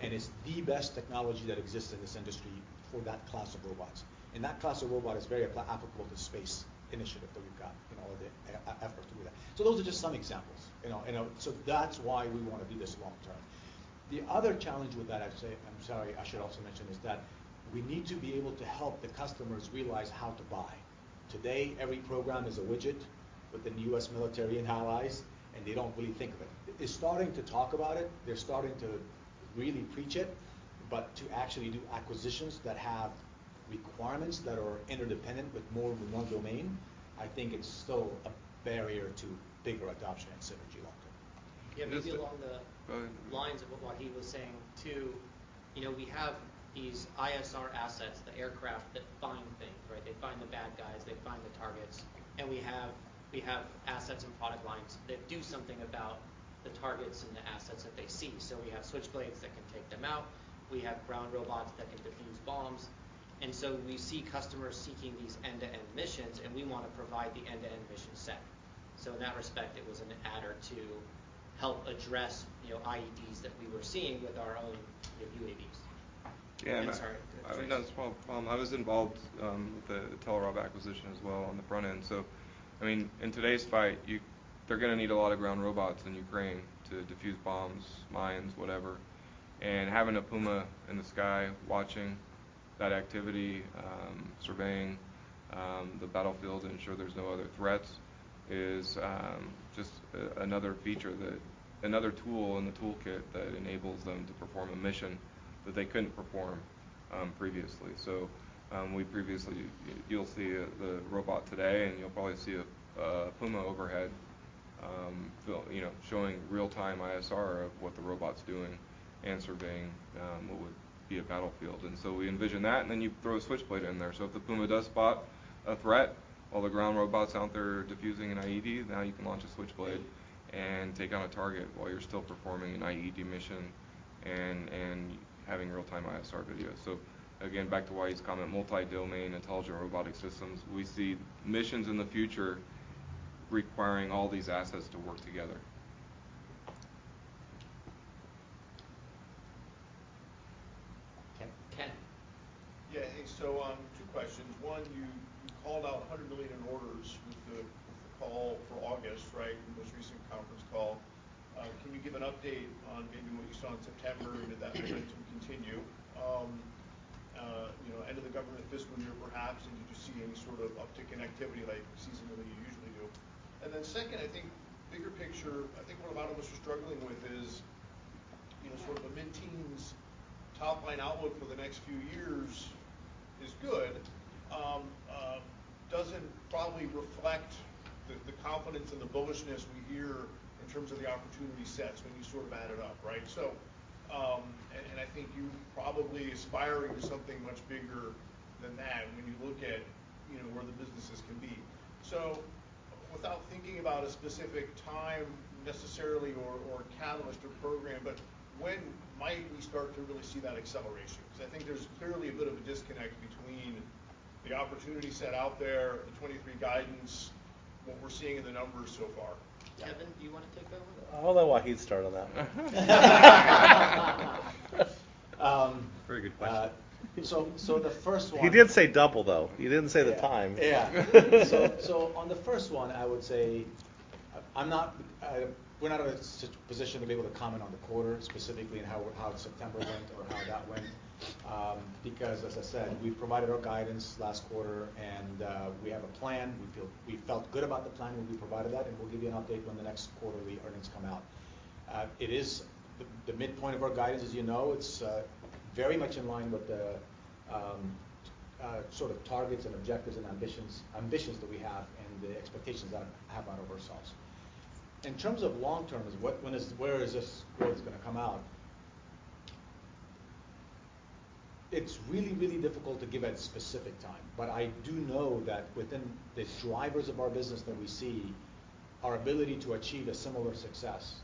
and it's the best technology that exists in this industry for that class of robots. That class of robot is very applicable to the space initiative that we've got in all of the efforts we do. Those are just some examples, you know. That's why we wanna do this long term. The other challenge with that, I'd say, I'm sorry, I should also mention, is that we need to be able to help the customers realize how to buy. Today, every program is a widget within the U.S. military and allies, and they don't really think of it. They're starting to talk about it. They're starting to really preach it. To actually do acquisitions that have requirements that are interdependent with more than one domain, I think it's still a barrier to bigger adoption and synergy long term. Yeah. Maybe along the Go ahead. Along the lines of what Wahid was saying too, you know, we have these ISR assets, the aircraft that find things, right? They find the bad guys. They find the targets. We have assets and product lines that do something about the targets and the assets that they see. We have Switchblades that can take them out. We have ground robots that can defuse bombs. We see customers seeking these end-to-end missions, and we wanna provide the end-to-end mission set. In that respect, it was an adder to help address, you know, IEDs that we were seeing with our own, you know, UAVs. Yeah. Sorry. I mean, no, it's cool. I was involved with the Telerob acquisition as well on the front end. I mean, in today's fight, they're gonna need a lot of ground robots in Ukraine to defuse bombs, mines, whatever. Having a Puma in the sky watching that activity, surveying the battlefield to ensure there's no other threats is just another feature that, another tool in the toolkit that enables them to perform a mission that they couldn't perform previously. You'll see the robot today, and you'll probably see a Puma overhead, you know, showing real-time ISR of what the robot's doing and surveying what would be a battlefield. We envision that, and then you throw a Switchblade in there. If the Puma does spot a threat while the ground robot's out there diffusing an IED, now you can launch a Switchblade and take out a target while you're still performing an IED mission and having real-time ISR video. Again, back to Wahid's comment, multi-domain intelligent robotic systems. We see missions in the future requiring all these assets to work together. Ken. Yeah. Hey, two questions. One, you called out $100 million in orders with the call for August, right? In the most recent conference call. Can you give an update on maybe what you saw in September? And did that trend continue, you know, end of the government fiscal year perhaps? And did you see any sort of uptick in activity like seasonally you usually do? And then second, I think bigger picture, I think what a lot of us are struggling with is, you know, sort of a mid-teens top-line outlook for the next few years is good. Doesn't probably reflect the confidence and the bullishness we hear in terms of the opportunity sets when you sort of add it up, right? I think you're probably aspiring to something much bigger than that when you look at, you know, where the businesses can be. Without thinking about a specific time necessarily or a catalyst or program, but when might we start to really see that acceleration? Because I think there's clearly a bit of a disconnect between the opportunity set out there, the 2023 guidance, what we're seeing in the numbers so far. Kevin, do you wanna take that one? I'll let Wahid start on that one. Very good question. The first one. He did say double, though. He didn't say the time. On the first one, I would say we're not in a position to be able to comment on the quarter specifically and how September went or how that went, because as I said, we've provided our guidance last quarter and we have a plan. We felt good about the plan when we provided that, and we'll give you an update when the next quarterly earnings come out. It is the midpoint of our guidance, as you know. It's very much in line with the sort of targets and objectives and ambitions that we have and the expectations that I have on ourselves. In terms of long term, where is this growth gonna come out? It's really, really difficult to give a specific time, but I do know that within the drivers of our business that we see, our ability to achieve a similar success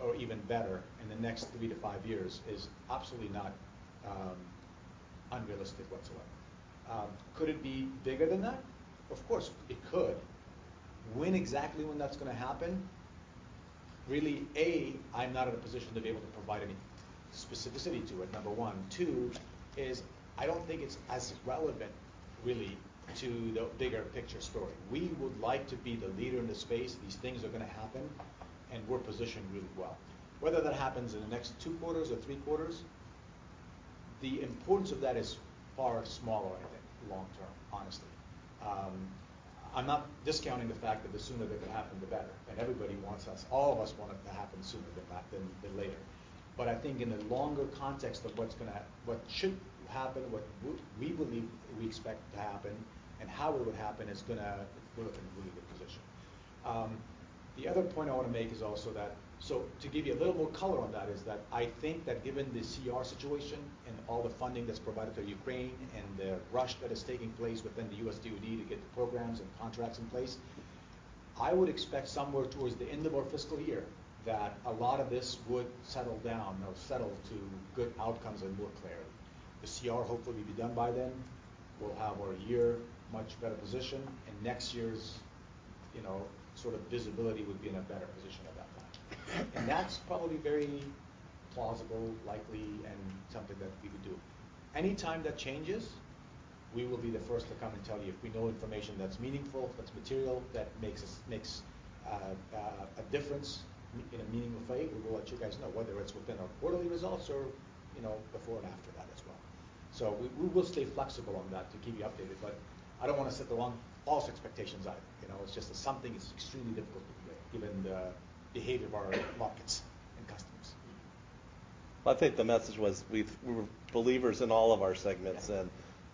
or even better in the next three to five years is absolutely not unrealistic whatsoever. Could it be bigger than that? Of course, it could. When exactly that's gonna happen, really, I'm not in a position to be able to provide any specificity to it, number one. Two, I don't think it's as relevant really to the bigger picture story. We would like to be the leader in the space. These things are gonna happen, and we're positioned really well. Whether that happens in the next two quarters or three quarters, the importance of that is far smaller, I think, long term, honestly. I'm not discounting the fact that the sooner that can happen, the better. Everybody wants us, all of us want it to happen sooner than not—than later. I think in the longer context of what's gonna what should happen, what we believe we expect to happen, and how it would happen is gonna. We're in a really good position. The other point I wanna make is also that, so to give you a little more color on that, is that I think that given the CR situation and all the funding that's provided to Ukraine and the rush that is taking place within the U.S. DoD to get the programs and contracts in place, I would expect somewhere towards the end of our fiscal year that a lot of this would settle down or settle to good outcomes and more clarity. The CR hopefully will be done by then. We'll have our year much better positioned, and next year's, you know, sort of visibility would be in a better position at that point. That's probably very plausible, likely, and something that we could do. Any time that changes, we will be the first to come and tell you. If we know information that's meaningful, that's material, that makes a difference in a meaningful way, we will let you guys know, whether it's within our quarterly results or, you know, before and after that as well. We will stay flexible on that to keep you updated, but I don't wanna set the wrong false expectations either. You know, it's just that something is extremely difficult to predict given the behavior of our markets and customers. I think the message was we're believers in all of our segments, and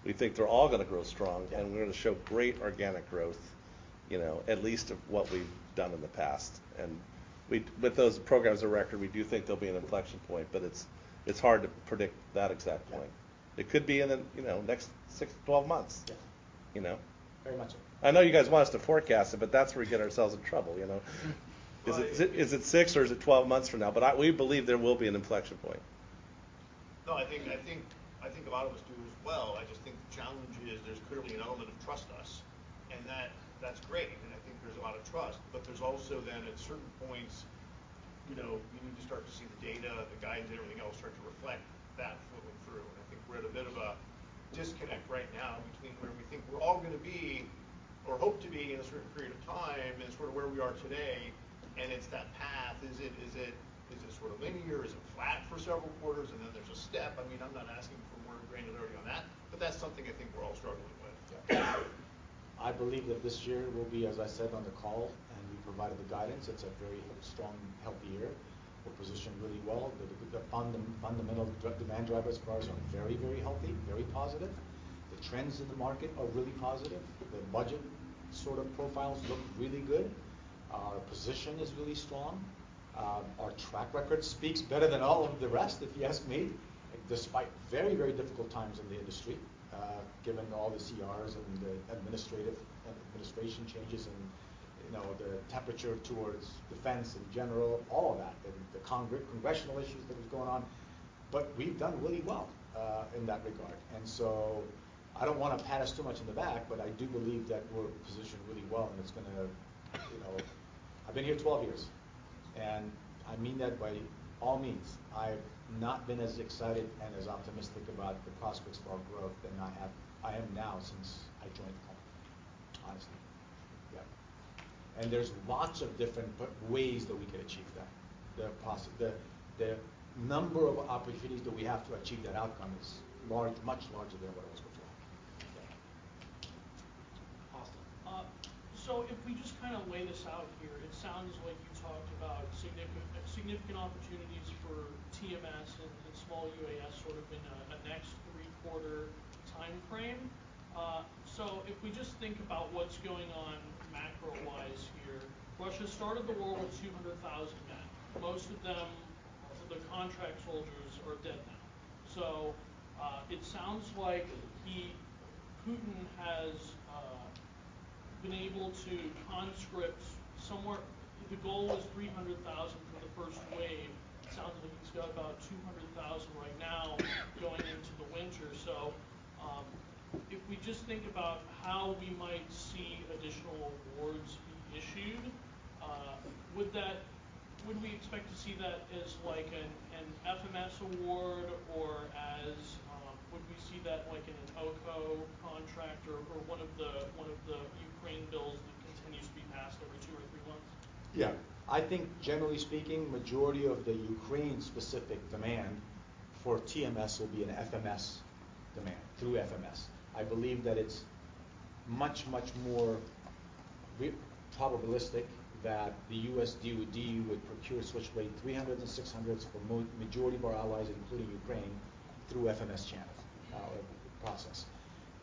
we think they're all gonna grow strong, and we're gonna show great organic growth, you know, at least of what we've done in the past. With those programs of record, we do think there'll be an inflection point, but it's hard to predict that exact point. Yeah. It could be in the, you know, next six to 12 months. Yeah. You know? Very much so. I know you guys want us to forecast it, but that's where we get ourselves in trouble, you know. I- Is it six or is it 12 months from now? We believe there will be an inflection point. No, I think a lot of us do as well. I just think the challenge is there's clearly an element of trust us, and that's great, and I think there's a lot of trust. There's also then at certain points, you know, we need to start to see the data, the guides, and everything else start to reflect that flowing through. I think we're at a bit of a disconnect right now between where we think we're all gonna be or hope to be in a certain period of time and sort of where we are today, and it's that path. Is it sort of linear? Is it flat for several quarters and then there's a step? I mean, I'm not asking for more granularity on that, but that's something I think we're all struggling with. Yeah. I believe that this year will be, as I said on the call, and we provided the guidance, it's a very strong, healthy year. We're positioned really well. The fundamental demand drivers for us are very, very healthy, very positive. The trends in the market are really positive. The budget sort of profiles look really good. Our position is really strong. Our track record speaks better than all of the rest, if you ask me, despite very, very difficult times in the industry, given all the CRs and the administration changes and, you know, the temperature towards defense in general, all of that, and the Congressional issues that was going on, but we've done really well, in that regard. I don't wanna pat us too much on the back, but I do believe that we're positioned really well, and it's gonna, you know. I've been here 12 years, and I mean that by all means. I've not been as excited and as optimistic about the prospects for our growth than I am now since I joined the company, honestly. Yeah. There's lots of different ways that we can achieve that. The, the number of opportunities that we have to achieve that outcome is large, much larger than what it was before. Yeah. Awesome. If we just kinda lay this out here, it sounds like you talked about significant opportunities for TMS and small UAS sort of in a next three quarter timeframe. If we just think about what's going on macro-wise here, Russia started the war with 200,000 men, most of them the contract soldiers are dead now. It sounds like he, Putin has been able to conscript somewhere if the goal was 300,000 for the first wave, sounds like he's got about 200,000 right now going into the winter. If we just think about how we might see additional awards be issued, would we expect to see that as like an FMS award or as, would we see that like in an OCO contract or one of the Ukraine bills that continues to be passed every two or three months? Yeah. I think generally speaking, majority of the Ukraine-specific demand for TMS will be an FMS demand, through FMS. I believe that much, much more probabilistic that the U.S. DoD would procure Switchblade 300s and 600s for majority of our allies, including Ukraine, through FMS channels, process.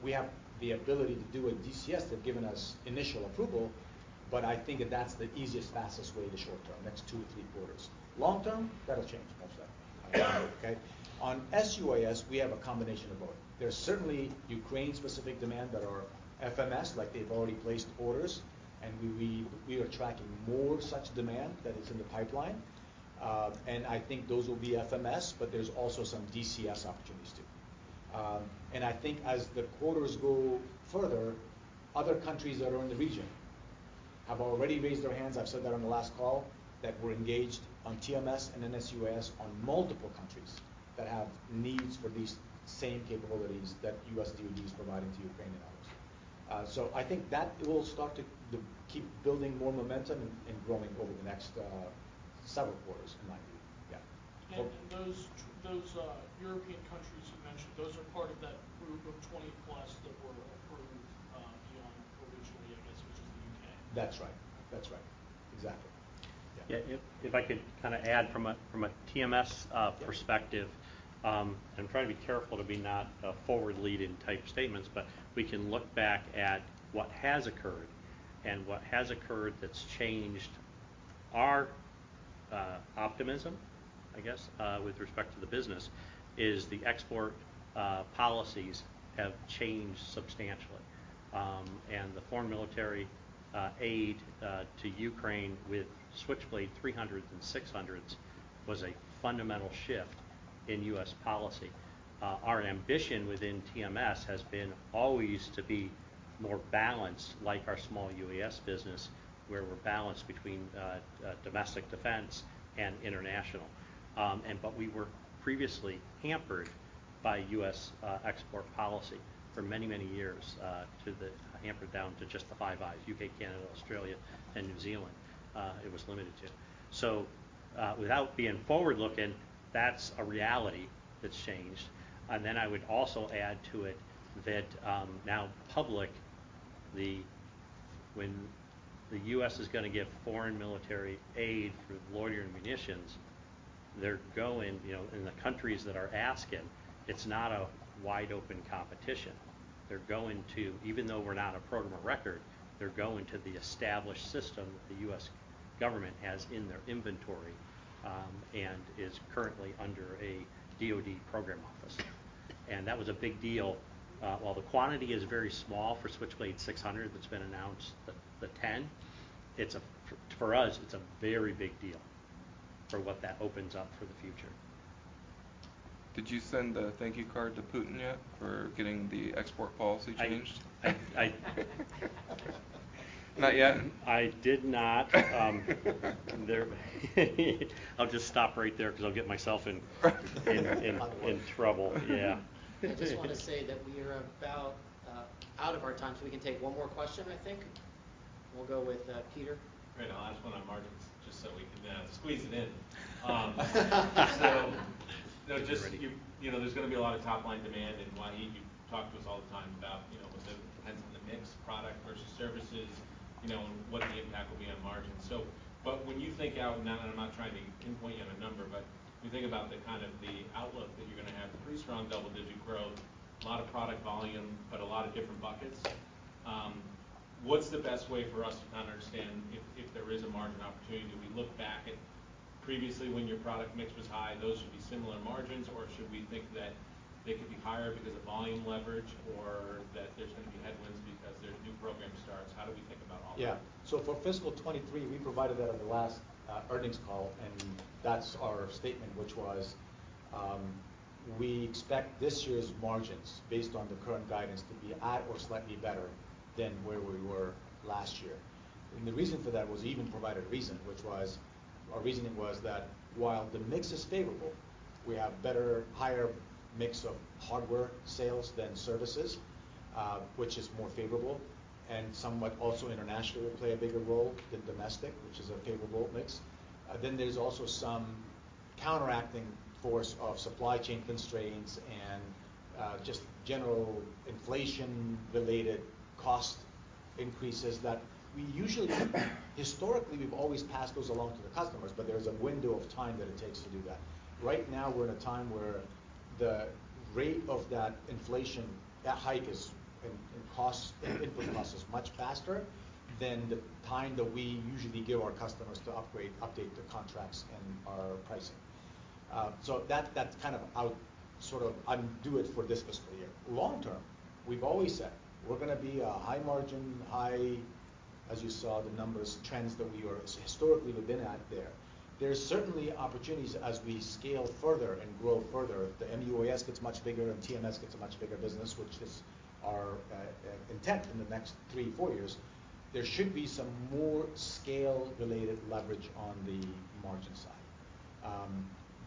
We have the ability to do it DCS. They've given us initial approval, but I think that that's the easiest, fastest way to short-term. Next two to three quarters. Long-term, that'll change, no doubt. Okay. On SUAS, we have a combination of both. There's certainly Ukraine-specific demand that are FMS, like they've already placed orders and we are tracking more such demand that is in the pipeline. I think those will be FMS, but there's also some DCS opportunities too. I think as the quarters go further, other countries that are in the region have already raised their hands. I've said that on the last call that we're engaged on TMS and SUAS on multiple countries that have needs for these same capabilities that U.S. DoD is providing to Ukraine and others. I think that will start to keep building more momentum and growing over the next several quarters in my view. Yeah. Those European countries you mentioned, those are part of that group of 20+ that were approved beyond originally, I guess, which is the U.K. That's right. Exactly. Yeah. I could kinda add from a TMS perspective. I'm trying to be careful not to be forward-looking type statements, but we can look back at what has occurred, and what has occurred that's changed our optimism, I guess, with respect to the business, is the export policies have changed substantially. The foreign military aid to Ukraine with Switchblade 300s and 600s was a fundamental shift in U.S. policy. Our ambition within TMS has been always to be more balanced, like our small UAS business, where we're balanced between domestic defense and international. But we were previously hampered by U.S. export policy for many years, hampered down to just the Five Eyes, U.K., Canada, Australia and New Zealand, it was limited to. Without being forward-looking, that's a reality that's changed. Then I would also add to it that, now public, when the U.S. is gonna give foreign military aid through loitering munitions, they're going, you know, in the countries that are asking, it's not a wide open competition. They're going to, even though we're not a program of record, they're going to the established system that the U.S. government has in their inventory, and is currently under a DoD program office. That was a big deal. While the quantity is very small for Switchblade 600 that's been announced, the 10, for us, it's a very big deal for what that opens up for the future. Did you send a thank you card to Putin yet for getting the export policy changed? I- Not yet? I did not. I'll just stop right there 'cause I'll get myself in trouble. Yeah. I just wanna say that we are about out of our time, so we can take one more question, I think. We'll go with Peter. Great. I'll ask one on margins just so we can squeeze it in. Get ready. You know, there's gonna be a lot of top-line demand, and Wahid, you talk to us all the time about, you know, depends on the mix, product versus services, you know, and what the impact will be on margins. But when you think out now, and I'm not trying to pinpoint you on a number, but you think about the kind of outlook that you're gonna have, pretty strong double-digit growth, a lot of product volume, but a lot of different buckets, what's the best way for us to kind of understand if there is a margin opportunity? Do we look back at previously when your product mix was high, those should be similar margins, or should we think that they could be higher because of volume leverage or that there's gonna be headwinds because there's new program starts? How do we think about all that? Yeah. For fiscal 2023, we provided that on the last earnings call, and that's our statement, which was we expect this year's margins, based on the current guidance, to be at or slightly better than where we were last year. The reason for that, we even provided the reason, which was our reasoning was that while the mix is favorable, we have better, higher mix of hardware sales than services, which is more favorable, and somewhat also internationally will play a bigger role than domestic, which is a favorable mix. Then there's also some counteracting force of supply chain constraints and just general inflation-related cost increases that we historically have always passed those along to the customers, but there's a window of time that it takes to do that. Right now, we're in a time where the rate of that inflation, that hike is in cost, in input costs is much faster than the time that we usually give our customers to upgrade, update their contracts and our pricing. So that's kind of out, sort of undo it for this fiscal year. Long term, we've always said we're gonna be a high margin, as you saw the numbers, trends that we were historically we've been at there. There's certainly opportunities as we scale further and grow further. The MUAS gets much bigger and TMS gets a much bigger business, which is our intent in the next three to four years. There should be some more scale-related leverage on the margin side.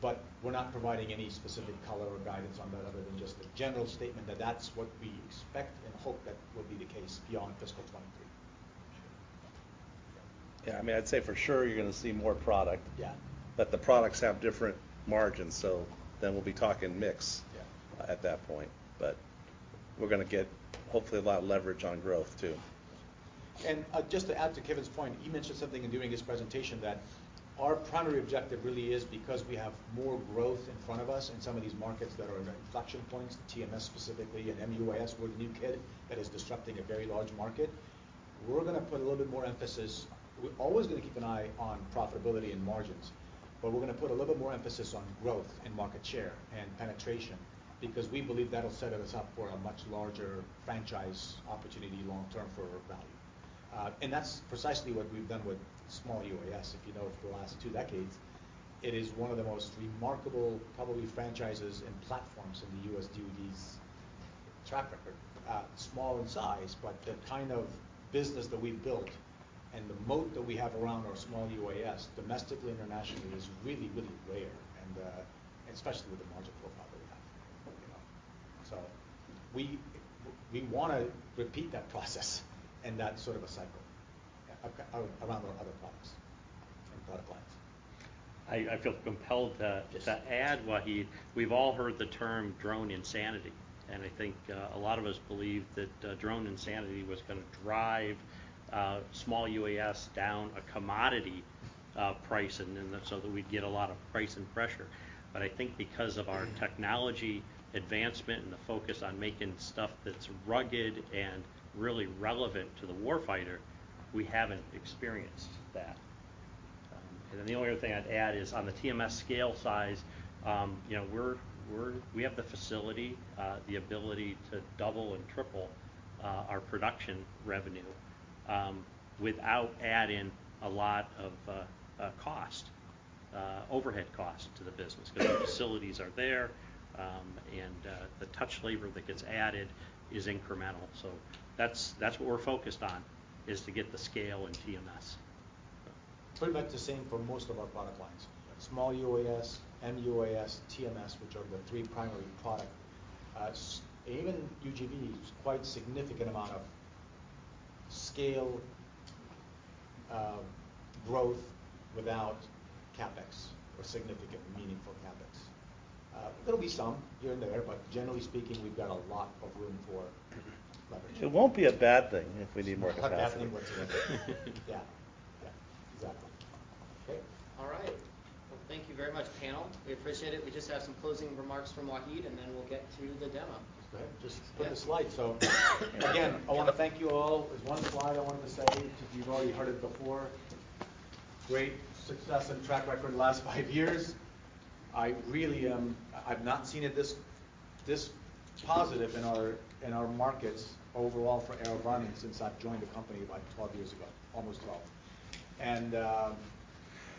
We're not providing any specific color or guidance on that other than just the general statement that that's what we expect and hope that will be the case beyond fiscal. Yeah, I mean, I'd say for sure you're gonna see more product. Yeah. The products have different margins, so then we'll be talking mix- Yeah At that point. We're gonna get hopefully a lot of leverage on growth too. Just to add to Kevin's point, he mentioned something in doing his presentation that our primary objective really is because we have more growth in front of us in some of these markets that are inflection points, TMS specifically, and MUAS, we're the new kid that is disrupting a very large market. We're gonna put a little bit more emphasis. We're always gonna keep an eye on profitability and margins, but we're gonna put a little bit more emphasis on growth and market share and penetration, because we believe that'll set us up for a much larger franchise opportunity long term for value. That's precisely what we've done with small UAS. If you know, for the last two decades, it is one of the most remarkable, probably franchises and platforms in the U.S. DoD's track record. Small in size, but the kind of business that we've built and the moat that we have around our small UAS, domestically, internationally, is really, really rare and, especially with the margin profile that we have, you know. We wanna repeat that process and that sort of a cycle around our other products and product lines. I feel compelled to. Yes Just to add, Wahid. We've all heard the term drone insanity, and I think a lot of us believe that drone insanity was gonna drive small UAS down a commodity price, and then so that we'd get a lot of price pressure. I think because of our technology advancement and the focus on making stuff that's rugged and really relevant to the war fighter, we haven't experienced that. The only other thing I'd add is on the TMS scale size, you know, we have the facility, the ability to double and triple our production revenue without adding a lot of overhead cost to the business. Because the facilities are there, the touch labor that gets added is incremental. That's what we're focused on, is to get the scale in TMS. Pretty much the same for most of our product lines. Small UAS, MUAS, TMS, which are the three primary product, even UGV is quite significant amount of scale, growth without CapEx or significant meaningful CapEx. There'll be some here and there, but generally speaking, we've got a lot of room for leverage. It won't be a bad thing if we need more capacity. More capacity. Yeah. Yeah. Exactly. Okay. All right. Well, thank you very much, panel. We appreciate it. We just have some closing remarks from Wahid, and then we'll get to the demo. Go ahead. Just hit the slide. Yeah. Again, I wanna thank you all. There's one slide I wanted to say, if you've already heard it before, great success and track record the last five years. I've not seen it this positive in our markets overall for AeroVironment since I've joined the company about 12 years ago, almost 12.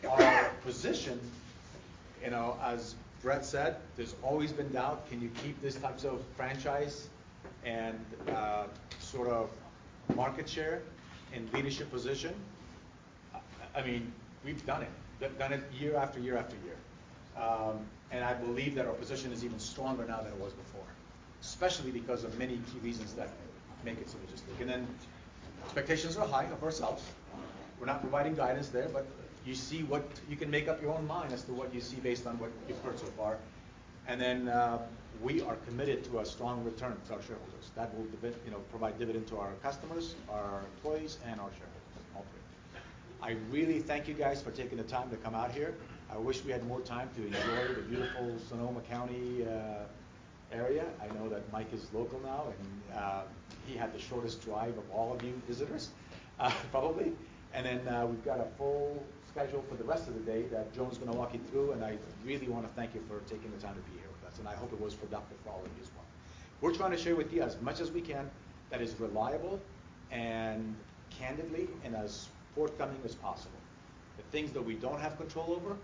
Our position, you know, as Brett said, there's always been doubt, can you keep these types of franchise and sort of market share and leadership position? I mean, we've done it. We've done it year after year after year. I believe that our position is even stronger now than it was before, especially because of many key reasons that make it so interesting. Expectations are high of ourselves. We're not providing guidance there, but you can make up your own mind as to what you see based on what you've heard so far. Then, we are committed to a strong return to our shareholders. That will, you know, provide dividend to our customers, our employees, and our shareholders, all three. I really thank you guys for taking the time to come out here. I wish we had more time to enjoy the beautiful Sonoma County area. I know that Mike is local now, and he had the shortest drive of all of you visitors, probably. We've got a full schedule for the rest of the day that Jonah's gonna walk you through, and I really wanna thank you for taking the time to be here with us, and I hope it was productive for all of you as well. We're trying to share with you as much as we can that is reliable and candidly and as forthcoming as possible. The things that we don't have control over,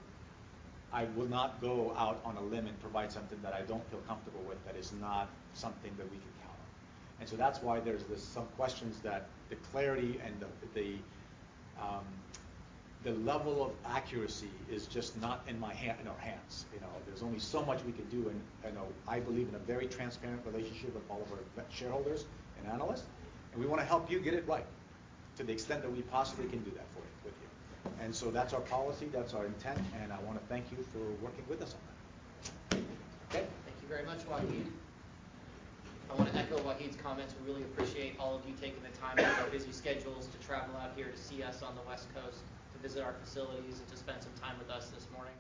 I will not go out on a limb and provide something that I don't feel comfortable with, that is not something that we can count on. That's why there's this. Some questions that the clarity and the level of accuracy is just not in our hands. You know, there's only so much we can do, and, you know, I believe in a very transparent relationship with all of our shareholders and analysts, and we wanna help you get it right to the extent that we possibly can do that for you, with you. That's our policy, that's our intent, and I wanna thank you for working with us on that. Okay. Thank you very much, Wahid. I wanna echo Wahid's comments. We really appreciate all of you taking the time out of your busy schedules to travel out here to see us on the West Coast, to visit our facilities, and to spend some time with us this morning.